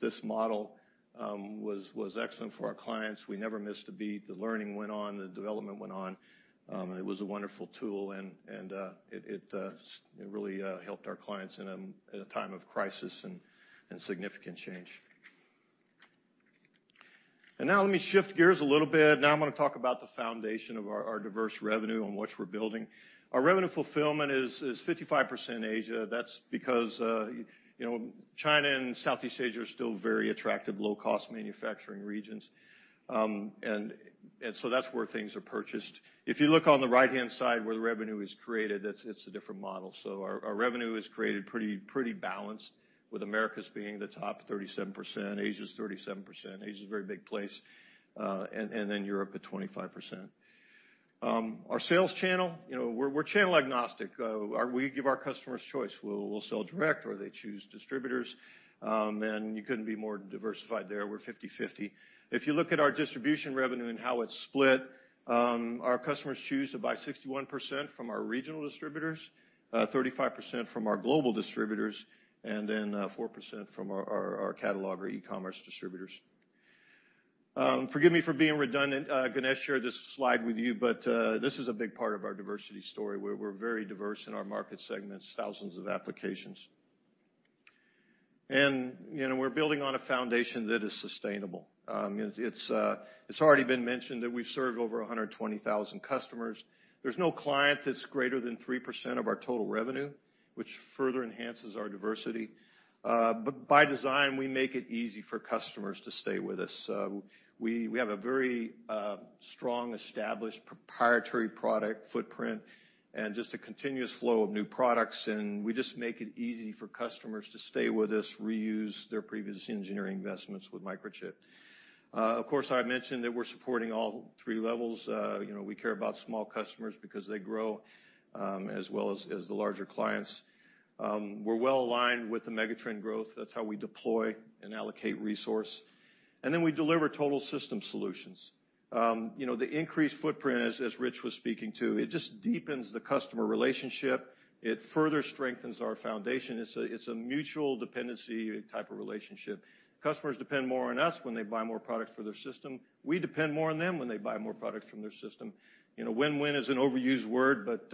This model was excellent for our clients. We never missed a beat. The learning went on, the development went on. It was a wonderful tool and it really helped our clients in a time of crisis and significant change. Now let me shift gears a little bit. Now I'm gonna talk about the foundation of our diverse revenue and what we're building. Our revenue fulfillment is 55% Asia. That's because you know, China and Southeast Asia are still very attractive low-cost manufacturing regions. So that's where things are purchased. If you look on the right-hand side where the revenue is created, that's a different model. Our revenue is created pretty balanced, with Americas being the top 37%, Asia's 37%, Asia's a very big place, and then Europe at 25%. Our sales channel, you know, we're channel agnostic. We give our customers choice. We'll sell direct or they choose distributors, and you couldn't be more diversified there. We're 50/50. If you look at our distribution revenue and how it's split, our customers choose to buy 61% from our regional distributors, 35% from our global distributors, and then 4% from our catalog or e-commerce distributors. Forgive me for being redundant. Ganesh shared this slide with you, but this is a big part of our diversity story. We're very diverse in our market segments, thousands of applications. You know, we're building on a foundation that is sustainable. It's already been mentioned that we've served over 120,000 customers. There's no client that's greater than 3% of our total revenue, which further enhances our diversity. By design, we make it easy for customers to stay with us. We have a very strong, established proprietary product footprint and just a continuous flow of new products, and we just make it easy for customers to stay with us, reuse their previous engineering investments with Microchip. Of course, I mentioned that we're supporting all three levels. You know, we care about small customers because they grow as well as the larger clients. We're well-aligned with the mega trend growth. That's how we deploy and allocate resource. Then we deliver total system solutions. You know, the increased footprint, as Rich was speaking to, it just deepens the customer relationship. It further strengthens our foundation. It's a mutual dependency type of relationship. Customers depend more on us when they buy more product for their system. We depend more on them when they buy more product from their system. You know, win-win is an overused word, but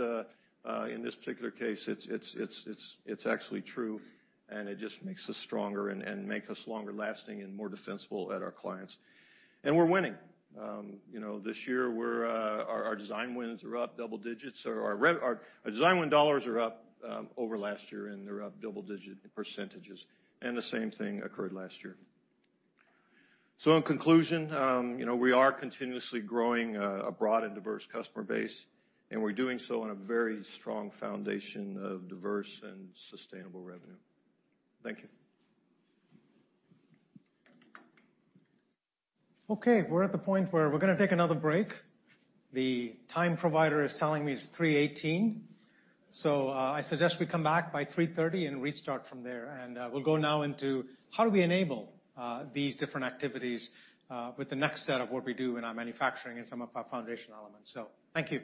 in this particular case, it's actually true, and it just makes us stronger and make us longer lasting and more defensible at our clients. We're winning. You know, this year we're our design wins are up double digits. Our design win dollars are up over last year, and they're up double-digit percentages, and the same thing occurred last year. In conclusion, you know, we are continuously growing a broad and diverse customer base, and we're doing so on a very strong foundation of diverse and sustainable revenue. Thank you. Okay, we're at the point where we're gonna take another break. The time provider is telling me it's 3:18 P.M., so I suggest we come back by 3:30 P.M. and restart from there. We'll go now into how do we enable these different activities with the next set of what we do in our manufacturing and some of our foundational elements. Thank you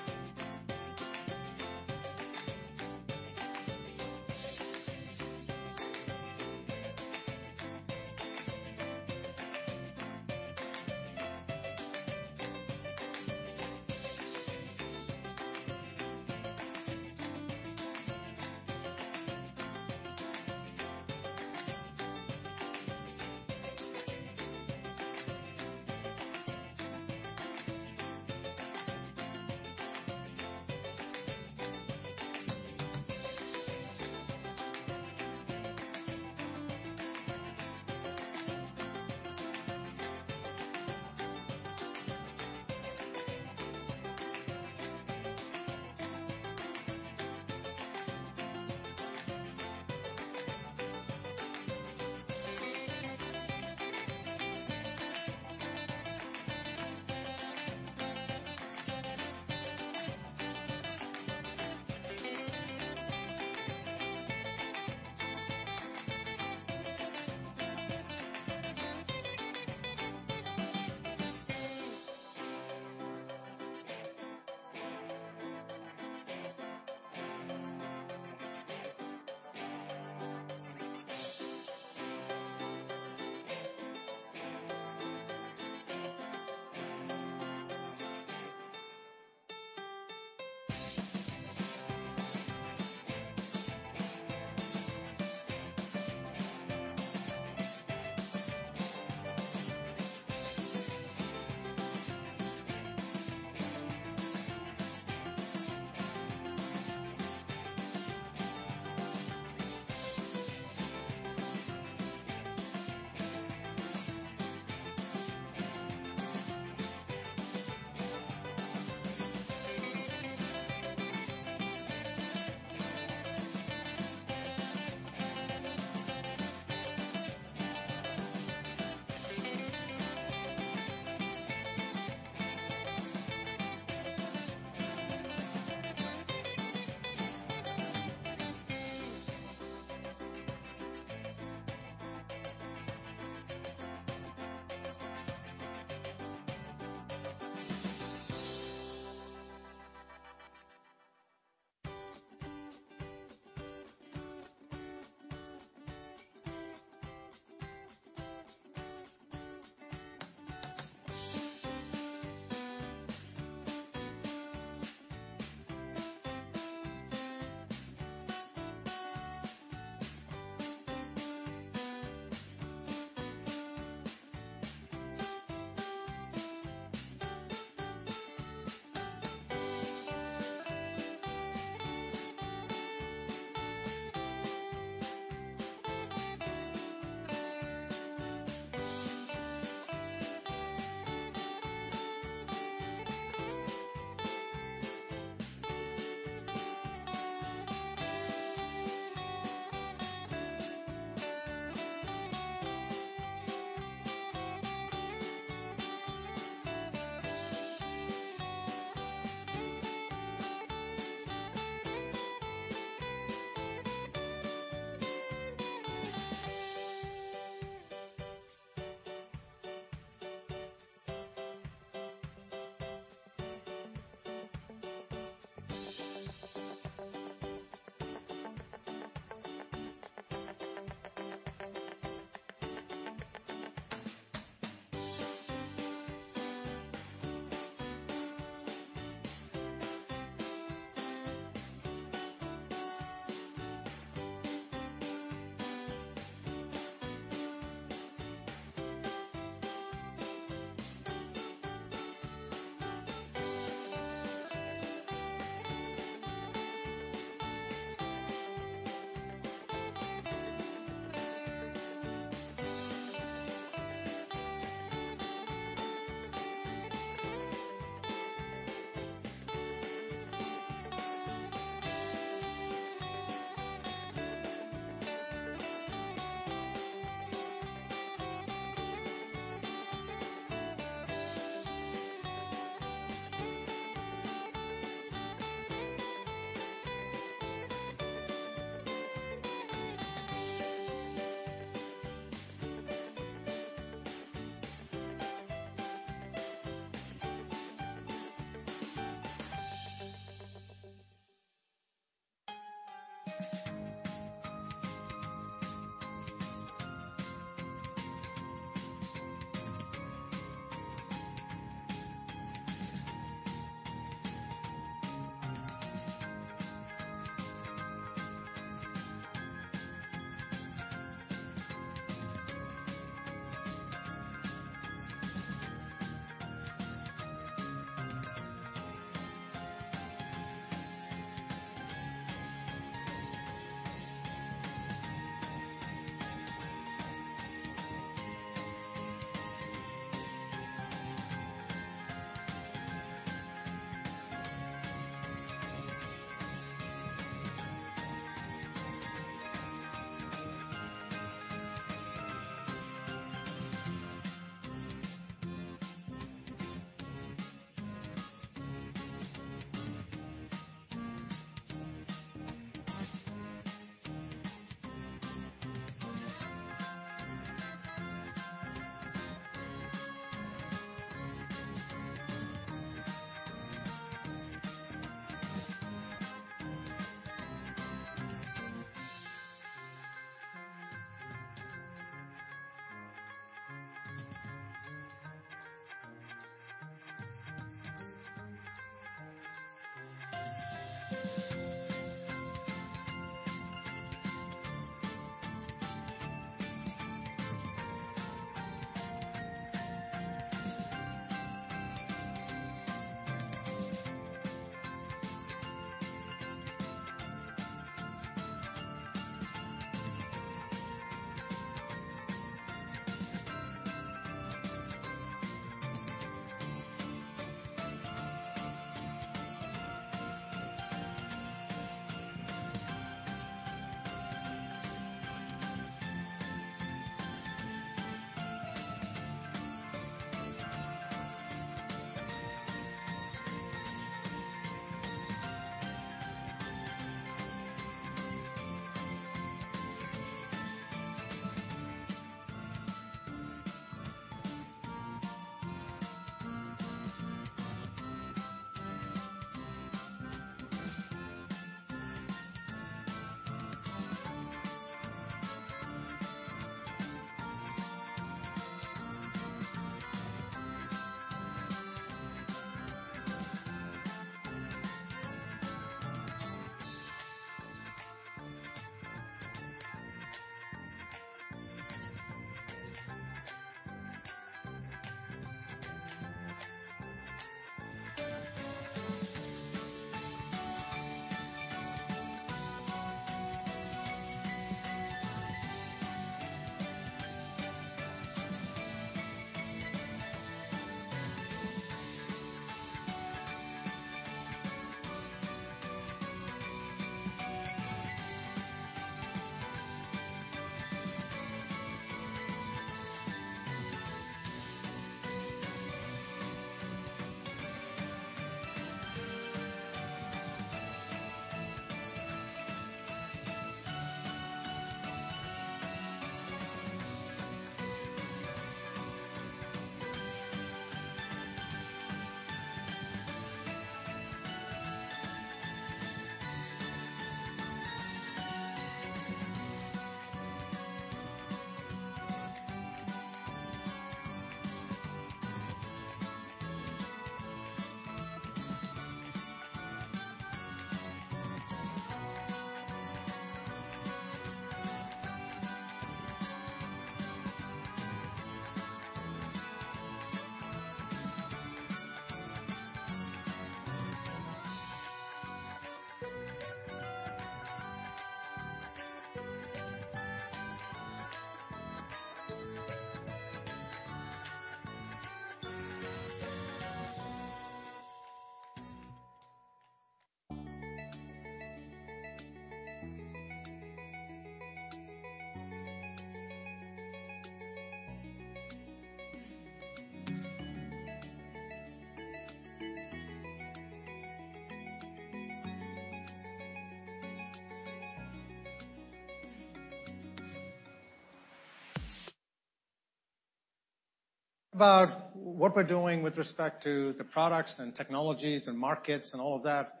about what we're doing with respect to the products and technologies and markets and all of that.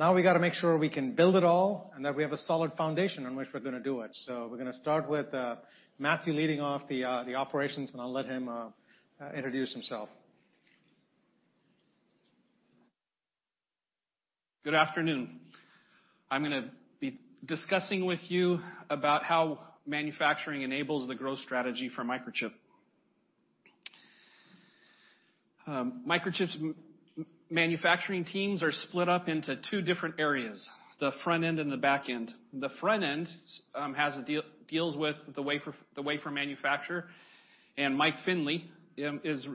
Now we gotta make sure we can build it all, and that we have a solid foundation on which we're gonna do it. We're gonna start with Mathew leading off the operations, and I'll let him introduce himself. Good afternoon. I'm gonna be discussing with you about how manufacturing enables the growth strategy for Microchip. Microchip's manufacturing teams are split up into two different areas, the front end and the back end. The front end deals with the wafer, the wafer manufacturer, and Mike Finley is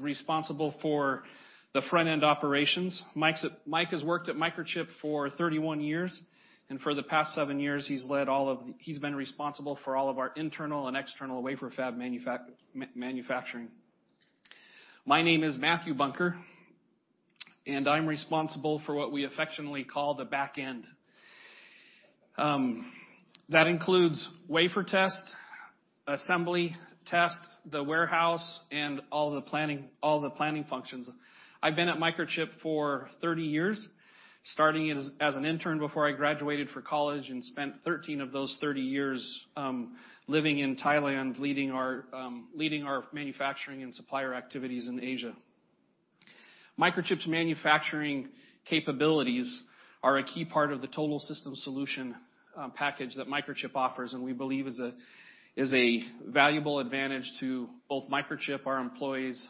responsible for the front-end operations. Mike has worked at Microchip for 31 years, and for the past seven years, he's been responsible for all of our internal and external wafer fab manufacturing. My name is Matthew Bunker, and I'm responsible for what we affectionately call the back end. That includes wafer test, assembly test, the warehouse, and all the planning functions. I've been at Microchip for 30 years, starting as an intern before I graduated from college and spent 13 of those 30 years living in Thailand, leading our manufacturing and supplier activities in Asia. Microchip's manufacturing capabilities are a key part of the total system solution package that Microchip offers and we believe is a valuable advantage to both Microchip, our employees,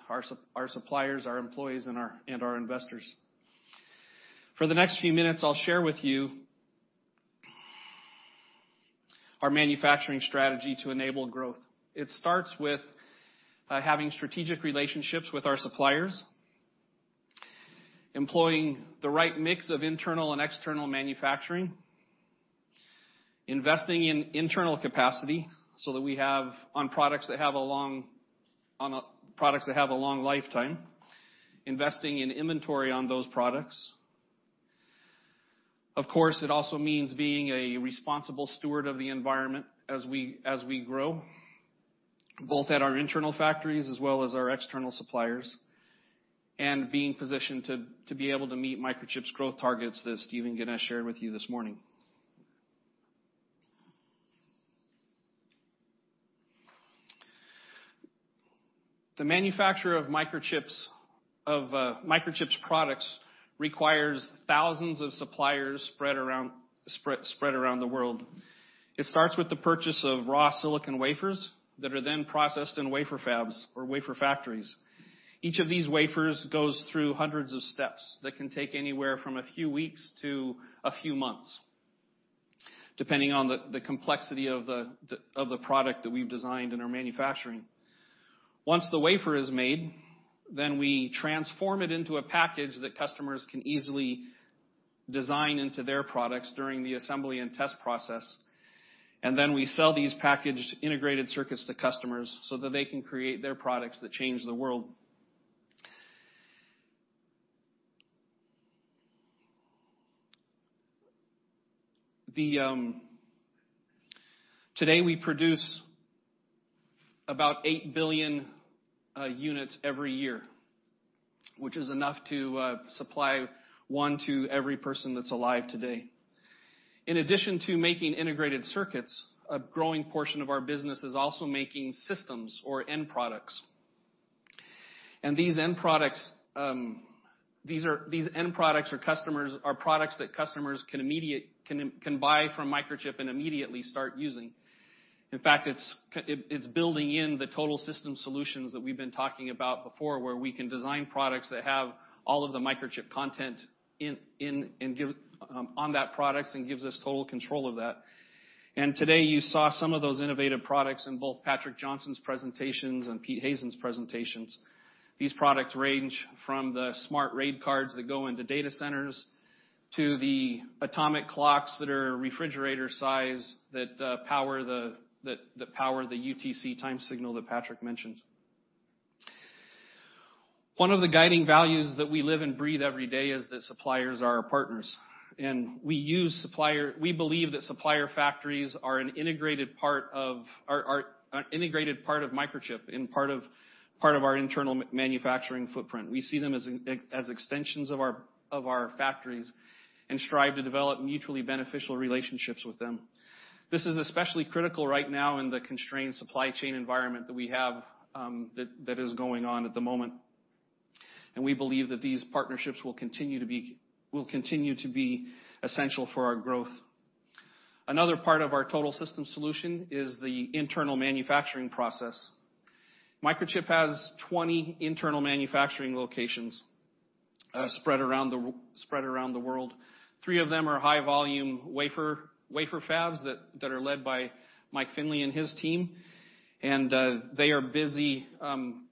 our suppliers, and our investors. For the next few minutes, I'll share with you our manufacturing strategy to enable growth. It starts with having strategic relationships with our suppliers, employing the right mix of internal and external manufacturing, investing in internal capacity so that we have on products that have a long lifetime, investing in inventory on those products. Of course, it also means being a responsible steward of the environment as we grow, both at our internal factories as well as our external suppliers, and being positioned to be able to meet Microchip's growth targets that Steve Sanghi shared with you this morning. The manufacture of Microchip's products requires thousands of suppliers spread around the world. It starts with the purchase of raw silicon wafers that are then processed in wafer fabs or wafer factories. Each of these wafers goes through hundreds of steps that can take anywhere from a few weeks to a few months, depending on the complexity of the product that we've designed in our manufacturing. Once the wafer is made, then we transform it into a package that customers can easily design into their products during the assembly and test process. We sell these packaged integrated circuits to customers so that they can create their products that change the world. Today, we produce about 8 billion units every year, which is enough to supply one to every person that's alive today. In addition to making integrated circuits, a growing portion of our business is also making systems or end products. These end products or customers are products that customers can buy from Microchip and immediately start using. In fact, it's building in the total system solutions that we've been talking about before, where we can design products that have all of the Microchip content in on those products and gives us total control of that. Today, you saw some of those innovative products in both Patrick Johnson's presentations and Pete Hazen's presentations. These products range from the smart RAID cards that go into data centers to the atomic clocks that are refrigerator-sized that power the UTC time signal that Patrick mentioned. One of the guiding values that we live and breathe every day is that suppliers are our partners, and we believe that supplier factories are an integrated part of Microchip and part of our internal manufacturing footprint. We see them as extensions of our factories and strive to develop mutually beneficial relationships with them. This is especially critical right now in the constrained supply chain environment that we have that is going on at the moment. We believe that these partnerships will continue to be essential for our growth. Another part of our total system solution is the internal manufacturing process. Microchip has 20 internal manufacturing locations spread around the world. Three of them are high-volume wafer fabs that are led by Mike Finley and his team. They are busy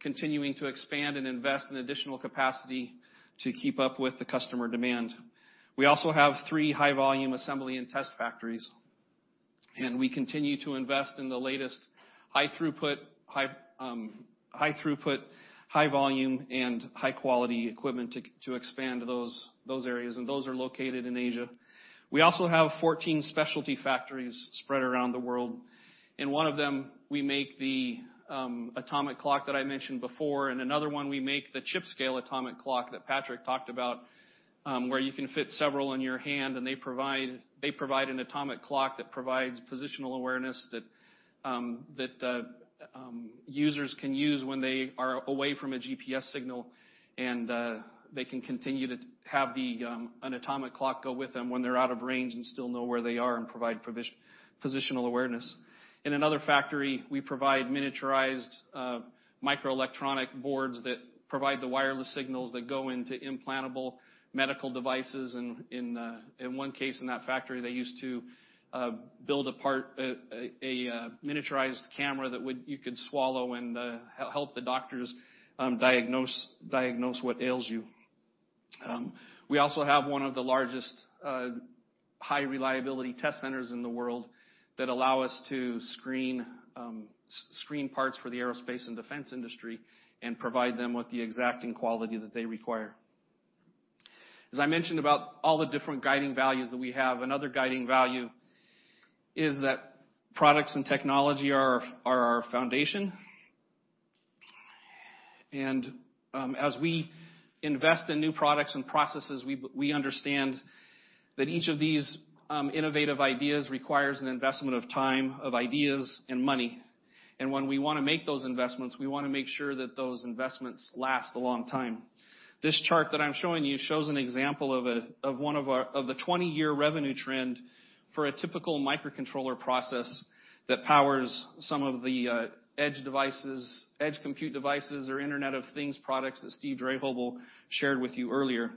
continuing to expand and invest in additional capacity to keep up with the customer demand. We also have three high-volume assembly and test factories, and we continue to invest in the latest high throughput, high volume, and high-quality equipment to expand those areas, and those are located in Asia. We also have 14 specialty factories spread around the world. In one of them, we make the atomic clock that I mentioned before, and another one, we make the chip-scale atomic clock that Patrick talked about, where you can fit several in your hand, and they provide an atomic clock that provides positional awareness that users can use when they are away from a GPS signal, and they can continue to have an atomic clock go with them when they're out of range and still know where they are and provide positional awareness. In another factory, we provide miniaturized microelectronic boards that provide the wireless signals that go into implantable medical devices. In one case, in that factory, they used to build a part, a miniaturized camera that would... You could swallow and help the doctors diagnose what ails you. We also have one of the largest high-reliability test centers in the world that allow us to screen parts for the aerospace and defense industry and provide them with the exacting quality that they require. As I mentioned about all the different guiding values that we have, another guiding value is that products and technology are our foundation. As we invest in new products and processes, we understand that each of these innovative ideas requires an investment of time, of ideas, and money. When we wanna make those investments, we wanna make sure that those investments last a long time. This chart that I'm showing you shows an example of one of our... Of the 20-year revenue trend for a typical microcontroller process that powers some of the edge devices, edge compute devices or Internet of Things products that Steve Drehobl shared with you earlier.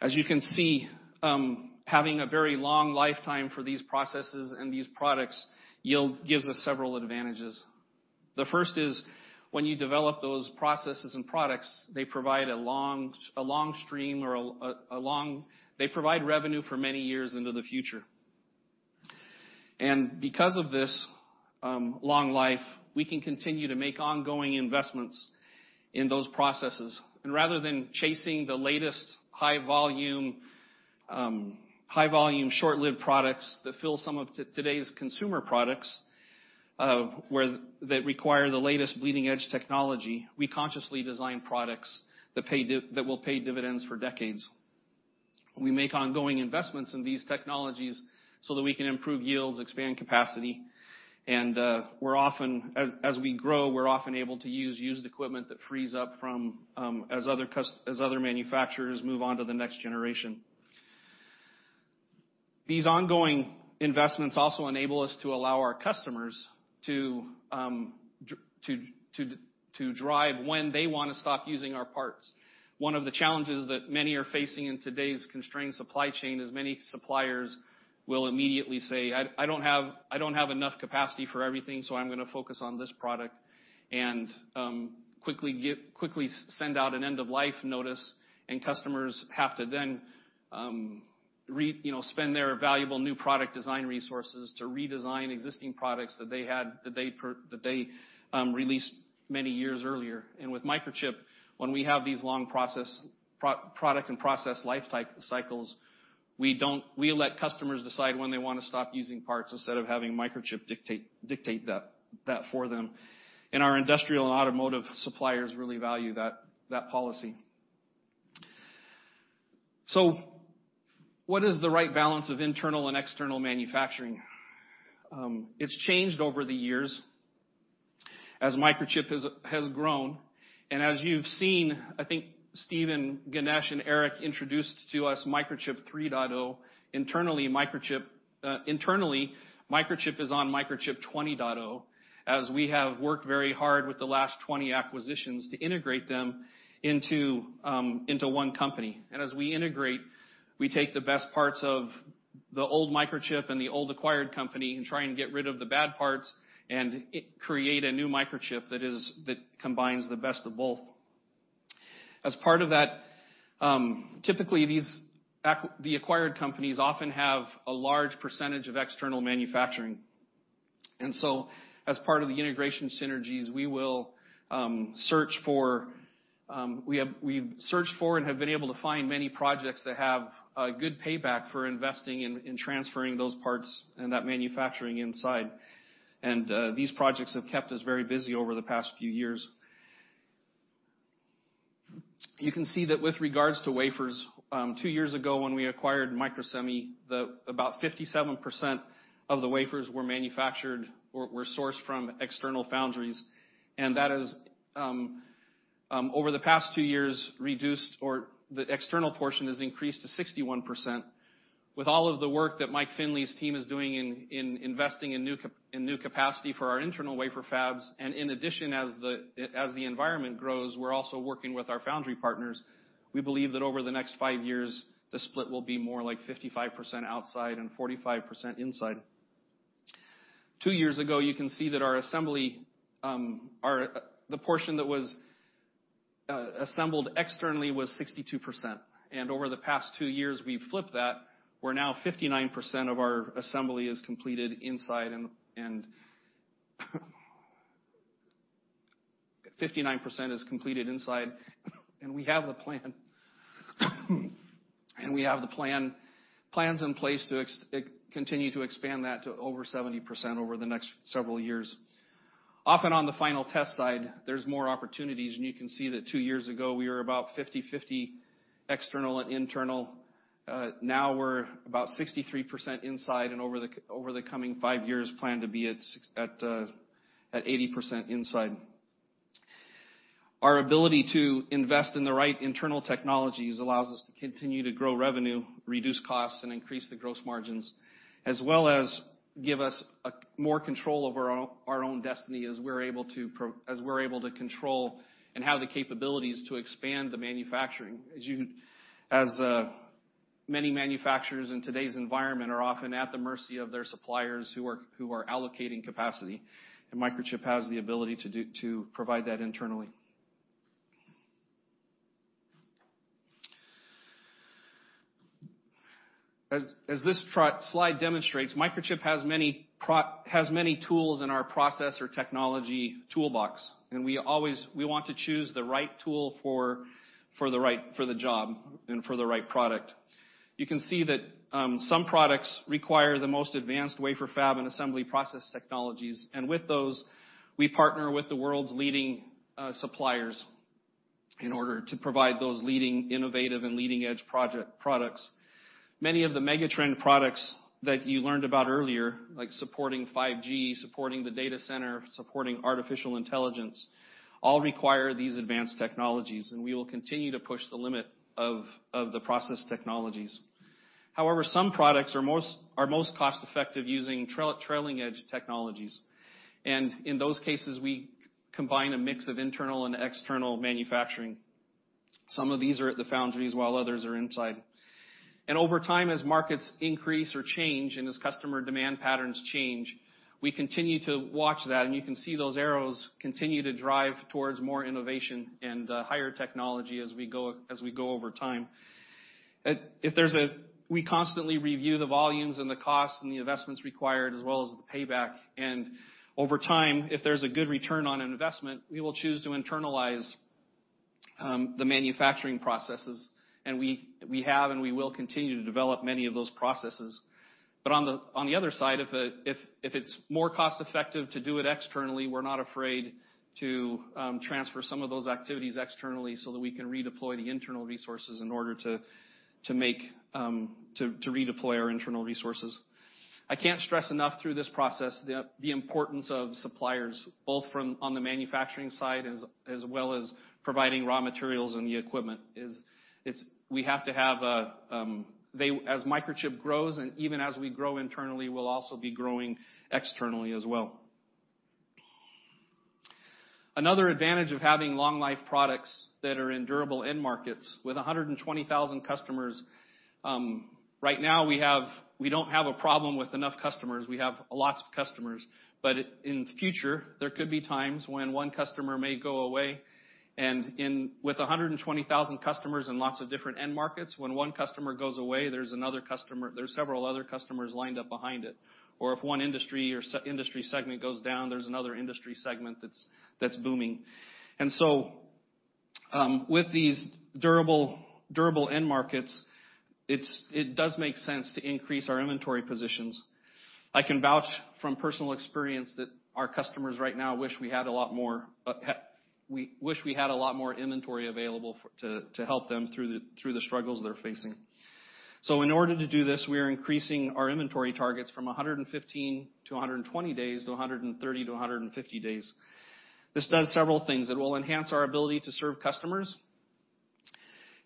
As you can see, having a very long lifetime for these processes and these products gives us several advantages. The first is when you develop those processes and products, they provide a long stream of revenue for many years into the future. Because of this long life, we can continue to make ongoing investments in those processes rather than chasing the latest high volume short-lived products that fill some of today's consumer products that require the latest bleeding-edge technology. We consciously design products that will pay dividends for decades. We make ongoing investments in these technologies so that we can improve yields, expand capacity. As we grow, we're often able to use used equipment that frees up from, as other manufacturers move on to the next generation. These ongoing investments also enable us to allow our customers to decide when they wanna stop using our parts. One of the challenges that many are facing in today's constrained supply chain is many suppliers will immediately say, "I don't have enough capacity for everything, so I'm gonna focus on this product." Quickly get; quickly send out an end of life notice, and customers have to then spend their valuable new product design resources to redesign existing products that they released many years earlier. With Microchip, when we have these long product and process life cycles, we let customers decide when they wanna stop using parts instead of having Microchip dictate that for them. Our industrial and automotive suppliers really value that policy. What is the right balance of internal and external manufacturing? It's changed over the years as Microchip has grown. As you've seen, I think Steve Sanghi, Ganesh, and Eric introduced to us Microchip 3.0. Internally, Microchip is on Microchip 20.0, as we have worked very hard with the last 20 acquisitions to integrate them into one company. We integrate, we take the best parts of the old Microchip and the old acquired company and try and get rid of the bad parts and create a new Microchip that combines the best of both. As part of that, typically, these acquired companies often have a large percentage of external manufacturing. As part of the integration synergies, we have searched for and have been able to find many projects that have a good payback for investing in transferring those parts and that manufacturing inside. These projects have kept us very busy over the past few years. You can see that with regards to wafers, two years ago, when we acquired Microsemi, about 57% of the wafers were manufactured or were sourced from external foundries. That has over the past two years, the external portion has increased to 61%. With all of the work that Mike Finley's team is doing in investing in new capacity for our internal wafer fabs, and in addition, as the environment grows, we're also working with our foundry partners. We believe that over the next five years, the split will be more like 55% outside and 45% inside. Two years ago, you can see that our assembly, the portion that was assembled externally was 62%. Over the past two years, we've flipped that, where now 59% of our assembly is completed inside, and 59% is completed inside, and we have plans in place to continue to expand that to over 70% over the next several years. On the final test side, there's more opportunities, and you can see that two years ago, we were about 50/50 external and internal. Now we're about 63% inside, and over the coming five years, plan to be at 80% inside. Our ability to invest in the right internal technologies allows us to continue to grow revenue, reduce costs, and increase the gross margins, as well as give us more control over our own destiny as we're able to control and have the capabilities to expand the manufacturing. As many manufacturers in today's environment are often at the mercy of their suppliers who are allocating capacity, and Microchip has the ability to provide that internally. As this slide demonstrates, Microchip has many tools in our process or technology toolbox, and we always want to choose the right tool for the right job and for the right product. You can see that some products require the most advanced wafer fab and assembly process technologies, and with those, we partner with the world's leading suppliers in order to provide those leading, innovative and leading-edge products. Many of the megatrend products that you learned about earlier, like supporting 5G, supporting the data center, supporting artificial intelligence, all require these advanced technologies, and we will continue to push the limit of the process technologies. However, some products are most cost effective using trailing-edge technologies. In those cases, we combine a mix of internal and external manufacturing. Some of these are at the foundries, while others are inside. Over time, as markets increase or change and as customer demand patterns change, we continue to watch that, and you can see those arrows continue to drive towards more innovation and higher technology as we go over time. We constantly review the volumes and the costs and the investments required as well as the payback, and over time, if there's a good return on an investment, we will choose to internalize the manufacturing processes. We have and we will continue to develop many of those processes. On the other side, if it's more cost effective to do it externally, we're not afraid to transfer some of those activities externally so that we can redeploy the internal resources in order to redeploy our internal resources. I can't stress enough through this process the importance of suppliers, both from the manufacturing side as well as providing raw materials and the equipment. It's we have to have them. Microchip grows and even as we grow internally, we'll also be growing externally as well. Another advantage of having long life products that are in durable end markets with 120,000 customers, right now we don't have a problem with enough customers. We have lots of customers. In the future, there could be times when one customer may go away. With 120,000 customers and lots of different end markets, when one customer goes away, there's another customer, there's several other customers lined up behind it. If one industry or industry segment goes down, there's another industry segment that's booming. With these durable end markets, it does make sense to increase our inventory positions. I can vouch from personal experience that our customers right now wish we had a lot more inventory available to help them through the struggles they're facing. In order to do this, we are increasing our inventory targets from 115 to 120 days to 130 to 150 days. This does several things. It will enhance our ability to serve customers.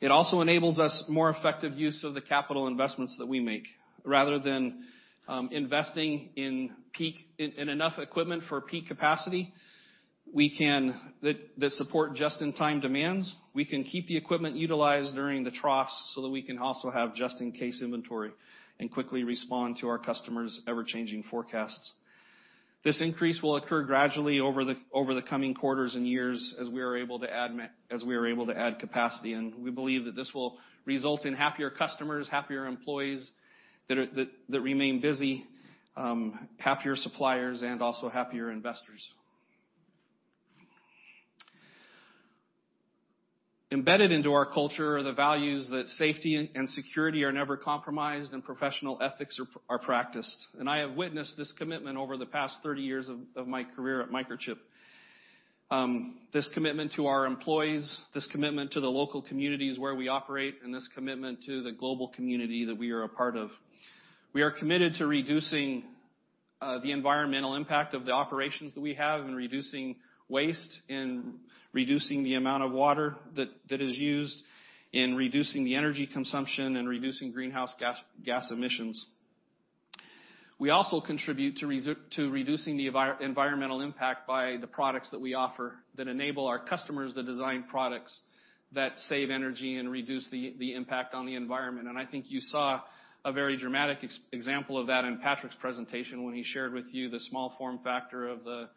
It also enables us more effective use of the capital investments that we make, rather than investing in enough equipment for peak capacity, we can support just-in-time demands. We can keep the equipment utilized during the troughs so that we can also have just-in-case inventory and quickly respond to our customers' ever-changing forecasts. This increase will occur gradually over the coming quarters and years as we are able to add capacity, and we believe that this will result in happier customers, happier employees that remain busy, happier suppliers, and also happier investors. Embedded into our culture are the values that safety and security are never compromised and professional ethics are practiced. I have witnessed this commitment over the past 30 years of my career at Microchip. This commitment to our employees, this commitment to the local communities where we operate, and this commitment to the global community that we are a part of. We are committed to reducing the environmental impact of the operations that we have in reducing waste, in reducing the amount of water that is used, in reducing the energy consumption, in reducing greenhouse gas emissions. We also contribute to reducing the environmental impact by the products that we offer that enable our customers to design products that save energy and reduce the impact on the environment. I think you saw a very dramatic example of that in Patrick's presentation when he shared with you the small form factor of the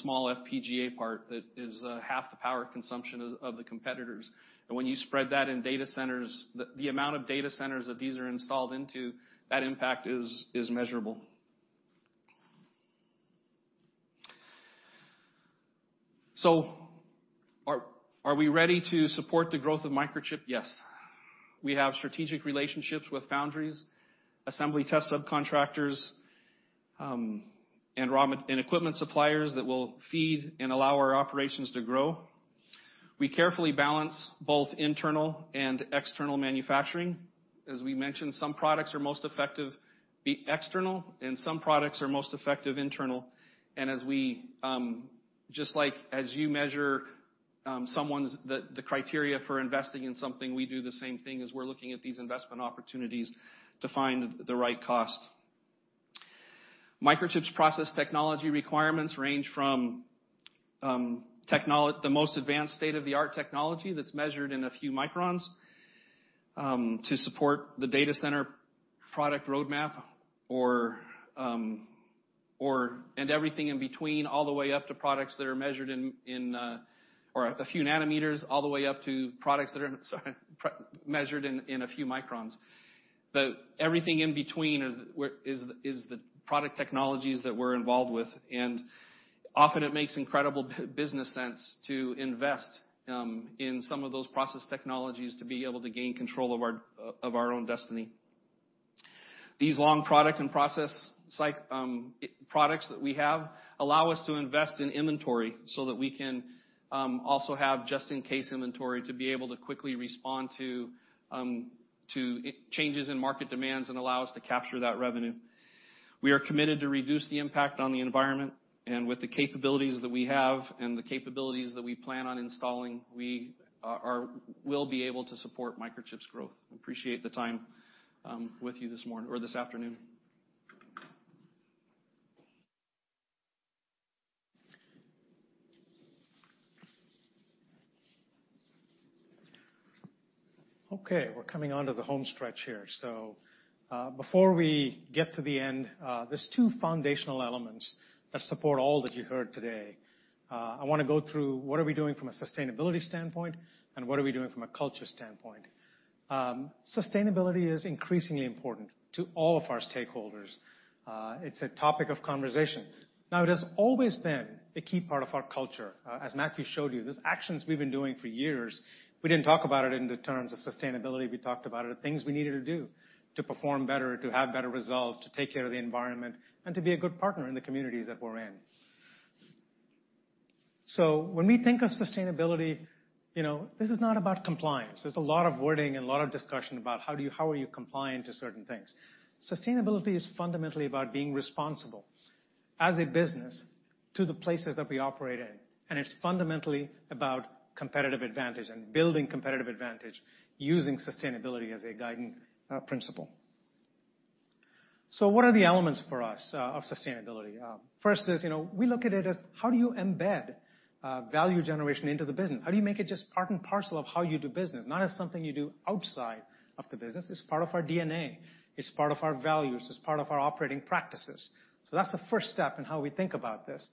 small FPGA part that is half the power consumption of the competitors. When you spread that in data centers, the amount of data centers that these are installed into, that impact is measurable. Are we ready to support the growth of Microchip? Yes. We have strategic relationships with foundries, assembly and test subcontractors, and raw materials and equipment suppliers that will feed and allow our operations to grow. We carefully balance both internal and external manufacturing. As we mentioned, some products are most effective being external, and some products are most effective being internal. As we just like, as you measure the criteria for investing in something, we do the same thing as we're looking at these investment opportunities to find the right cost. Microchip's process technology requirements range from the most advanced state-of-the-art technology that's measured in a few microns to support the data center product roadmap, and everything in between, all the way up to products that are measured in a few nanometers, all the way up to products that are measured in a few microns. Everything in between is where the product technologies that we're involved with, and often it makes incredible business sense to invest in some of those process technologies to be able to gain control of our own destiny. These long product and process products that we have allow us to invest in inventory so that we can also have just-in-case inventory to be able to quickly respond to changes in market demands and allow us to capture that revenue. We are committed to reduce the impact on the environment, and with the capabilities that we have and the capabilities that we plan on installing, we will be able to support Microchip's growth. Appreciate the time with you this afternoon. Okay, we're coming onto the home stretch here. Before we get to the end, there's two foundational elements that support all that you heard today. I wanna go through what are we doing from a sustainability standpoint and what are we doing from a culture standpoint. Sustainability is increasingly important to all of our stakeholders. It's a topic of conversation. Now, it has always been a key part of our culture. As Mathew showed you, there's actions we've been doing for years. We didn't talk about it in the terms of sustainability. We talked about it, the things we needed to do to perform better, to have better results, to take care of the environment, and to be a good partner in the communities that we're in. When we think of sustainability, you know, this is not about compliance. There's a lot of wording and a lot of discussion about how are you compliant to certain things. Sustainability is fundamentally about being responsible as a business to the places that we operate in, and it's fundamentally about competitive advantage and building competitive advantage using sustainability as a guiding principle. What are the elements for us of sustainability? First is, you know, we look at it as how do you embed value generation into the business? How do you make it just part and parcel of how you do business? Not as something you do outside of the business. It's part of our DNA. It's part of our values. It's part of our operating practices. That's the first step in how we think about this.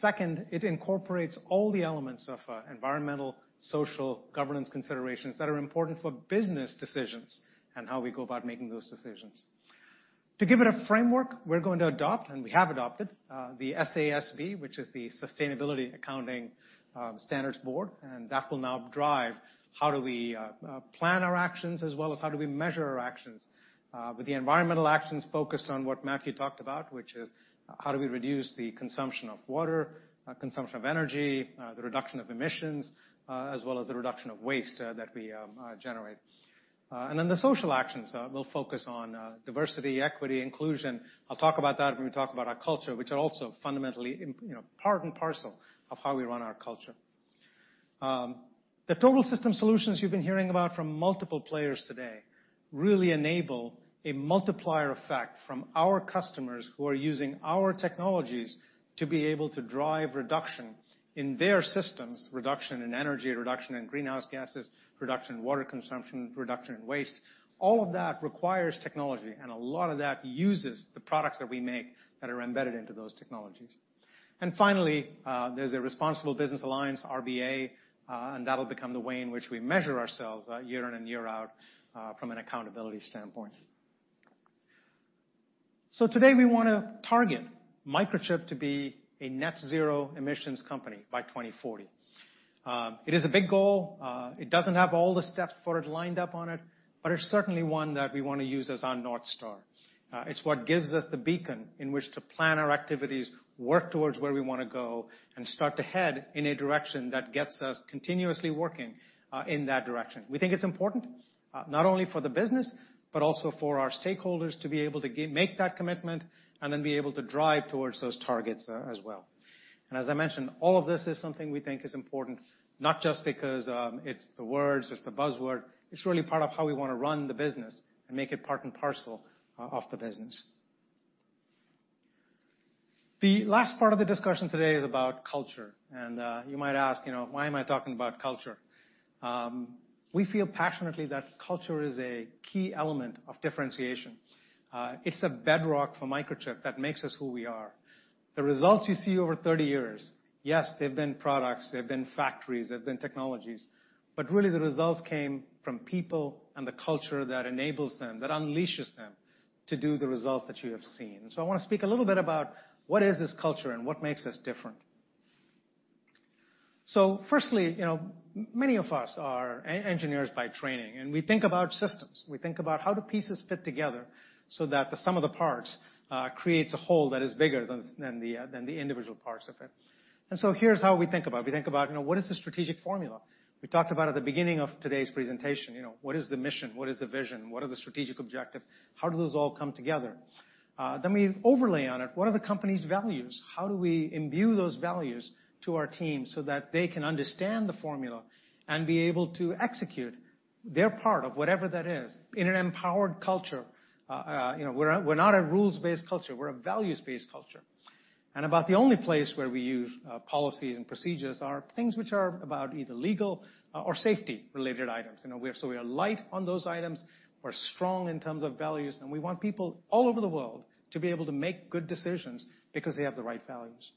Second, it incorporates all the elements of environmental, social, governance considerations that are important for business decisions and how we go about making those decisions. To give it a framework, we're going to adopt, and we have adopted, the SASB, which is the Sustainability Accounting Standards Board, and that will now drive how do we plan our actions as well as how do we measure our actions, with the environmental actions focused on what Matthew talked about, which is how do we reduce the consumption of water, consumption of energy, the reduction of emissions, as well as the reduction of waste that we generate. The social actions will focus on diversity, equity, inclusion. I'll talk about that when we talk about our culture, which are also fundamentally you know, part and parcel of how we run our culture. The total system solutions you've been hearing about from multiple players today really enable a multiplier effect from our customers who are using our technologies to be able to drive reduction in their systems, reduction in energy, reduction in greenhouse gases, reduction in water consumption, reduction in waste. All of that requires technology, and a lot of that uses the products that we make that are embedded into those technologies. Finally, there's a Responsible Business Alliance, RBA, and that'll become the way in which we measure ourselves, year in and year out, from an accountability standpoint. Today, we wanna target Microchip to be a net zero emissions company by 2040. It is a big goal. It doesn't have all the steps for it lined up on it, but it's certainly one that we wanna use as our North Star. It's what gives us the beacon in which to plan our activities, work towards where we wanna go, and start to head in a direction that gets us continuously working in that direction. We think it's important, not only for the business, but also for our stakeholders to be able to make that commitment, and then be able to drive towards those targets, as well. As I mentioned, all of this is something we think is important, not just because it's the words, it's the buzzword, it's really part of how we wanna run the business and make it part and parcel of the business. The last part of the discussion today is about culture, and you might ask, you know, why am I talking about culture? We feel passionately that culture is a key element of differentiation. It's the bedrock for Microchip that makes us who we are. The results you see over 30 years, yes, they've been products, they've been factories, they've been technologies, but really the results came from people and the culture that enables them, that unleashes them to do the results that you have seen. I wanna speak a little bit about what is this culture and what makes us different. Firstly, you know, many of us are engineers by training, and we think about systems. We think about how do pieces fit together so that the sum of the parts creates a whole that is bigger than the individual parts of it. Here's how we think about it. We think about, you know, what is the strategic formula? We talked about at the beginning of today's presentation, you know, what is the mission? What is the vision? What are the strategic objectives? How do those all come together? Then we overlay on it, what are the company's values? How do we imbue those values to our team so that they can understand the formula and be able to execute their part of whatever that is in an empowered culture? You know, we're not a rules-based culture, we're a values-based culture, and about the only place where we use policies and procedures are things which are about either legal or safety-related items. You know, we are light on those items. We're strong in terms of values, and we want people all over the world to be able to make good decisions because they have the right values.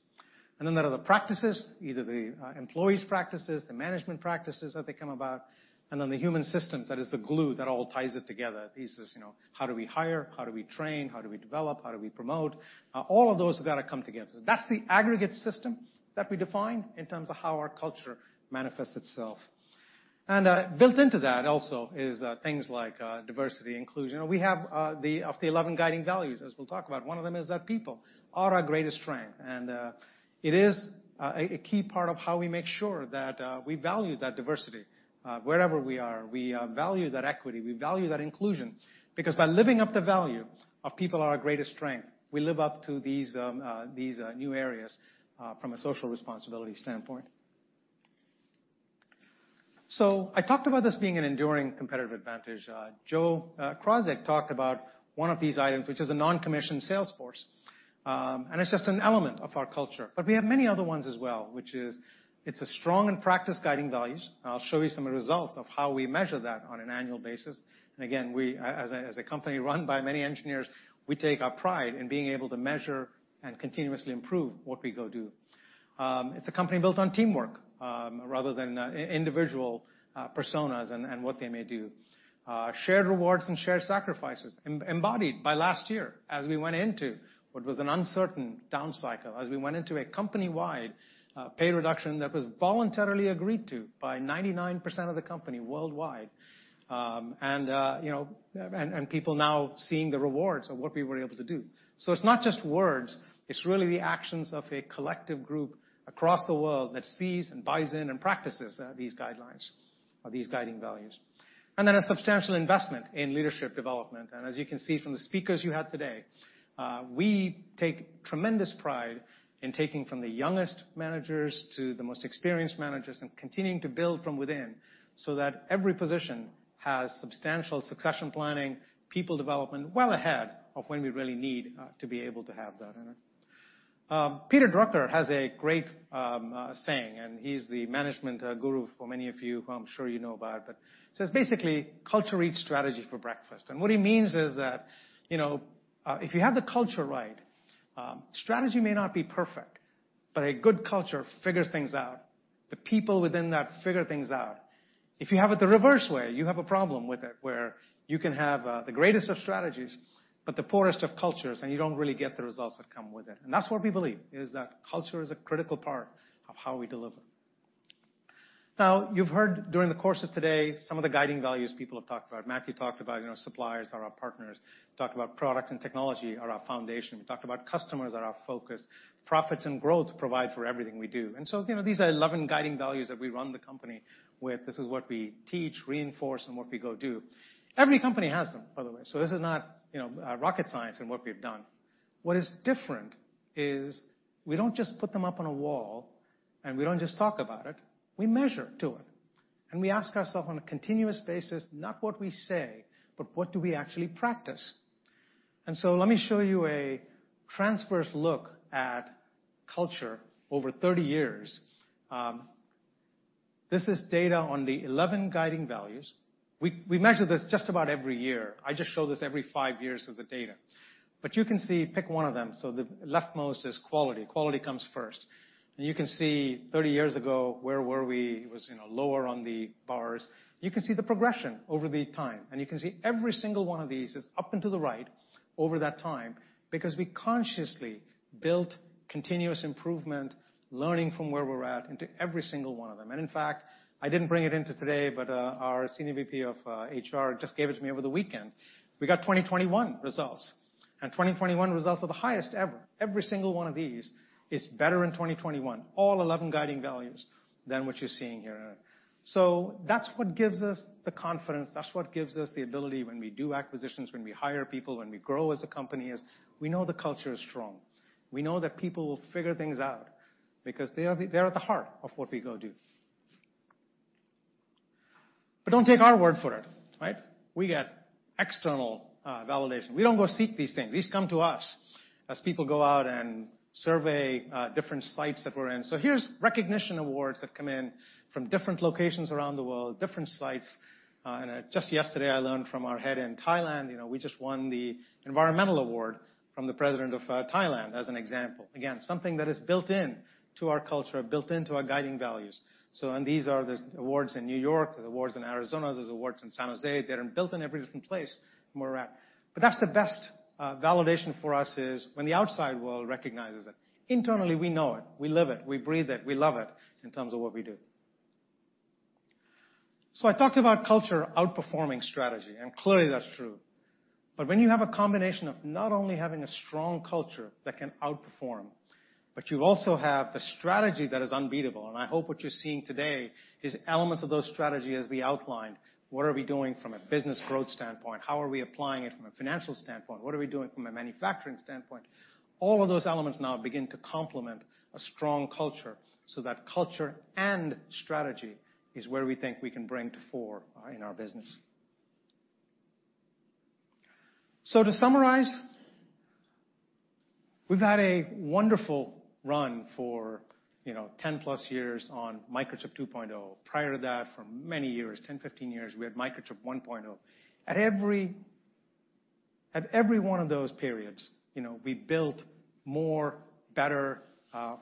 Then there are the practices, either the employees' practices, the management practices that they come about, and then the human systems, that is the glue that all ties it together, pieces, you know, how do we hire? How do we train? How do we develop? How do we promote? All of those have gotta come together. That's the aggregate system that we define in terms of how our culture manifests itself. Built into that also is things like diversity, inclusion, and we have the of the 11 guiding values, as we'll talk about, one of them is that people are our greatest strength, and it is a key part of how we make sure that we value that diversity. Wherever we are, we value that equity, we value that inclusion, because by living up the value of people are our greatest strength, we live up to these new areas from a social responsibility standpoint. I talked about this being an enduring competitive advantage. Joe Krawczyk talked about one of these items, which is a non-commissioned sales force, and it's just an element of our culture. We have many other ones as well, which is a strong and practiced guiding values. I'll show you some results of how we measure that on an annual basis. Again, we, as a company run by many engineers, we take our pride in being able to measure and continuously improve what we do. It's a company built on teamwork, rather than individual personas and what they may do. Shared rewards and shared sacrifices embodied by last year as we went into what was an uncertain down cycle, as we went into a company-wide pay reduction that was voluntarily agreed to by 99% of the company worldwide. You know, people now seeing the rewards of what we were able to do. It's not just words, it's really the actions of a collective group across the world that sees and buys in and practices these guidelines or these guiding values. Then a substantial investment in leadership development. As you can see from the speakers you had today, we take tremendous pride in taking from the youngest managers to the most experienced managers, and continuing to build from within so that every position has substantial succession planning, people development, well ahead of when we really need to be able to have that. Peter Drucker has a great saying, and he's the management guru for many of you, who I'm sure you know about. It says basically, "Culture eats strategy for breakfast." What he means is that, you know, if you have the culture right, strategy may not be perfect, but a good culture figures things out. The people within that figure things out. If you have it the reverse way, you have a problem with it, where you can have the greatest of strategies, but the poorest of cultures, and you don't really get the results that come with it. That's what we believe, is that culture is a critical part of how we deliver. Now, you've heard during the course of today some of the guiding values people have talked about. Matthew talked about suppliers are our partners. Talked about products and technology are our foundation. We talked about customers are our focus. Profits and growth provide for everything we do. You know, these are 11 guiding values that we run the company with. This is what we teach, reinforce, and what we do. Every company has them, by the way, so this is not, you know, rocket science in what we've done. What is different is we don't just put them up on a wall, and we don't just talk about it, we measure to it. We ask ourselves on a continuous basis, not what we say, but what do we actually practice. Let me show you a transverse look at culture over 30 years. This is data on the 11 guiding values. We measure this just about every year. I just show this every five years of the data. But you can see, pick one of them, so the leftmost is quality. Quality comes first. You can see 30 years ago, where were we? It was, you know, lower on the bars. You can see the progression over the time. You can see every single one of these is up and to the right over that time because we consciously built continuous improvement, learning from where we're at into every single one of them. In fact, I didn't bring it into today, but our Senior VP of HR just gave it to me over the weekend. We got 2021 results, and 2021 results are the highest ever. Every single one of these is better in 2021, all 11 guiding values, than what you're seeing here. That's what gives us the confidence, that's what gives us the ability when we do acquisitions, when we hire people, when we grow as a company, is we know the culture is strong. We know that people will figure things out because they're at the heart of what we do. Don't take our word for it, right? We get external validation. We don't go seek these things. These come to us as people go out and survey different sites that we're in. Here's recognition awards that come in from different locations around the world, different sites. Just yesterday I learned from our head in Thailand, we just won the environmental award from the President of Thailand, as an example. Again, something that is built in to our culture, built in to our guiding values. These are [inaudible] awards in New York, there's awards in Arizona, there's awards in San Jose. They're built in every different place from where we're at. That's the best validation for us is when the outside world recognizes it. Internally, we know it, we live it, we breathe it, we love it in terms of what we do. I talked about culture outperforming strategy, and clearly that's true. When you have a combination of not only having a strong culture that can outperform, but you also have the strategy that is unbeatable, and I hope what you're seeing today is elements of those strategy as we outlined. What are we doing from a business growth standpoint? How are we applying it from a financial standpoint? What are we doing from a manufacturing standpoint? All of those elements now begin to complement a strong culture, so that culture and strategy is where we think we can bring to the fore in our business. To summarize, we've had a wonderful run for, you know, 10+ years on Microchip 2.0. Prior to that, for many years, 10, 15 years, we had Microchip 1.0. At every one of those periods, you know, we built more, better,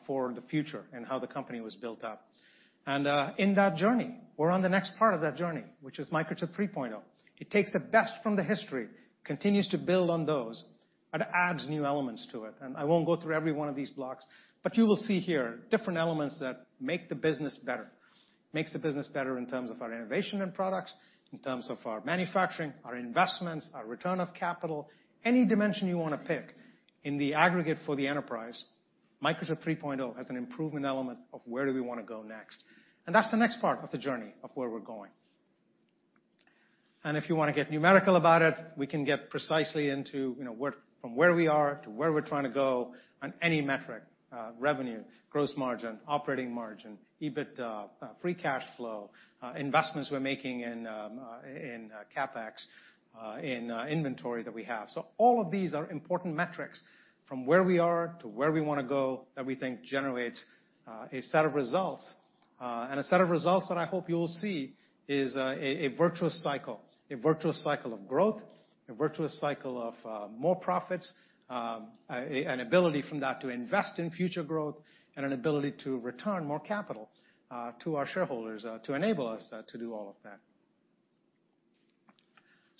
for the future and how the company was built up. In that journey, we're on the next part of that journey, which is Microchip 3.0. It takes the best from the history, continues to build on those, but adds new elements to it. I won't go through every one of these blocks, but you will see here different elements that make the business better. Makes the business better in terms of our innovation and products, in terms of our manufacturing, our investments, our return of capital, any dimension you wanna pick in the aggregate for the enterprise. Microchip 3.0 has an improvement element of where do we wanna go next. That's the next part of the journey of where we're going. If you wanna get numerical about it, we can get precisely into, you know, where, from where we are to where we're trying to go on any metric, revenue, gross margin, operating margin, EBITDA, free cash flow, investments we're making in CapEx, in inventory that we have. All of these are important metrics from where we are to where we wanna go that we think generates a set of results. A set of results that I hope you will see is a virtuous cycle of growth, a virtuous cycle of more profits, an ability from that to invest in future growth, and an ability to return more capital to our shareholders to enable us to do all of that.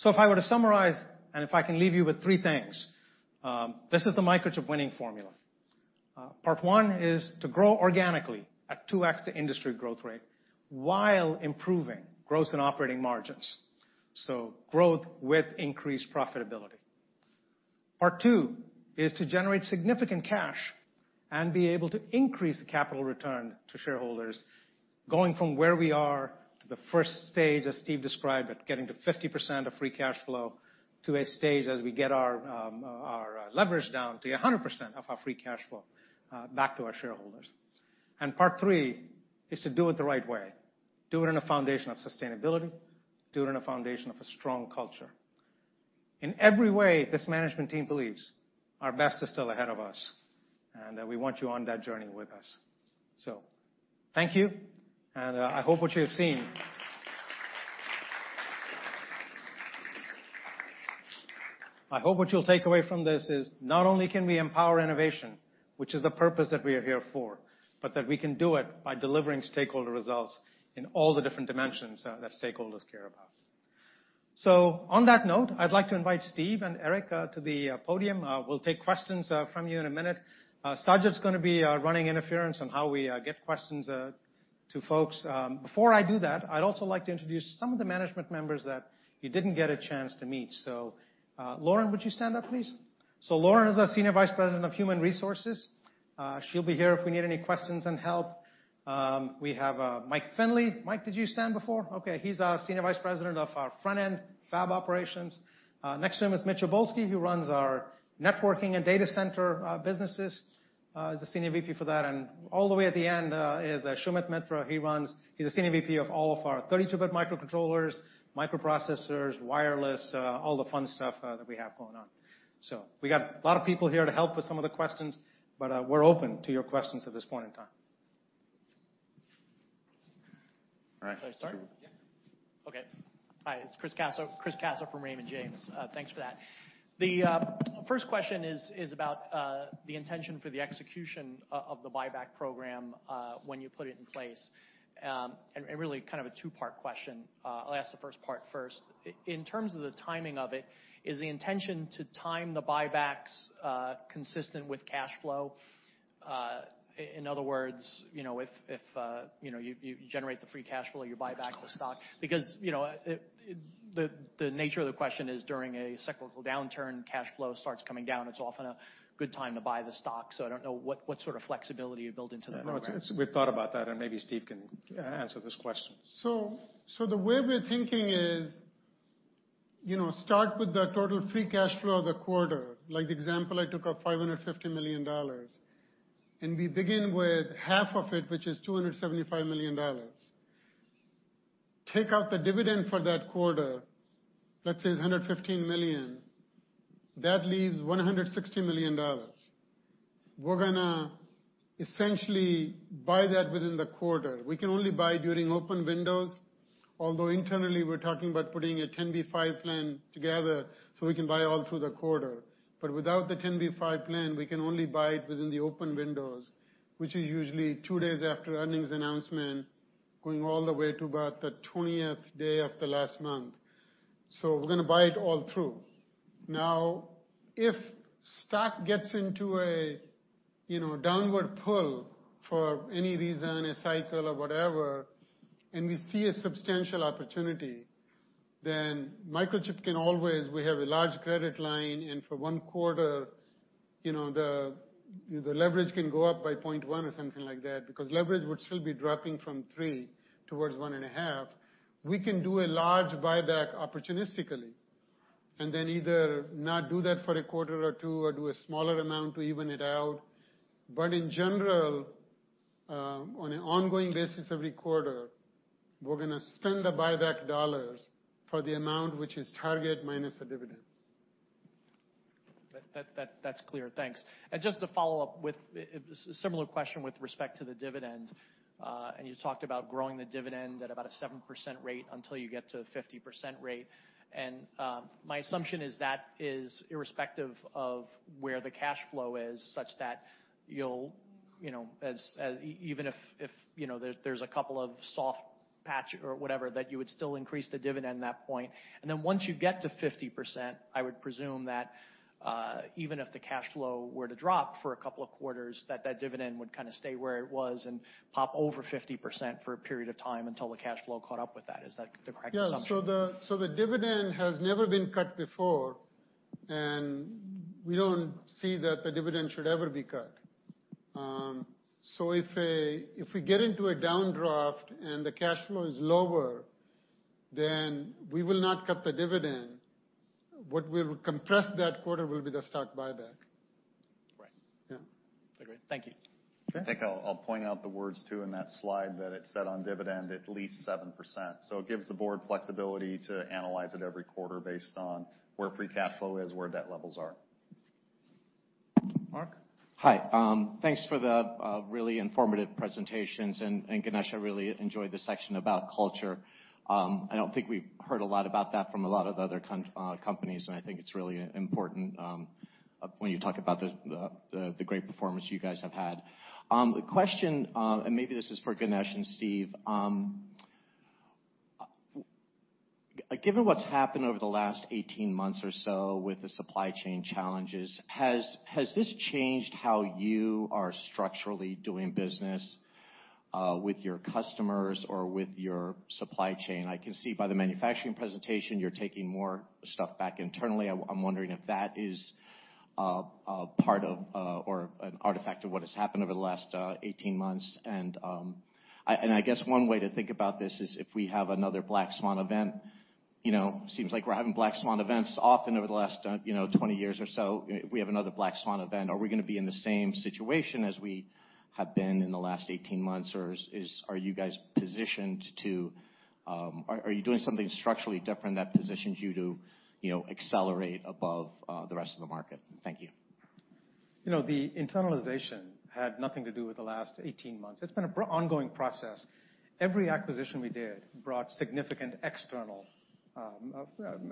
If I were to summarize, and if I can leave you with three things, this is the Microchip winning formula. Part one is to grow organically at 2x the industry growth rate while improving gross and operating margins, so growth with increased profitability. Part two is to generate significant cash and be able to increase the capital return to shareholders going from where we are to the first stage, as Steve described, but getting to 50% of free cash flow to a stage as we get our leverage down to 100% of our free cash flow back to our shareholders. Part three is to do it the right way, do it in a foundation of sustainability, do it in a foundation of a strong culture. In every way, this management team believes our best is still ahead of us, and we want you on that journey with us. Thank you, I hope what you'll take away from this is not only can we empower innovation, which is the purpose that we are here for, but that we can do it by delivering stakeholder results in all the different dimensions that stakeholders care about. On that note, I'd like to invite Steve and Eric to the podium. We'll take questions from you in a minute. Sajid's gonna be running interference on how we get questions to folks. Before I do that, I'd also like to introduce some of the management members that you didn't get a chance to meet. Lauren, would you stand up, please? Lauren is our Senior Vice President of Human Resources. She'll be here if we need any questions and help. We have Mike Finley. Mike, did you stand before? Okay. He's our Senior Vice President of our front-end fab operations. Next to him is Mitch Obolsky, who runs our networking and data center businesses, the Senior VP for that. All the way at the end is Sumit Mitra. He's the Senior VP of all of our 32-bit microcontrollers, microprocessors, wireless, all the fun stuff that we have going on. We got a lot of people here to help with some of the questions, but we're open to your questions at this point in time. All right. Should I start? Yeah. Okay. Hi, it's Chris Caso from Raymond James. Thanks for that. The first question is about the intention for the execution of the buyback program when you put it in place. And really kind of a two-part question. I'll ask the first part first. In terms of the timing of it, is the intention to time the buybacks consistent with cash flow? In other words, you know, you generate the free cash flow, you buy back the stock. Because, you know, the nature of the question is, during a cyclical downturn, cash flow starts coming down, it's often a good time to buy the stock, so I don't know what sort of flexibility you build into the program. No, it's. We've thought about that, and maybe Steve can answer this question. The way we're thinking is, you know, start with the total free cash flow of the quarter, like the example I took of $550 million, and we begin with half of it, which is $275 million. Take out the dividend for that quarter. Let's say it's $115 million. That leaves $160 million. We're gonna essentially buy that within the quarter. We can only buy during open windows, although internally, we're talking about putting a 10b5-1 plan together, so we can buy all through the quarter. But without the 10b5-1 plan, we can only buy it within the open windows, which is usually two days after earnings announcement, going all the way to about the 20th day of the last month. We're gonna buy it all through. Now, if stock gets into a you know downward pull for any reason, a cycle or whatever, and we see a substantial opportunity, then Microchip can always. We have a large credit line, and for one quarter, you know, the leverage can go up by 0.1 or something like that because leverage would still be dropping from 3 towards 1.5. We can do a large buyback opportunistically and then either not do that for a quarter or two or do a smaller amount to even it out. In general, on an ongoing basis every quarter, we're gonna spend the buyback dollars for the amount which is target minus the dividend. That's clear. Thanks. Just to follow up with a similar question with respect to the dividend, and you talked about growing the dividend at about a 7% rate until you get to 50% rate. My assumption is that it is irrespective of where the cash flow is such that you'll you know as even if you know there's a couple of soft patch or whatever, that you would still increase the dividend at that point. Then once you get to 50%, I would presume that even if the cash flow were to drop for a couple of quarters, that dividend would kind of stay where it was and pop over 50% for a period of time until the cash flow caught up with that. Is that the correct assumption? The dividend has never been cut before, and we don't see that the dividend should ever be cut. If we get into a downdraft and the cash flow is lower, then we will not cut the dividend. What we'll compress that quarter will be the stock buyback. Right. Yeah. Agreed. Thank you. Okay. I think I'll point out the words too in that slide that it said on dividend, at least 7%. It gives the board flexibility to analyze it every quarter based on where free cash flow is, where debt levels are. Mark. Hi. Thanks for the really informative presentations. Ganesh, I really enjoyed the section about culture. I don't think we've heard a lot about that from a lot of other companies, and I think it's really important when you talk about the great performance you guys have had. The question, and maybe this is for Ganesh and Steve. Given what's happened over the last 18 months or so with the supply chain challenges, has this changed how you are structurally doing business with your customers or with your supply chain? I can see by the manufacturing presentation you're taking more stuff back internally. I'm wondering if that is part of or an artifact of what has happened over the last 18 months. I guess one way to think about this is if we have another black swan event. You know, seems like we're having black swan events often over the last 20 years or so. If we have another black swan event, are we gonna be in the same situation as we have been in the last 18 months, or are you guys positioned to? Are you doing something structurally different that positions you to, you know, accelerate above the rest of the market? Thank you. You know, the internalization had nothing to do with the last 18 months. It's been an ongoing process. Every acquisition we did brought significant external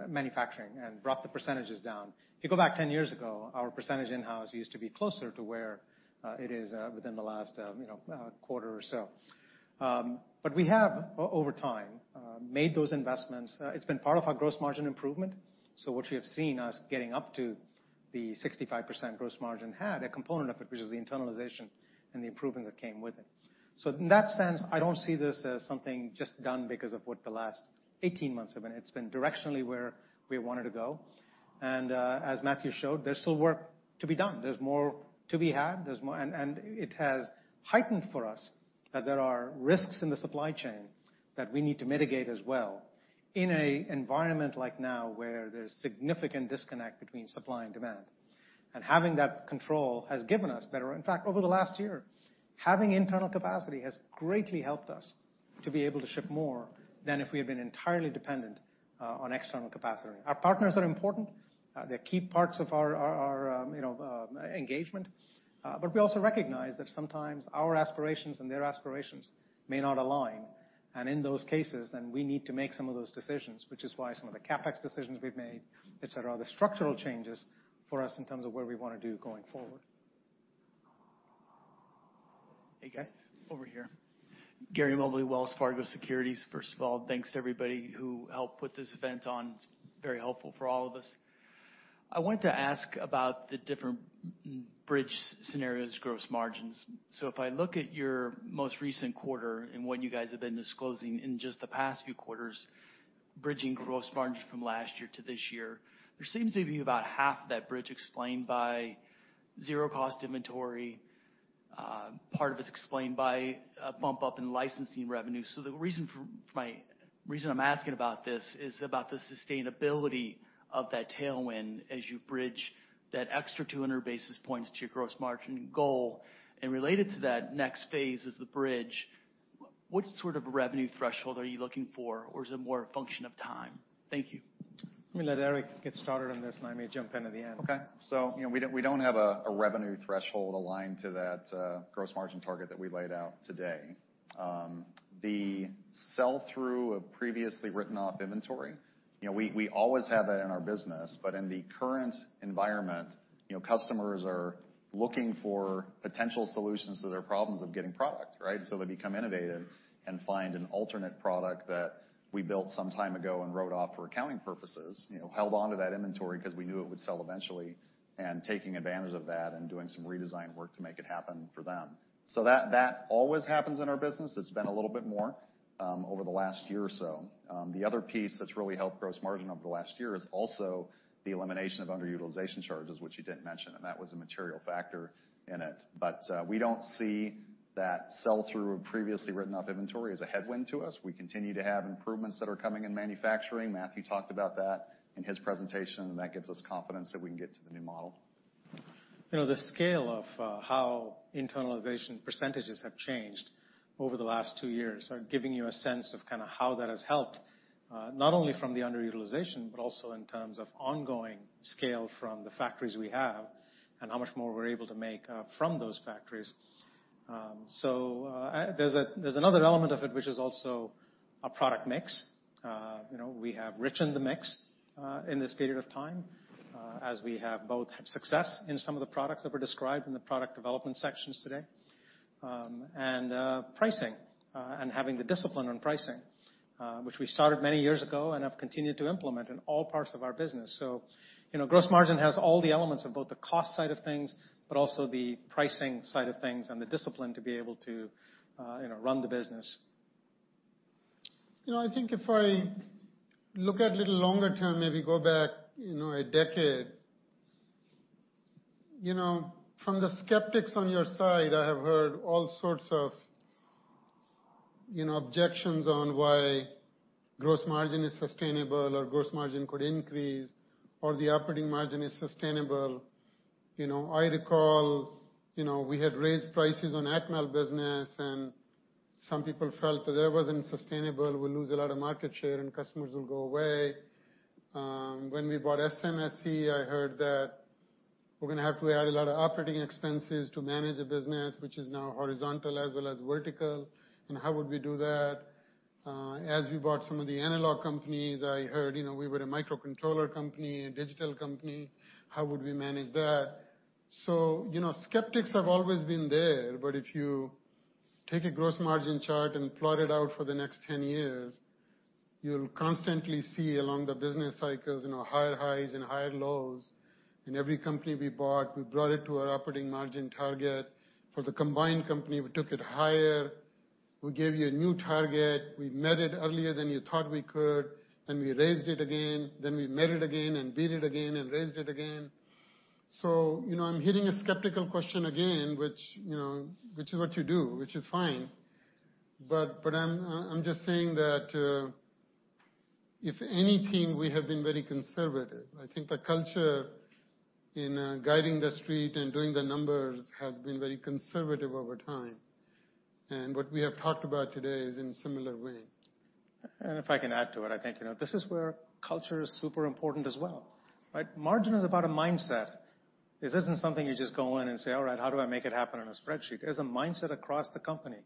manufacturing and brought the percentages down. If you go back 10 years ago, our percentage in-house used to be closer to where it is within the last quarter or so. But we have over time made those investments. It's been part of our gross margin improvement. What you have seen us getting up to the 65% gross margin had a component of it, which is the internalization and the improvements that came with it. In that sense, I don't see this as something just done because of what the last 18 months have been. It's been directionally where we wanted to go. As Matthew showed, there's still work to be done. There's more to be had. There's more. It has heightened for us that there are risks in the supply chain that we need to mitigate as well in an environment like now, where there's significant disconnect between supply and demand. Having that control has given us better. In fact, over the last year, having internal capacity has greatly helped us to be able to ship more than if we had been entirely dependent on external capacity. Our partners are important. They're key parts of our you know engagement. We also recognize that sometimes our aspirations and their aspirations may not align, and in those cases then we need to make some of those decisions, which is why some of the CapEx decisions we've made, et cetera, are the structural changes for us in terms of where we wanna go going forward. Hey, guys. Over here. Gary Mobley, Wells Fargo Securities. First of all, thanks to everybody who helped put this event on. It's very helpful for all of us. I wanted to ask about the different bridge scenarios gross margins. So if I look at your most recent quarter and what you guys have been disclosing in just the past few quarters, bridging gross margin from last year to this year, there seems to be about half of that bridge explained by zero cost inventory. Part of it's explained by a bump up in licensing revenue. So the reason I'm asking about this is about the sustainability of that tailwind as you bridge that extra 200 basis points to your gross margin goal. Related to that next phase of the bridge, what sort of revenue threshold are you looking for, or is it more a function of time? Thank you. Let me let Eric get started on this, and I may jump in at the end. Okay. You know, we don't have a revenue threshold aligned to that gross margin target that we laid out today. The sell-through of previously written off inventory, you know, we always have that in our business. In the current environment, you know, customers are looking for potential solutions to their problems of getting product, right? They become innovative and find an alternate product that we built some time ago and wrote off for accounting purposes, you know, held onto that inventory 'cause we knew it would sell eventually, and taking advantage of that and doing some redesign work to make it happen for them. That always happens in our business. It's been a little bit more over the last year or so. The other piece that's really helped gross margin over the last year is also the elimination of underutilization charges, which you didn't mention, and that was a material factor in it. We don't see that sell-through of previously written off inventory as a headwind to us. We continue to have improvements that are coming in manufacturing. Matthew talked about that in his presentation, and that gives us confidence that we can get to the new model. You know, the scale of how internalization percentages have changed over the last two years are giving you a sense of kinda how that has helped, not only from the underutilization, but also in terms of ongoing scale from the factories we have and how much more we're able to make from those factories. There's another element of it, which is also our product mix. You know, we have richened the mix in this period of time, as we have both had success in some of the products that were described in the product development sections today, and pricing, and having the discipline on pricing, which we started many years ago and have continued to implement in all parts of our business. You know, gross margin has all the elements of both the cost side of things, but also the pricing side of things and the discipline to be able to, you know, run the business. You know, I think if I look a little longer term, maybe go back, you know, a decade, you know, from the skeptics on your side, I have heard all sorts of, you know, objections on why gross margin is sustainable or gross margin could increase or the operating margin is sustainable. You know, I recall, you know, we had raised prices on Atmel business and some people felt that that wasn't sustainable. We'll lose a lot of market share and customers will go away. When we bought SMSC, I heard that we're gonna have to add a lot of operating expenses to manage the business, which is now horizontal as well as vertical, and how would we do that? As we bought some of the analog companies, I heard, you know, we were a microcontroller company, a digital company, how would we manage that? You know, skeptics have always been there, but if you take a gross margin chart and plot it out for the next 10 years, you'll constantly see along the business cycles, you know, higher highs and higher lows. In every company we bought, we brought it to our operating margin target. For the combined company, we took it higher. We gave you a new target. We met it earlier than you thought we could, then we raised it again, then we met it again and beat it again and raised it again. you know, I'm hearing a skeptical question again, which, you know, which is what you do, which is fine. I'm just saying that, if anything, we have been very conservative. I think the culture in guiding the street and doing the numbers has been very conservative over time. What we have talked about today is in similar ways. If I can add to it, I think, you know, this is where culture is super important as well, right? Margin is about a mindset. This isn't something you just go in and say, "All right, how do I make it happen on a spreadsheet?" It is a mindset across the company,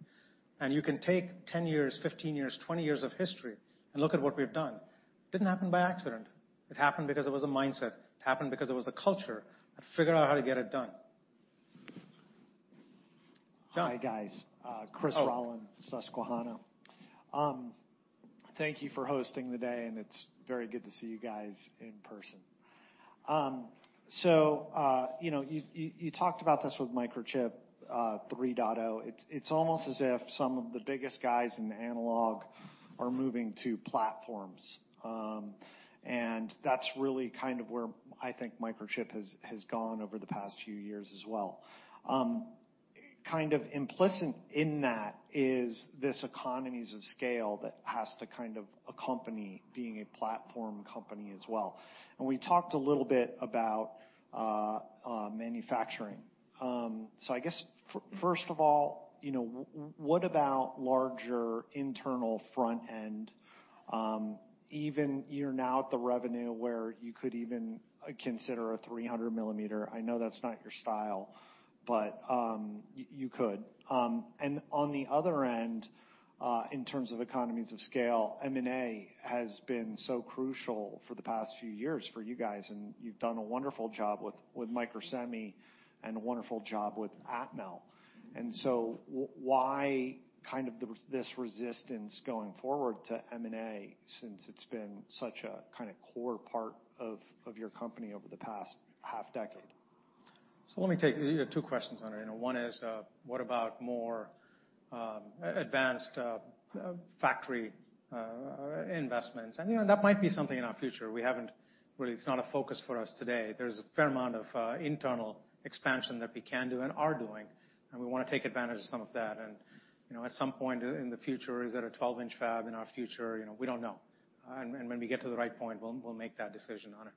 and you can take 10 years, 15 years, 20 years of history and look at what we've done. Didn't happen by accident. It happened because it was a mindset. It happened because it was a culture to figure out how to get it done. [John] Hi, guys. Oh. Chris Rolland, Susquehanna. Thank you for hosting the day, and it's very good to see you guys in person. You know, you talked about this with Microchip 3.0. It's almost as if some of the biggest guys in analog are moving to platforms. That's really kind of where I think Microchip has gone over the past few years as well. Kind of implicit in that is this economies of scale that has to kind of accompany being a platform company as well. We talked a little bit about manufacturing. I guess first of all, you know, what about larger internal front end, even you're now at the revenue where you could even consider a 300 mm. I know that's not your style, but you could. On the other end, in terms of economies of scale, M&A has been so crucial for the past few years for you guys, and you've done a wonderful job with Microsemi and a wonderful job with Atmel. Why kind of this resistance going forward to M&A since it's been such a kinda core part of your company over the past half decade? Let me take, you had two questions on it. One is, what about more advanced factory investments? You know, that might be something in our future. We haven't really. It's not a focus for us today. There's a fair amount of internal expansion that we can do and are doing, and we wanna take advantage of some of that. You know, at some point in the future, is it a 12-inch fab in our future? You know, we don't know. When we get to the right point, we'll make that decision on it.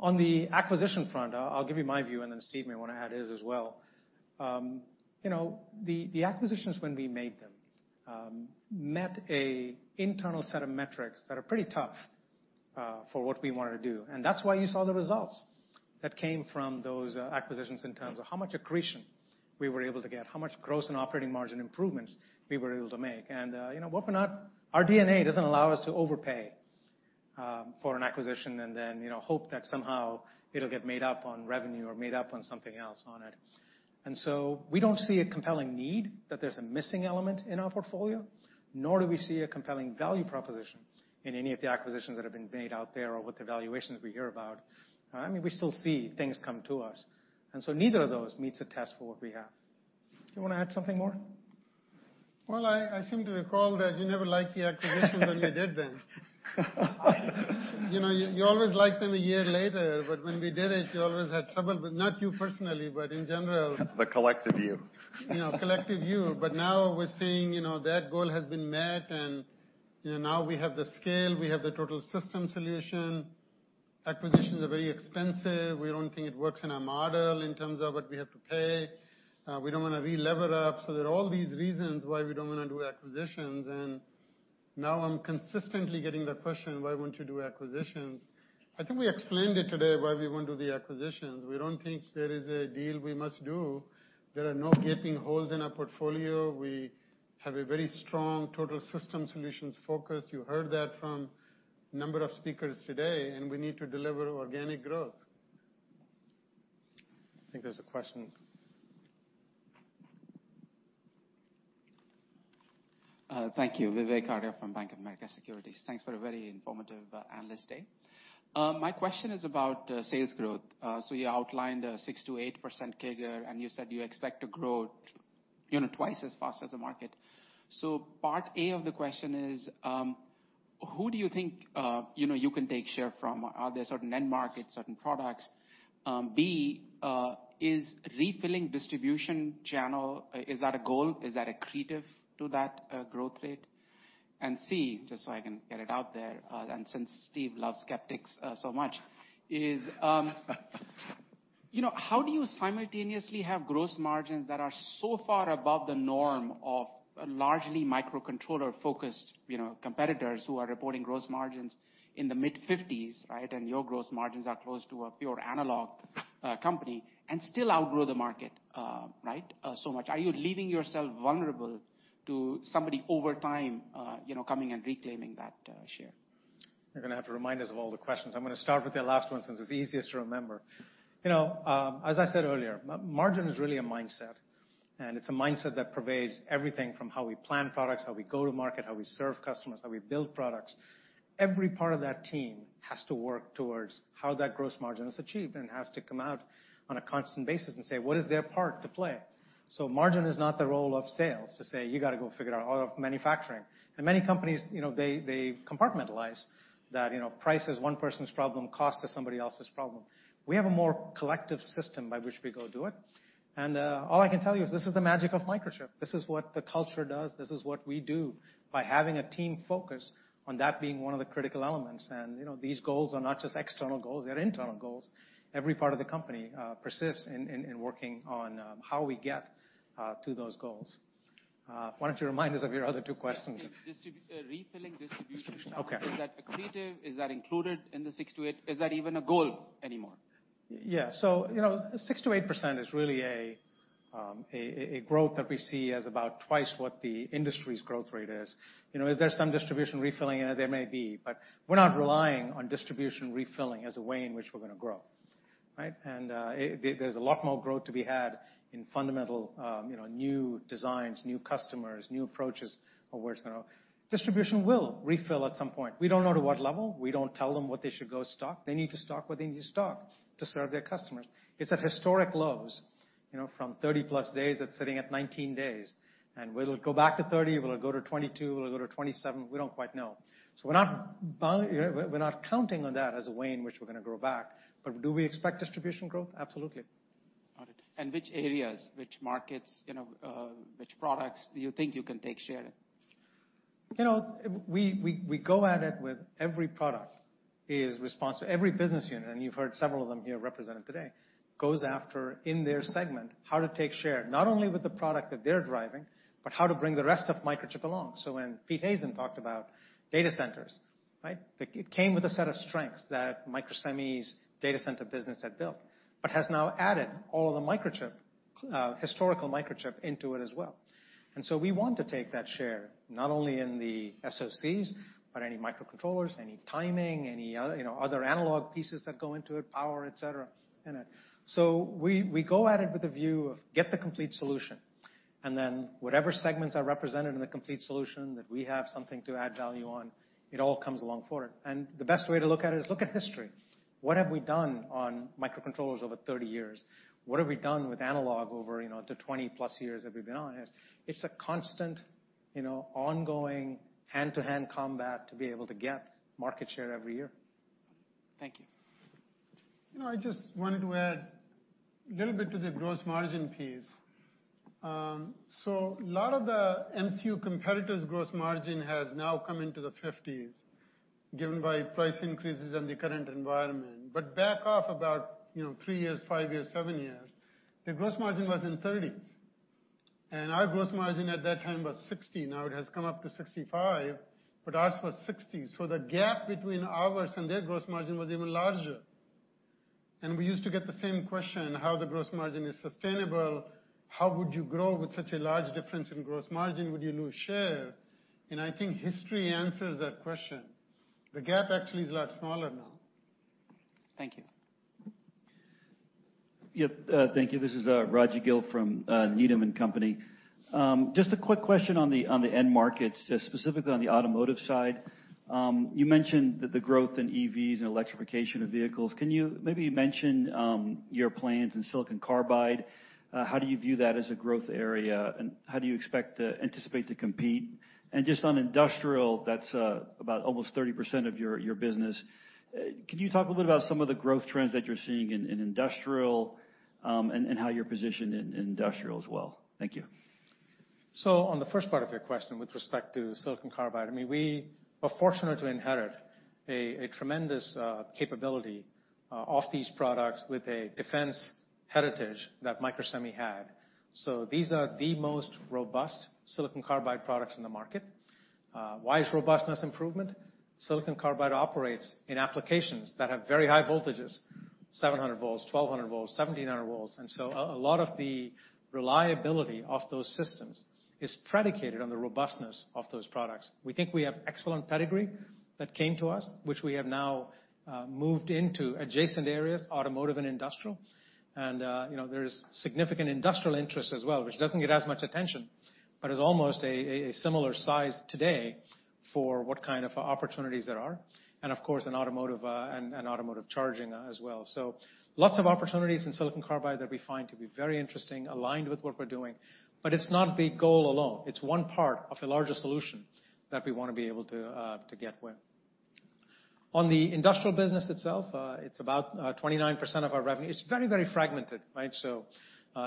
On the acquisition front, I'll give you my view, and then Steve may wanna add his as well. You know, the acquisitions when we made them met an internal set of metrics that are pretty tough for what we wanted to do. That's why you saw the results that came from those acquisitions in terms of how much accretion we were able to get, how much gross and operating margin improvements we were able to make. You know, our DNA doesn't allow us to overpay for an acquisition and then hope that somehow it'll get made up on revenue or made up on something else on it. We don't see a compelling need that there's a missing element in our portfolio, nor do we see a compelling value proposition in any of the acquisitions that have been made out there or with the valuations we hear about. I mean, we still see things come to us, and so neither of those meets a test for what we have. Do you wanna add something more? Well, I seem to recall that you never liked the acquisitions when we did them. You know, you always liked them a year later, but when we did it, you always had trouble with. Not you personally, but in general. The collective you. You know, collective you. Now we're saying, you know, that goal has been met, and, you know, now we have the scale, we have the total system solution. Acquisitions are very expensive. We don't think it works in our model in terms of what we have to pay. We don't wanna re-lever up. There are all these reasons why we don't wanna do acquisitions. Now I'm consistently getting the question, "Why won't you do acquisitions?" I think we explained it today why we won't do the acquisitions. We don't think there is a deal we must do. There are no gaping holes in our portfolio. We have a very strong total system solutions focus. You heard that from number of speakers today, and we need to deliver organic growth. I think there's a question. Thank you. Vivek Arya from Bank of America Securities. Thanks for a very informative analyst day. My question is about sales growth. You outlined 6%-8% CAGR, and you said you expect to grow, you know, twice as fast as the market. Part A of the question is, who do you think, you know, you can take share from? Are there certain end markets, certain products? B, is refilling distribution channel a goal? Is that accretive to that growth rate? C, just so I can get it out there, and since Steve loves skeptics so much, you know, how do you simultaneously have gross margins that are so far above the norm of largely microcontroller-focused, you know, competitors who are reporting gross margins in the mid-50s%, right? Your gross margins are close to a pure analog company, and still outgrow the market, right, so much. Are you leaving yourself vulnerable to somebody over time, you know, coming and reclaiming that share? You're gonna have to remind us of all the questions. I'm gonna start with the last one since it's easiest to remember. You know, as I said earlier, margin is really a mindset, and it's a mindset that pervades everything from how we plan products, how we go to market, how we serve customers, how we build products. Every part of that team has to work towards how that gross margin is achieved and has to come out on a constant basis and say, what is their part to play? Margin is not the role of sales to say, "You gotta go figure out all of manufacturing." In many companies, you know, they compartmentalize that, you know, price is one person's problem, cost is somebody else's problem. We have a more collective system by which we go do it. All I can tell you is this is the magic of Microchip. This is what the culture does. This is what we do by having a team focus on that being one of the critical elements. You know, these goals are not just external goals, they're internal goals. Every part of the company persists in working on how we get to those goals. Why don't you remind us of your other two questions? Yeah. Refilling distribution. Okay. Is that accretive? Is that included in the 6-8? Is that even a goal anymore? Yeah. You know, 6%-8% is really a growth that we see as about twice what the industry's growth rate is. You know, is there some distribution refilling in it? There may be, but we're not relying on distribution refilling as a way in which we're gonna grow, right? There's a lot more growth to be had in fundamental, you know, new designs, new customers, new approaches of where it's gonna. Distribution will refill at some point. We don't know to what level. We don't tell them what they should go stock. They need to stock what they need to stock to serve their customers. It's at historic lows, you know, from 30+ days, it's sitting at 19 days. Will it go back to 30? Will it go to 22? Will it go to 27? We don't quite know. We're not counting on that as a way in which we're gonna grow back. Do we expect distribution growth? Absolutely. Got it. Which areas, which markets, you know, which products do you think you can take share in? You know, we go at it with every product in response to every business unit, and you've heard several of them here represented today, goes after in their segment, how to take share, not only with the product that they're driving, but how to bring the rest of Microchip along. When Pete Hazen talked about data centers, right? It came with a set of strengths that Microsemi's data center business had built, but has now added all of the Microchip, historical Microchip into it as well. We want to take that share, not only in the SoCs, but any microcontrollers, any timing, any other, you know, other analog pieces that go into it, power, et cetera, in it. We go at it with a view of get the complete solution, and then whatever segments are represented in the complete solution that we have something to add value on, it all comes along for it. The best way to look at it is look at history. What have we done on microcontrollers over 30 years? What have we done with analog over, you know, the 20-plus years that we've been on this? It's a constant, you know, ongoing hand-to-hand combat to be able to get market share every year. Thank you. You know, I just wanted to add a little bit to the gross margin piece. A lot of the MCU competitors' gross margin has now come into the 50s%, given the price increases in the current environment. Back about, you know, three years, five years, seven years, their gross margin was in the 30s. Our gross margin at that time was 60%. Now it has come up to 65%, but ours was 60%. The gap between ours and their gross margin was even larger. We used to get the same question, how the gross margin is sustainable, how would you grow with such a large difference in gross margin? Would you lose share? I think history answers that question. The gap actually is a lot smaller now. Thank you. Thank you. This is Rajvindra Gill from Needham & Company. Just a quick question on the end markets, specifically on the automotive side. You mentioned the growth in EVs and electrification of vehicles. Can you maybe mention your plans in silicon carbide? How do you view that as a growth area? And how do you expect to participate to compete? Just on industrial, that's about almost 30% of your business. Can you talk a bit about some of the growth trends that you're seeing in industrial, and how you're positioned in industrial as well? Thank you. On the first part of your question, with respect to silicon carbide, I mean, we were fortunate to inherit a tremendous capability of these products with a defense heritage that Microsemi had. These are the most robust silicon carbide products in the market. Why is robustness important? Silicon carbide operates in applications that have very high voltages, 700 volts, 1,200 volts, 1,700 volts. A lot of the reliability of those systems is predicated on the robustness of those products. We think we have excellent pedigree that came to us, which we have now moved into adjacent areas, automotive and industrial. You know, there is significant industrial interest as well, which doesn't get as much attention, but is almost a similar size today for what kind of opportunities there are, and of course, in automotive, and automotive charging as well. So lots of opportunities in silicon carbide that we find to be very interesting, aligned with what we're doing. But it's not the goal alone. It's one part of a larger solution that we wanna be able to get with. On the industrial business itself, it's about 29% of our revenue. It's very, very fragmented, right? So,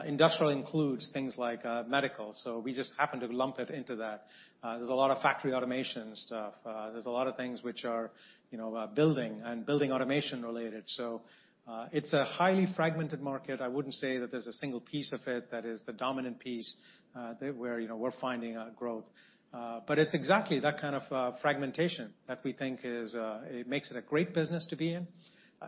industrial includes things like, medical, so we just happen to lump it into that. There's a lot of factory automation stuff. There's a lot of things which are, you know, building automation related. It's a highly fragmented market. I wouldn't say that there's a single piece of it that is the dominant piece that, where, you know, we're finding growth. It's exactly that kind of fragmentation that we think makes it a great business to be in.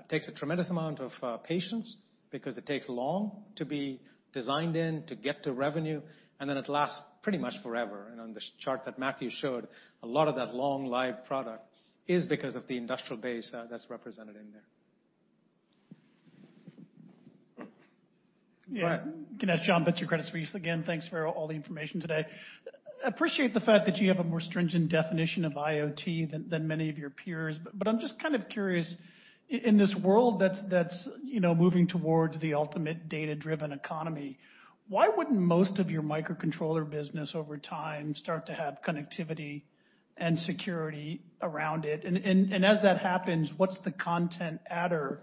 Takes a tremendous amount of patience because it takes long to be designed in, to get to revenue, and then it lasts pretty much forever. On this chart that Matthew showed, a lot of that long-lived product is because of the industrial base that's represented in there. Yeah. Good question, John Pitzer, Credit Suisse again. Thanks for all the information today. I appreciate the fact that you have a more stringent definition of IoT than many of your peers. I'm just kind of curious, in this world that's, you know, moving towards the ultimate data-driven economy, why wouldn't most of your microcontroller business over time start to have connectivity and security around it? As that happens, what's the content adder?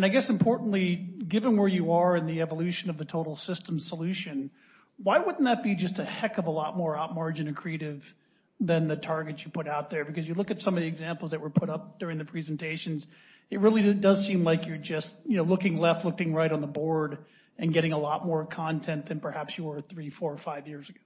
I guess importantly, given where you are in the evolution of the total system solution, why wouldn't that be just a heck of a lot more op margin accretive than the targets you put out there? Because you look at some of the examples that were put up during the presentations, it really does seem like you're just, you know, looking left, looking right on the board and getting a lot more content than perhaps you were three, four, five years ago.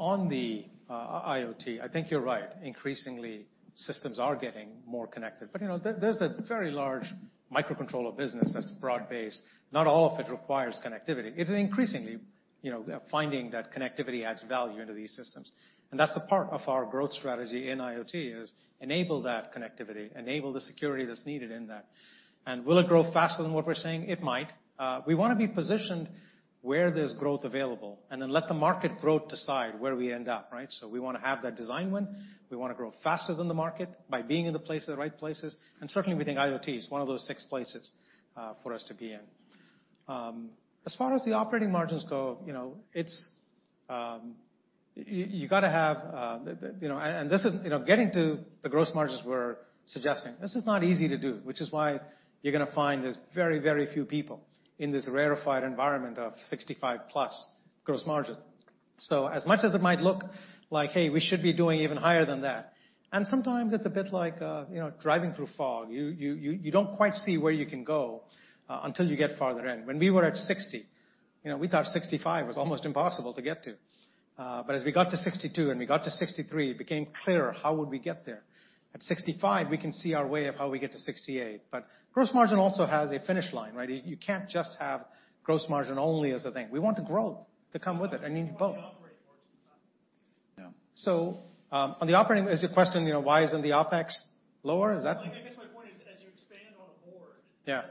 On the IoT, I think you're right. Increasingly, systems are getting more connected, but, you know, there's a very large microcontroller business that's broad-based. Not all of it requires connectivity. It is increasingly, you know, we are finding that connectivity adds value into these systems. And that's the part of our growth strategy in IoT is enable that connectivity, enable the security that's needed in that. And will it grow faster than what we're saying? It might. We wanna be positioned where there's growth available, and then let the market growth decide where we end up, right? We wanna have that design win. We wanna grow faster than the market by being in the place, the right places, and certainly we think IoT is one of those six places for us to be in. As far as the operating margins go, you know, it's... You gotta have, you know-- this is, you know, getting to the gross margins we're suggesting, this is not easy to do, which is why you're gonna find there's very, very few people in this rarefied environment of 65%+ gross margin. As much as it might look like, hey, we should be doing even higher than that. Sometimes it's a bit like, you know, driving through fog. You don't quite see where you can go, until you get farther in. When we were at 60, you know, we thought 65 was almost impossible to get to. But as we got to 62 and we got to 63, it became clearer how would we get there. At 65, we can see our way of how we get to 68. Gross margin also has a finish line, right? You can't just have gross margin only as a thing. We want the growth to come with it and need both. Operating margins. Is your question, you know, why isn't the OpEx lower? Is that- I guess my point is, as you expand on the board. Yeah.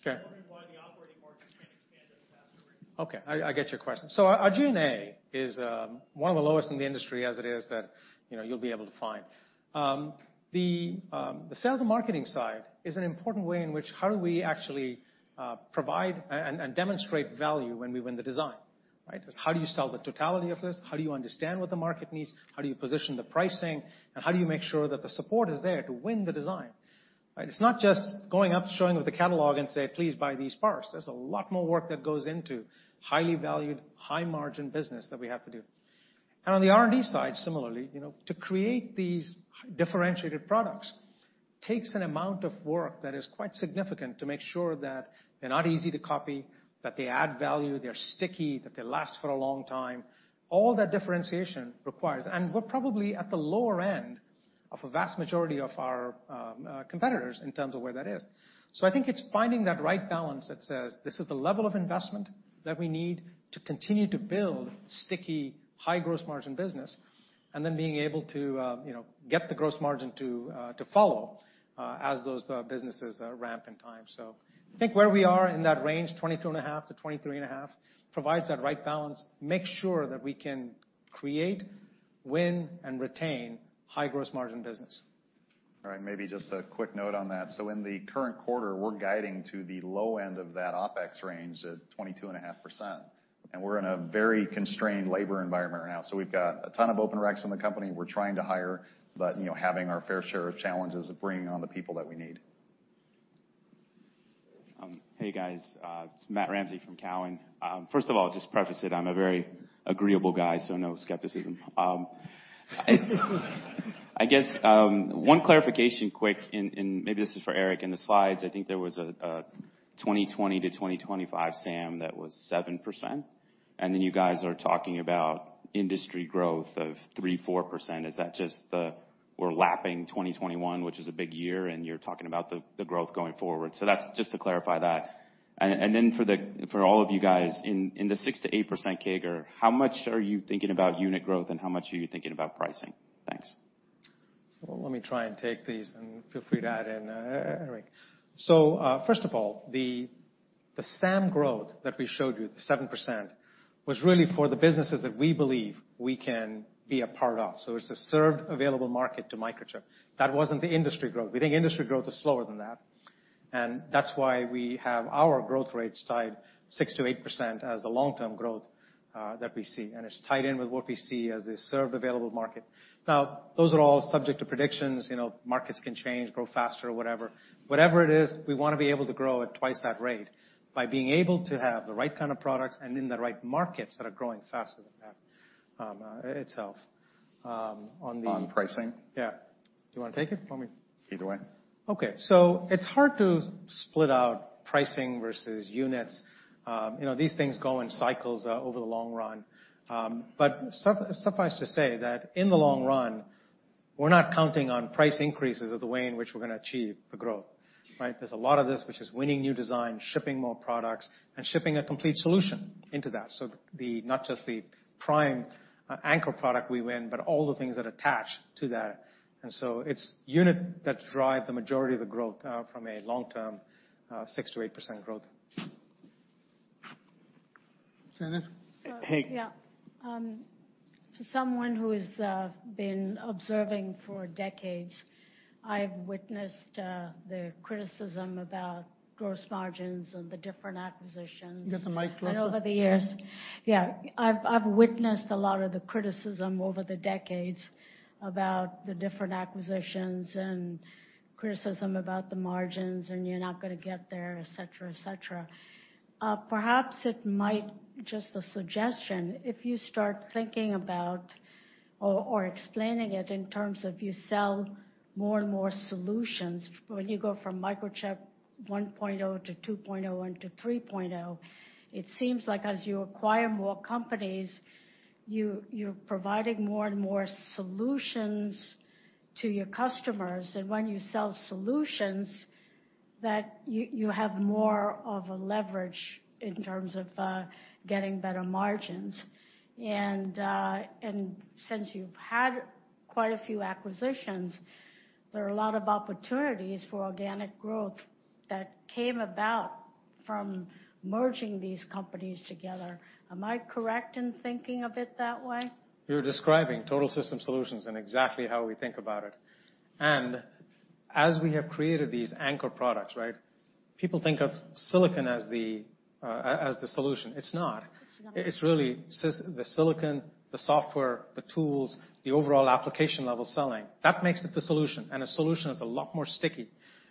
It doesn't seem like there's a lot of incremental SG&A costs doing that. Where I see the gross margin level as an appropriate level- Okay. I'm wondering why the operating margin can't expand at a faster rate. Okay, I get your question. Our G&A is one of the lowest in the industry as it is that, you know, you'll be able to find. The sales and marketing side is an important way in which how do we actually provide and demonstrate value when we win the design, right? Is how do you sell the totality of this? How do you understand what the market needs? How do you position the pricing? And how do you make sure that the support is there to win the design, right? It's not just going up, showing off the catalog and say, "Please buy these parts." There's a lot more work that goes into highly valued, high margin business that we have to do. On the R&D side, similarly, you know, to create these differentiated products takes an amount of work that is quite significant to make sure that they're not easy to copy, that they add value, they're sticky, that they last for a long time. All that differentiation requires. We're probably at the lower end of a vast majority of our competitors in terms of where that is. So I think it's finding that right balance that says, "This is the level of investment that we need to continue to build sticky, high gross margin business," and then being able to, you know, get the gross margin to follow as those businesses ramp in time. I think where we are in that range, 22.5%-23.5%, provides that right balance, makes sure that we can create, win, and retain high gross margin business. All right, maybe just a quick note on that. In the current quarter, we're guiding to the low end of that OpEx range at 22.5%. We're in a very constrained labor environment right now. We've got a ton of open [roles] in the company we're trying to hire, but, you know, having our fair share of challenges of bringing on the people that we need. Hey, guys. It's Matt Ramsay from Cowen. First of all, just to preface it, I'm a very agreeable guy, so no skepticism. I guess one clarification quick in, maybe this is for Eric. In the slides, I think there was a 2020 to 2025 SAM that was 7%, and then you guys are talking about industry growth of 3%-4%. Is that just we're lapping 2021, which is a big year, and you're talking about the growth going forward. That's just to clarify that. For all of you guys, in the 6%-8% CAGR, how much are you thinking about unit growth and how much are you thinking about pricing? Thanks. Let me try and take these, and feel free to add in, Eric. First of all, the SAM growth that we showed you, the 7%, was really for the businesses that we believe we can be a part of. It's the serviceable addressable market to Microchip. That wasn't the industry growth. We think industry growth is slower than that. That's why we have our growth rates tied 6%-8% as the long-term growth that we see. It's tied in with what we see as the serviceable addressable market. Now, those are all subject to predictions. You know, markets can change, grow faster or whatever. Whatever it is, we wanna be able to grow at twice that rate by being able to have the right kind of products and in the right markets that are growing faster than that, itself. On the- On pricing. Yeah. Do you wanna take it or want me? Either way. Okay. It's hard to split out pricing versus units. You know, these things go in cycles over the long run. Suffice to say that in the long run we're not counting on price increases as the way in which we're gonna achieve the growth, right? There's a lot of this which is winning new design, shipping more products, and shipping a complete solution into that. Not just the prime anchor product we win, but all the things that attach to that. It's units that drive the majority of the growth from a long-term 6%-8% growth. [Janet Peg] Yeah. For someone who has been observing for decades, I've witnessed a lot of the criticism over the decades about the different acquisitions and criticism about the margins, and you're not gonna get there, et cetera, et cetera. Perhaps it might, just a suggestion, if you start thinking about explaining it in terms of you sell more and more solutions. When you go from Microchip 1.0 to 2.0 and to 3.0, it seems like as you acquire more companies, you're providing more and more solutions to your customers. When you sell solutions, you have more of a leverage in terms of getting better margins. Since you've had quite a few acquisitions, there are a lot of opportunities for organic growth that came about from merging these companies together. Am I correct in thinking of it that way? You're describing total system solutions and exactly how we think about it. As we have created these anchor products, right, people think of silicon as the solution. It's not. It's not. It's really the silicon, the software, the tools, the overall application level selling. That makes it the solution, and a solution is a lot more sticky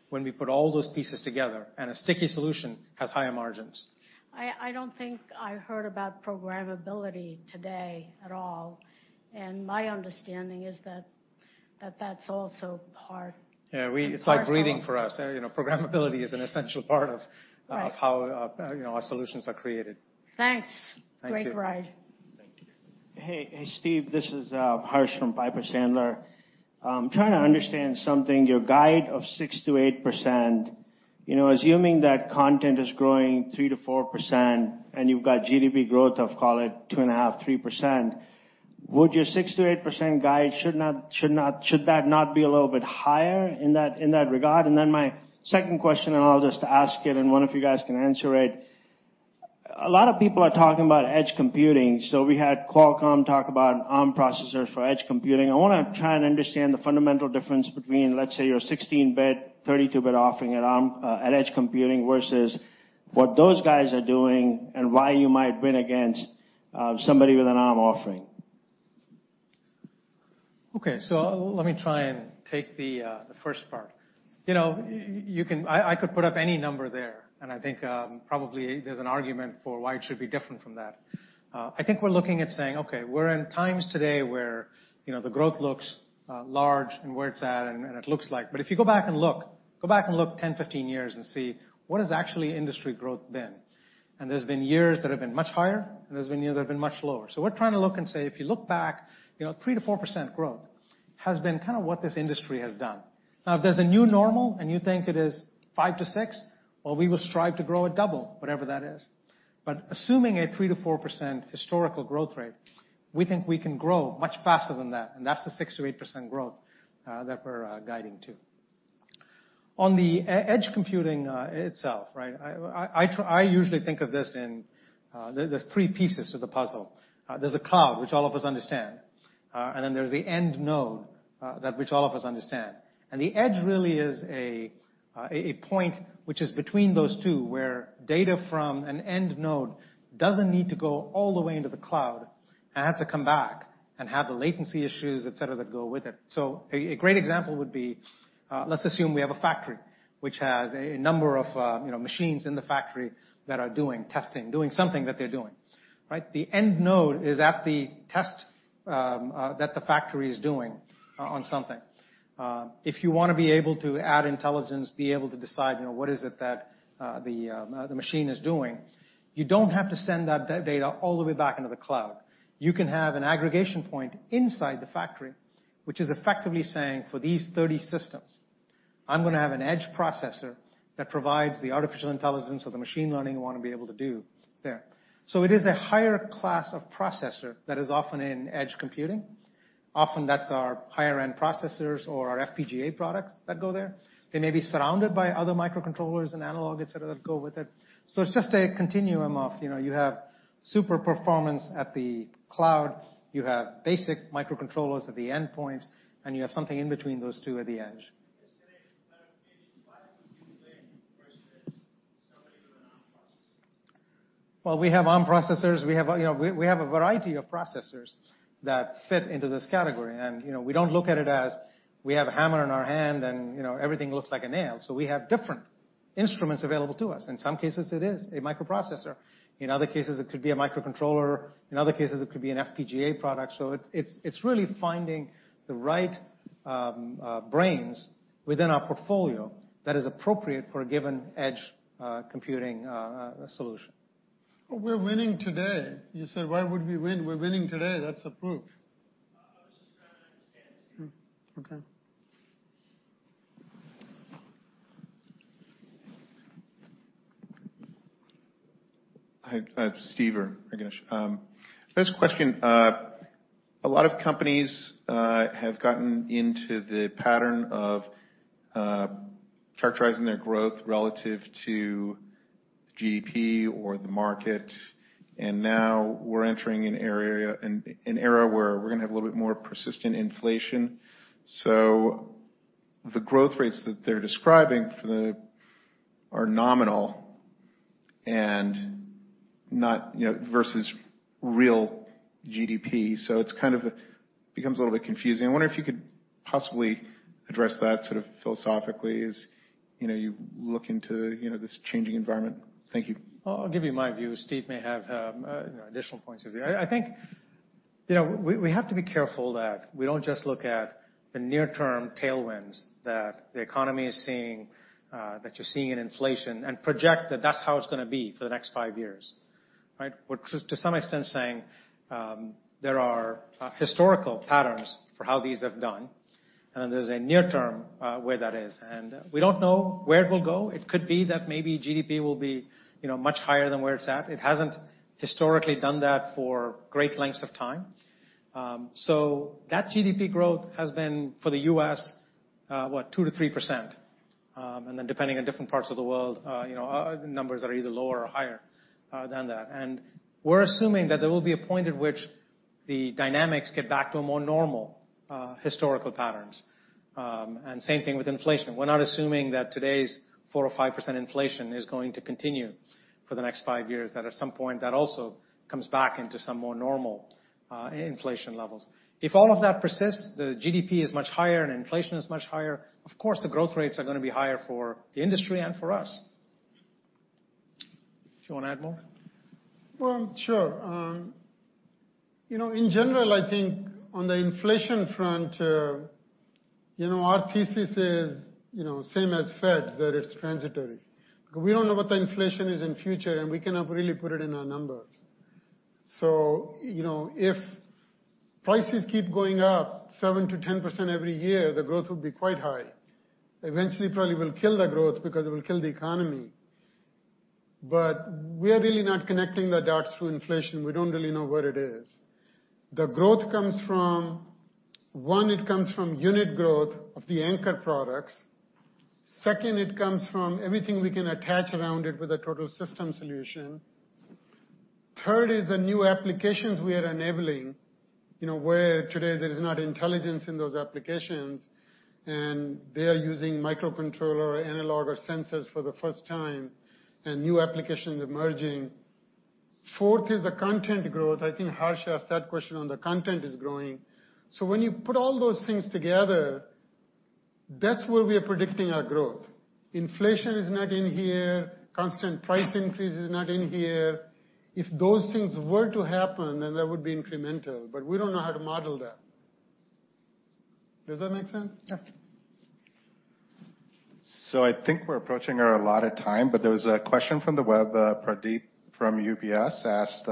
when we put all those pieces together. A sticky solution has higher margins. I don't think I heard about programmability today at all, and my understanding is that that's also part-- Yeah. It's like breathing for us. You know, programmability is an essential part of. Right Of how, you know, our solutions are created. Thanks. Thank you. Great ride. Thank you. Hey, Steve, this is Harsh from Piper Sandler. I'm trying to understand something, your guide of 6%-8%. You know, assuming that content is growing 3%-4%, and you've got GDP growth of, call it, 2.5%-3%, should that not be a little bit higher in that regard? My second question, I'll just ask it, and one of you guys can answer it. A lot of people are talking about edge computing. We had Qualcomm talk about Arm processors for edge computing. I wanna try and understand the fundamental difference between, let's say, your 16-bit, 32-bit offering at Arm at edge computing, versus what those guys are doing and why you might win against somebody with an Arm offering. Okay. Let me try and take the first part. You know, you can... I could put up any number there, and I think probably there's an argument for why it should be different from that. I think we're looking at saying, okay, we're in times today where, you know, the growth looks large and where it's at, and it looks like. If you go back and look 10, 15 years and see what is actually industry growth then. There's been years that have been much higher, and there's been years that have been much lower. We're trying to look and say, if you look back, you know, 3%-4% growth has been kinda what this industry has done. Now if there's a new normal and you think it is 5-6, well, we will strive to grow at double whatever that is. Assuming a 3%-4% historical growth rate, we think we can grow much faster than that, and that's the 6%-8% growth that we're guiding to. On the edge computing itself, right? I usually think of this in the three pieces to the puzzle. There's a cloud, which all of us understand, and then there's the end node that which all of us understand. The edge really is a point which is between those two, where data from an end node doesn't need to go all the way into the cloud and have to come back and have the latency issues, et cetera, that go with it. So a great example would be, let's assume we have a factory which has a number of, you know, machines in the factory that are doing testing, doing something that they're doing, right? The end node is at the test that the factory is doing on something. If you wanna be able to add intelligence, be able to decide, you know, what is it that the machine is doing, you don't have to send that data all the way back into the cloud. You can have an aggregation point inside the factory, which is effectively saying, for these 30 systems, I'm gonna have an edge processor that provides the artificial intelligence or the machine learning we wanna be able to do there. It is a higher class of processor that is often in edge computing. Often that's our higher-end processors or our FPGA products that go there. They may be surrounded by other microcontrollers and analog, et cetera, that go with it. It's just a continuum of, you know, you have super performance at the cloud, you have basic microcontrollers at the endpoints, and you have something in between those two at the edge. [inaudible] Well, we have Arm processors, you know, we have a variety of processors that fit into this category. You know, we don't look at it as we have a hammer in our hand and, you know, everything looks like a nail. We have different instruments available to us. In some cases, it is a microprocessor. In other cases, it could be a microcontroller. In other cases, it could be an FPGA product. It's really finding the right brains within our portfolio that is appropriate for a given edge computing solution. Well, we're winning today. You said, why would we win? We're winning today. That's the proof. [inaudible] Okay. Hi, Steve or Ganesh. First question. A lot of companies have gotten into the pattern of characterizing their growth relative to GDP or the market, and now we're entering an era where we're gonna have a little bit more persistent inflation. The growth rates that they're describing are nominal and not, you know, versus real GDP. It kind of becomes a little bit confusing. I wonder if you could possibly address that sort of philosophically as, you know, you look into, you know, this changing environment. Thank you. I'll give you my view. Steve may have, you know, additional points of view. I think, you know, we have to be careful that we don't just look at the near term tailwinds that the economy is seeing, that you're seeing in inflation and project that that's how it's gonna be for the next five years, right? We're just to some extent saying, there are historical patterns for how these have done, and there's a near term, where that is. We don't know where it will go. It could be that maybe GDP will be, you know, much higher than where it's at. It hasn't historically done that for great lengths of time. So that GDP growth has been, for the U.S., what, 2%-3%. Depending on different parts of the world, you know, numbers are either lower or higher than that. We're assuming that there will be a point at which the dynamics get back to a more normal historical patterns. Same thing with inflation. We're not assuming that today's 4%-5% inflation is going to continue for the next five years, that at some point that also comes back into some more normal inflation levels. If all of that persists, the GDP is much higher and inflation is much higher, of course, the growth rates are gonna be higher for the industry and for us. Do you wanna add more? Well, sure. You know, in general, I think on the inflation front, you know, our thesis is, you know, same as Fed's, that it's transitory. We don't know what the inflation is in future, and we cannot really put it in our numbers. You know, if prices keep going up 7%-10% every year, the growth will be quite high. It eventually probably will kill the growth because it will kill the economy. We are really not connecting the dots through inflation. We don't really know what it is. The growth comes from one, it comes from unit growth of the anchor products. Second, it comes from everything we can attach around it with a total system solution. Third is the new applications we are enabling, you know, where today there is not intelligence in those applications, and they are using microcontroller, analog, or sensors for the first time, and new applications emerging. Fourth is the content growth. I think Harsh asked that question on the content is growing. When you put all those things together, that's where we are predicting our growth. Inflation is not in here. Constant price increase is not in here. If those things were to happen, then that would be incremental, but we don't know how to model that. Does that make sense? Yeah. I think we're approaching our allotted time, but there was a question from the web. Pradeep from UBS asked,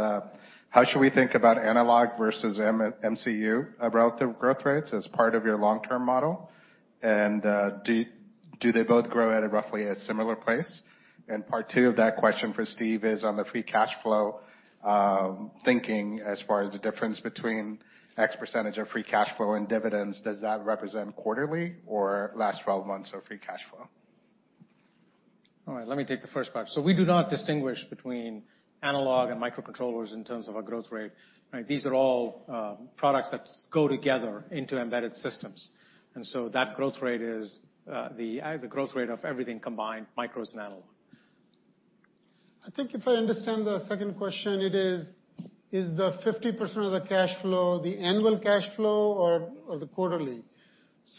"How should we think about analog versus MCU relative growth rates as part of your long-term model? And do they both grow at roughly a similar pace?" And part two of that question for Steve is on the free cash flow thinking as far as the difference between X percentage of free cash flow and dividends. Does that represent quarterly or last 12 months of free cash flow? All right, let me take the first part. We do not distinguish between analog and microcontrollers in terms of our growth rate. Right? These are all products that go together into embedded systems. That growth rate is the growth rate of everything combined, micros and analog. I think if I understand the second question, it is the 50% of the cash flow the annual cash flow or the quarterly?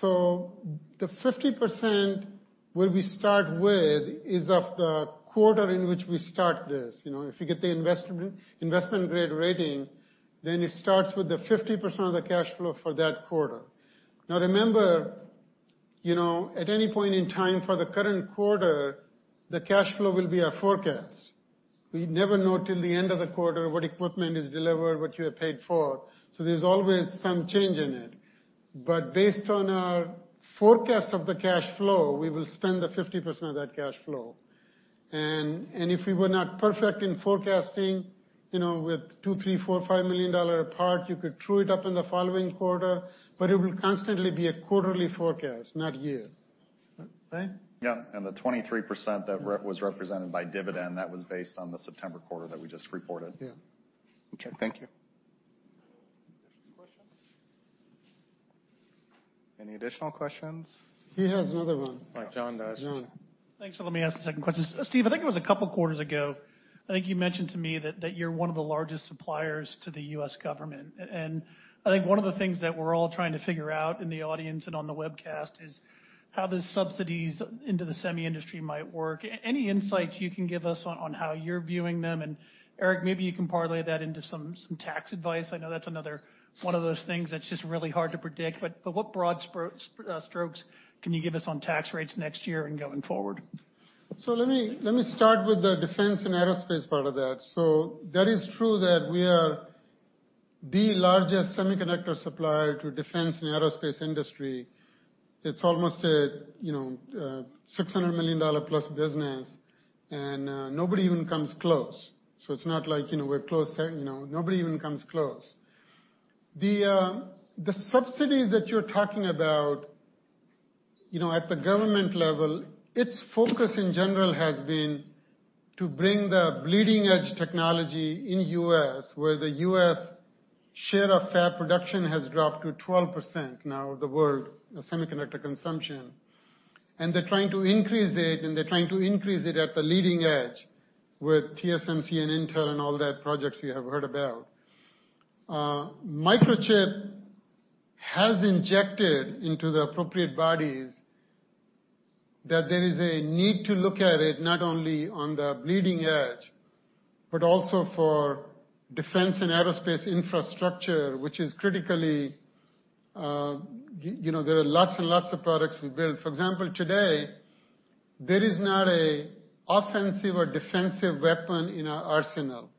The 50% where we start with is of the quarter in which we start this. You know, if you get the investment-grade rating, then it starts with the 50% of the cash flow for that quarter. Now remember, you know, at any point in time for the current quarter, the cash flow will be our forecast. We never know till the end of the quarter what equipment is delivered, what you have paid for, so there's always some change in it. Based on our forecast of the cash flow, we will spend the 50% of that cash flow. If we were not perfect in forecasting, you know, with $2 million, $3 million, $4 million, $5 million apart, you could true it up in the following quarter, but it will constantly be a quarterly forecast, not year. Right? Yeah. The 23% that was represented by dividend, that was based on the September quarter that we just reported. Yeah. Okay. Thank you. Any additional questions? He has another one. All right. John does. John. Thanks. Let me ask the second question. Steve, I think it was a couple quarters ago, I think you mentioned to me that you're one of the largest suppliers to the U.S. government. I think one of the things that we're all trying to figure out in the audience and on the webcast is how the subsidies into the semi industry might work. Any insights you can give us on how you're viewing them? Eric, maybe you can parlay that into some tax advice. I know that's another one of those things that's just really hard to predict, but what broad strokes can you give us on tax rates next year and going forward? Let me start with the defense and aerospace part of that. That is true that we are the largest semiconductor supplier to defense and aerospace industry. It's almost a you know $600+ million business, and nobody even comes close. It's not like, you know, we're close, you know, nobody even comes close. The subsidies that you're talking about, you know, at the government level, its focus in general has been to bring the bleeding edge technology in U.S., where the U.S. share of fab production has dropped to 12% now of the world semiconductor consumption. They're trying to increase it, and they're trying to increase it at the leading edge with TSMC and Intel and all the projects you have heard about. Microchip has injected into the appropriate bodies that there is a need to look at it not only on the bleeding edge, but also for defense and aerospace infrastructure, which is critically, you know, there are lots and lots of products we build. For example, today, there is not a offensive or defensive weapon in our arsenal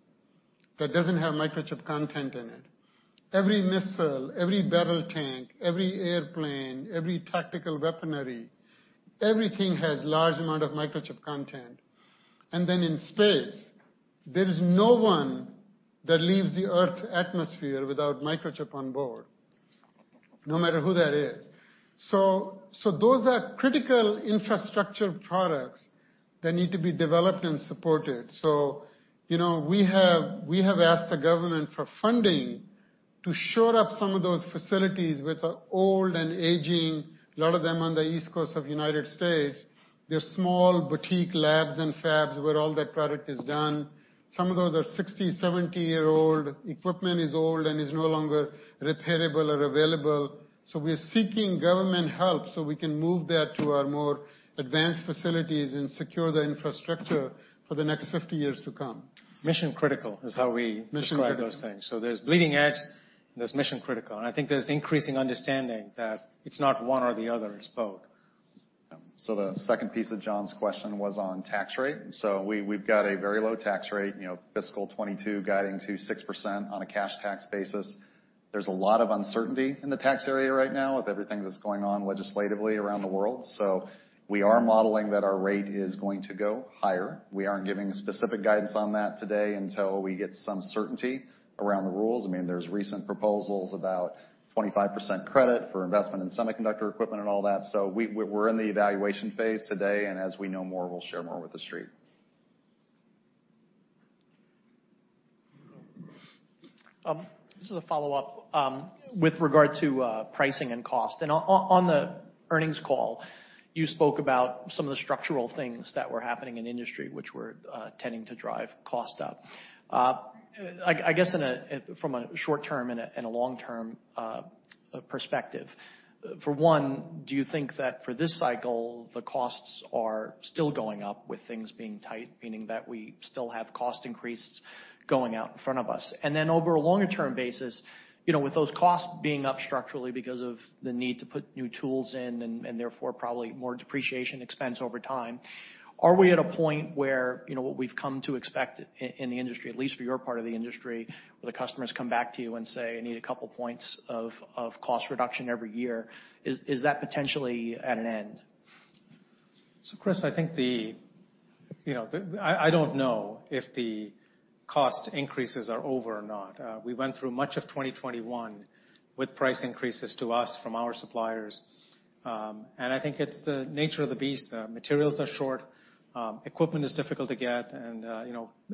that doesn't have Microchip content in it. Every missile, every battle tank, every airplane, every tactical weaponry, everything has large amount of Microchip content. In space, there is no one that leaves the Earth's atmosphere without Microchip on board, no matter who that is. Those are critical infrastructure products that need to be developed and supported. You know, we have asked the government for funding to shore up some of those facilities which are old and aging, a lot of them on the East Coast of the United States. They're small boutique labs and fabs where all that product is done. Some of those are 60-, 70-year-old equipment is old and is no longer repairable or available. We're seeking government help so we can move that to our more advanced facilities and secure the infrastructure for the next 50 years to come. Mission critical is how we. Mission critical. Describe those things. There's bleeding edge, there's mission critical. I think there's increasing understanding that it's not one or the other, it's both. The second piece of John's question was on tax rate. We've got a very low tax rate, you know, fiscal 2022 guiding to 6% on a cash tax basis. There's a lot of uncertainty in the tax area right now with everything that's going on legislatively around the world. We are modeling that our rate is going to go higher. We aren't giving specific guidance on that today until we get some certainty around the rules. I mean, there's recent proposals about 25% credit for investment in semiconductor equipment and all that. We're in the evaluation phase today, and as we know more, we'll share more with the street. Just a follow-up with regard to pricing and cost. On the earnings call, you spoke about some of the structural things that were happening in industry which were tending to drive cost up. I guess from a short-term and a long-term perspective, for one, do you think that for this cycle, the costs are still going up with things being tight, meaning that we still have cost increases going out in front of us? Over a longer-term basis, you know, with those costs being up structurally because of the need to put new tools in and therefore probably more depreciation expense over time, are we at a point where, you know, what we've come to expect in the industry, at least for your part of the industry, where the customers come back to you and say, "I need a couple points of cost reduction every year," is that potentially at an end? Chris, I don't know if the cost increases are over or not. We went through much of 2021 with price increases to us from our suppliers. I think it's the nature of the beast. Materials are short, equipment is difficult to get and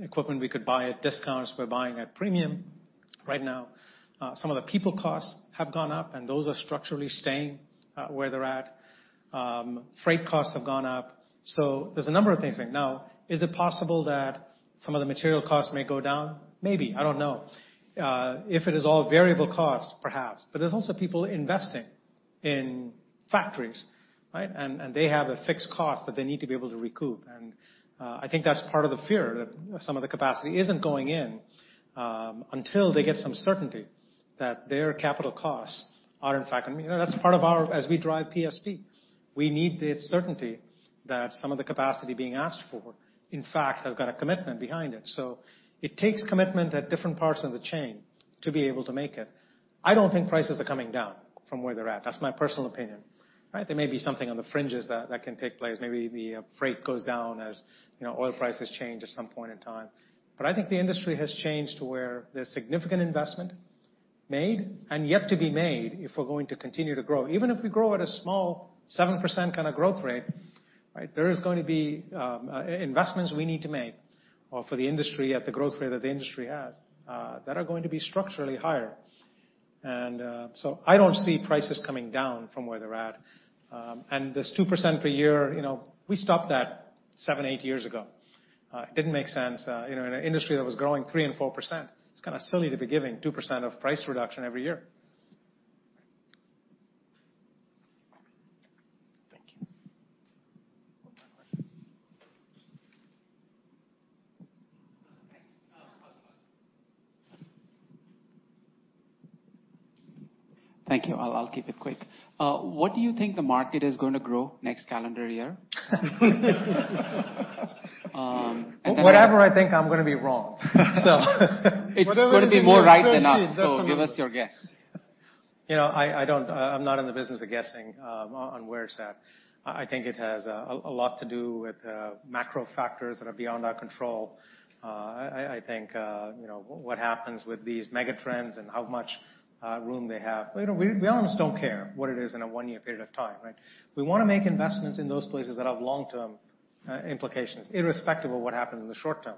equipment we could buy at discounts, we're buying at premium right now. Some of the people costs have gone up, and those are structurally staying where they're at. Freight costs have gone up. There's a number of things there. Now, is it possible that some of the material costs may go down? Maybe. I don't know. If it is all variable costs, perhaps. But there's also people investing in factories, right? They have a fixed cost that they need to be able to recoup. I think that's part of the fear that some of the capacity isn't going in until they get some certainty that their capital costs are in fact I mean, that's part of our, as we drive PSP, we need the certainty that some of the capacity being asked for, in fact, has got a commitment behind it. It takes commitment at different parts of the chain to be able to make it. I don't think prices are coming down from where they're at. That's my personal opinion, right? There may be something on the fringes that can take place. Maybe the freight goes down as, you know, oil prices change at some point in time. I think the industry has changed to where there's significant investment made and yet to be made if we're going to continue to grow. Even if we grow at a small 7% kinda growth rate, right? There is going to be investments we need to make or for the industry at the growth rate that the industry has that are going to be structurally higher. I don't see prices coming down from where they're at. This 2% per year, you know, we stopped that seven to eight years ago. It didn't make sense, you know, in an industry that was growing 3% and 4%, it's kinda silly to be giving 2% of price reduction every year. Thank you. I'll keep it quick. What do you think the market is gonna grow next calendar year? Whatever I think, I'm gonna be wrong. It's gonna be more right than us, so give us your guess. You know, I don't. I'm not in the business of guessing on where it's at. I think it has a lot to do with macro factors that are beyond our control. I think you know what happens with these mega trends and how much room they have. You know, we almost don't care what it is in a one-year period of time, right? We wanna make investments in those places that have long-term implications, irrespective of what happens in the short term.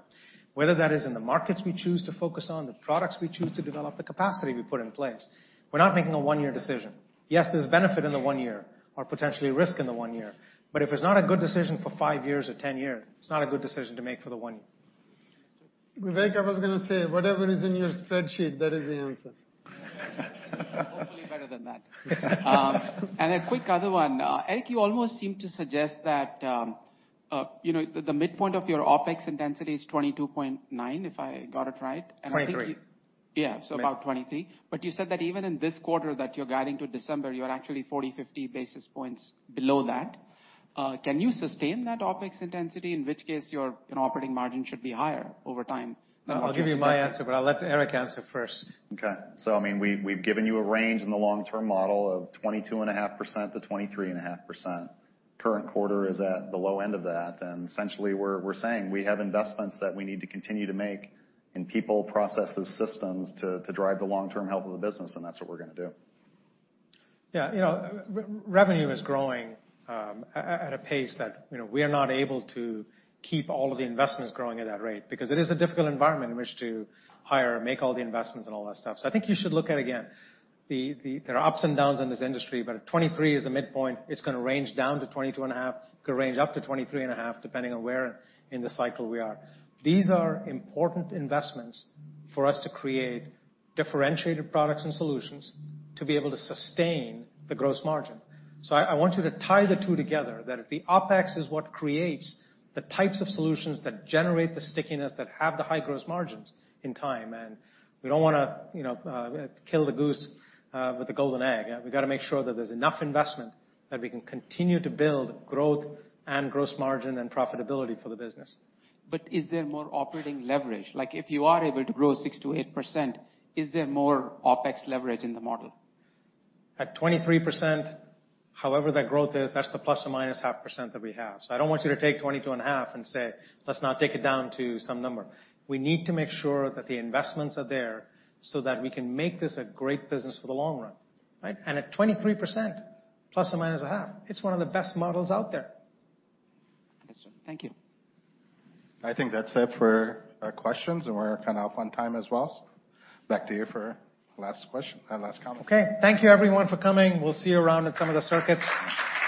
Whether that is in the markets we choose to focus on, the products we choose to develop, the capacity we put in place. We're not making a one-year decision. Yes, there's benefit in the one year or potentially risk in the one year, but if it's not a good decision for five years or 10 years, it's not a good decision to make for the one year. Vivek, I was gonna say, whatever is in your spreadsheet, that is the answer. Hopefully better than that. A quick other one. Eric, you almost seem to suggest that the midpoint of your OpEx intensity is 22.9%, if I got it right. 23%. Yeah. About 23%. But you said that even in this quarter that you're guiding to December, you're actually 40-50 basis points below that. Can you sustain that OpEx intensity, in which case your, you know, operating margin should be higher over time? I'll give you my answer, but I'll let Eric answer first. Okay. I mean, we've given you a range in the long-term model of 22.5%-23.5%. Current quarter is at the low end of that. Essentially we're saying we have investments that we need to continue to make in people, processes, systems, to drive the long-term health of the business, and that's what we're gonna do. Yeah. You know, revenue is growing at a pace that, you know, we are not able to keep all of the investments growing at that rate, because it is a difficult environment in which to hire, make all the investments and all that stuff. I think you should look at, again, the. There are ups and downs in this industry, if 23% is the midpoint, it's gonna range down to 22.5%, it could range up to 23.5%, depending on where in the cycle we are. These are important investments for us to create differentiated products and solutions to be able to sustain the gross margin. I want you to tie the two together. That if the OpEx is what creates the types of solutions that generate the stickiness, that have the high gross margins over time, and we don't wanna, you know, kill the goose with the golden egg. We've gotta make sure that there's enough investment that we can continue to build growth and gross margin and profitability for the business. Is there more operating leverage? Like, if you are able to grow 6%-8%, is there more OpEx leverage in the model? At 23%, however that growth is, that's the ±0.5% that we have. I don't want you to take 22.5 and say, "Let's now take it down to some number." We need to make sure that the investments are there so that we can make this a great business for the long run, right? At 23%, ±0.5, it's one of the best models out there. Yes, sir. Thank you. I think that's it for questions, and we're kinda out on time as well. Back to you for last comment. Okay. Thank you everyone for coming. We'll see you around in some of the circuits.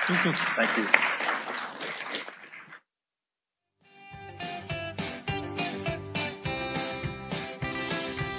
Thank you. Thank you.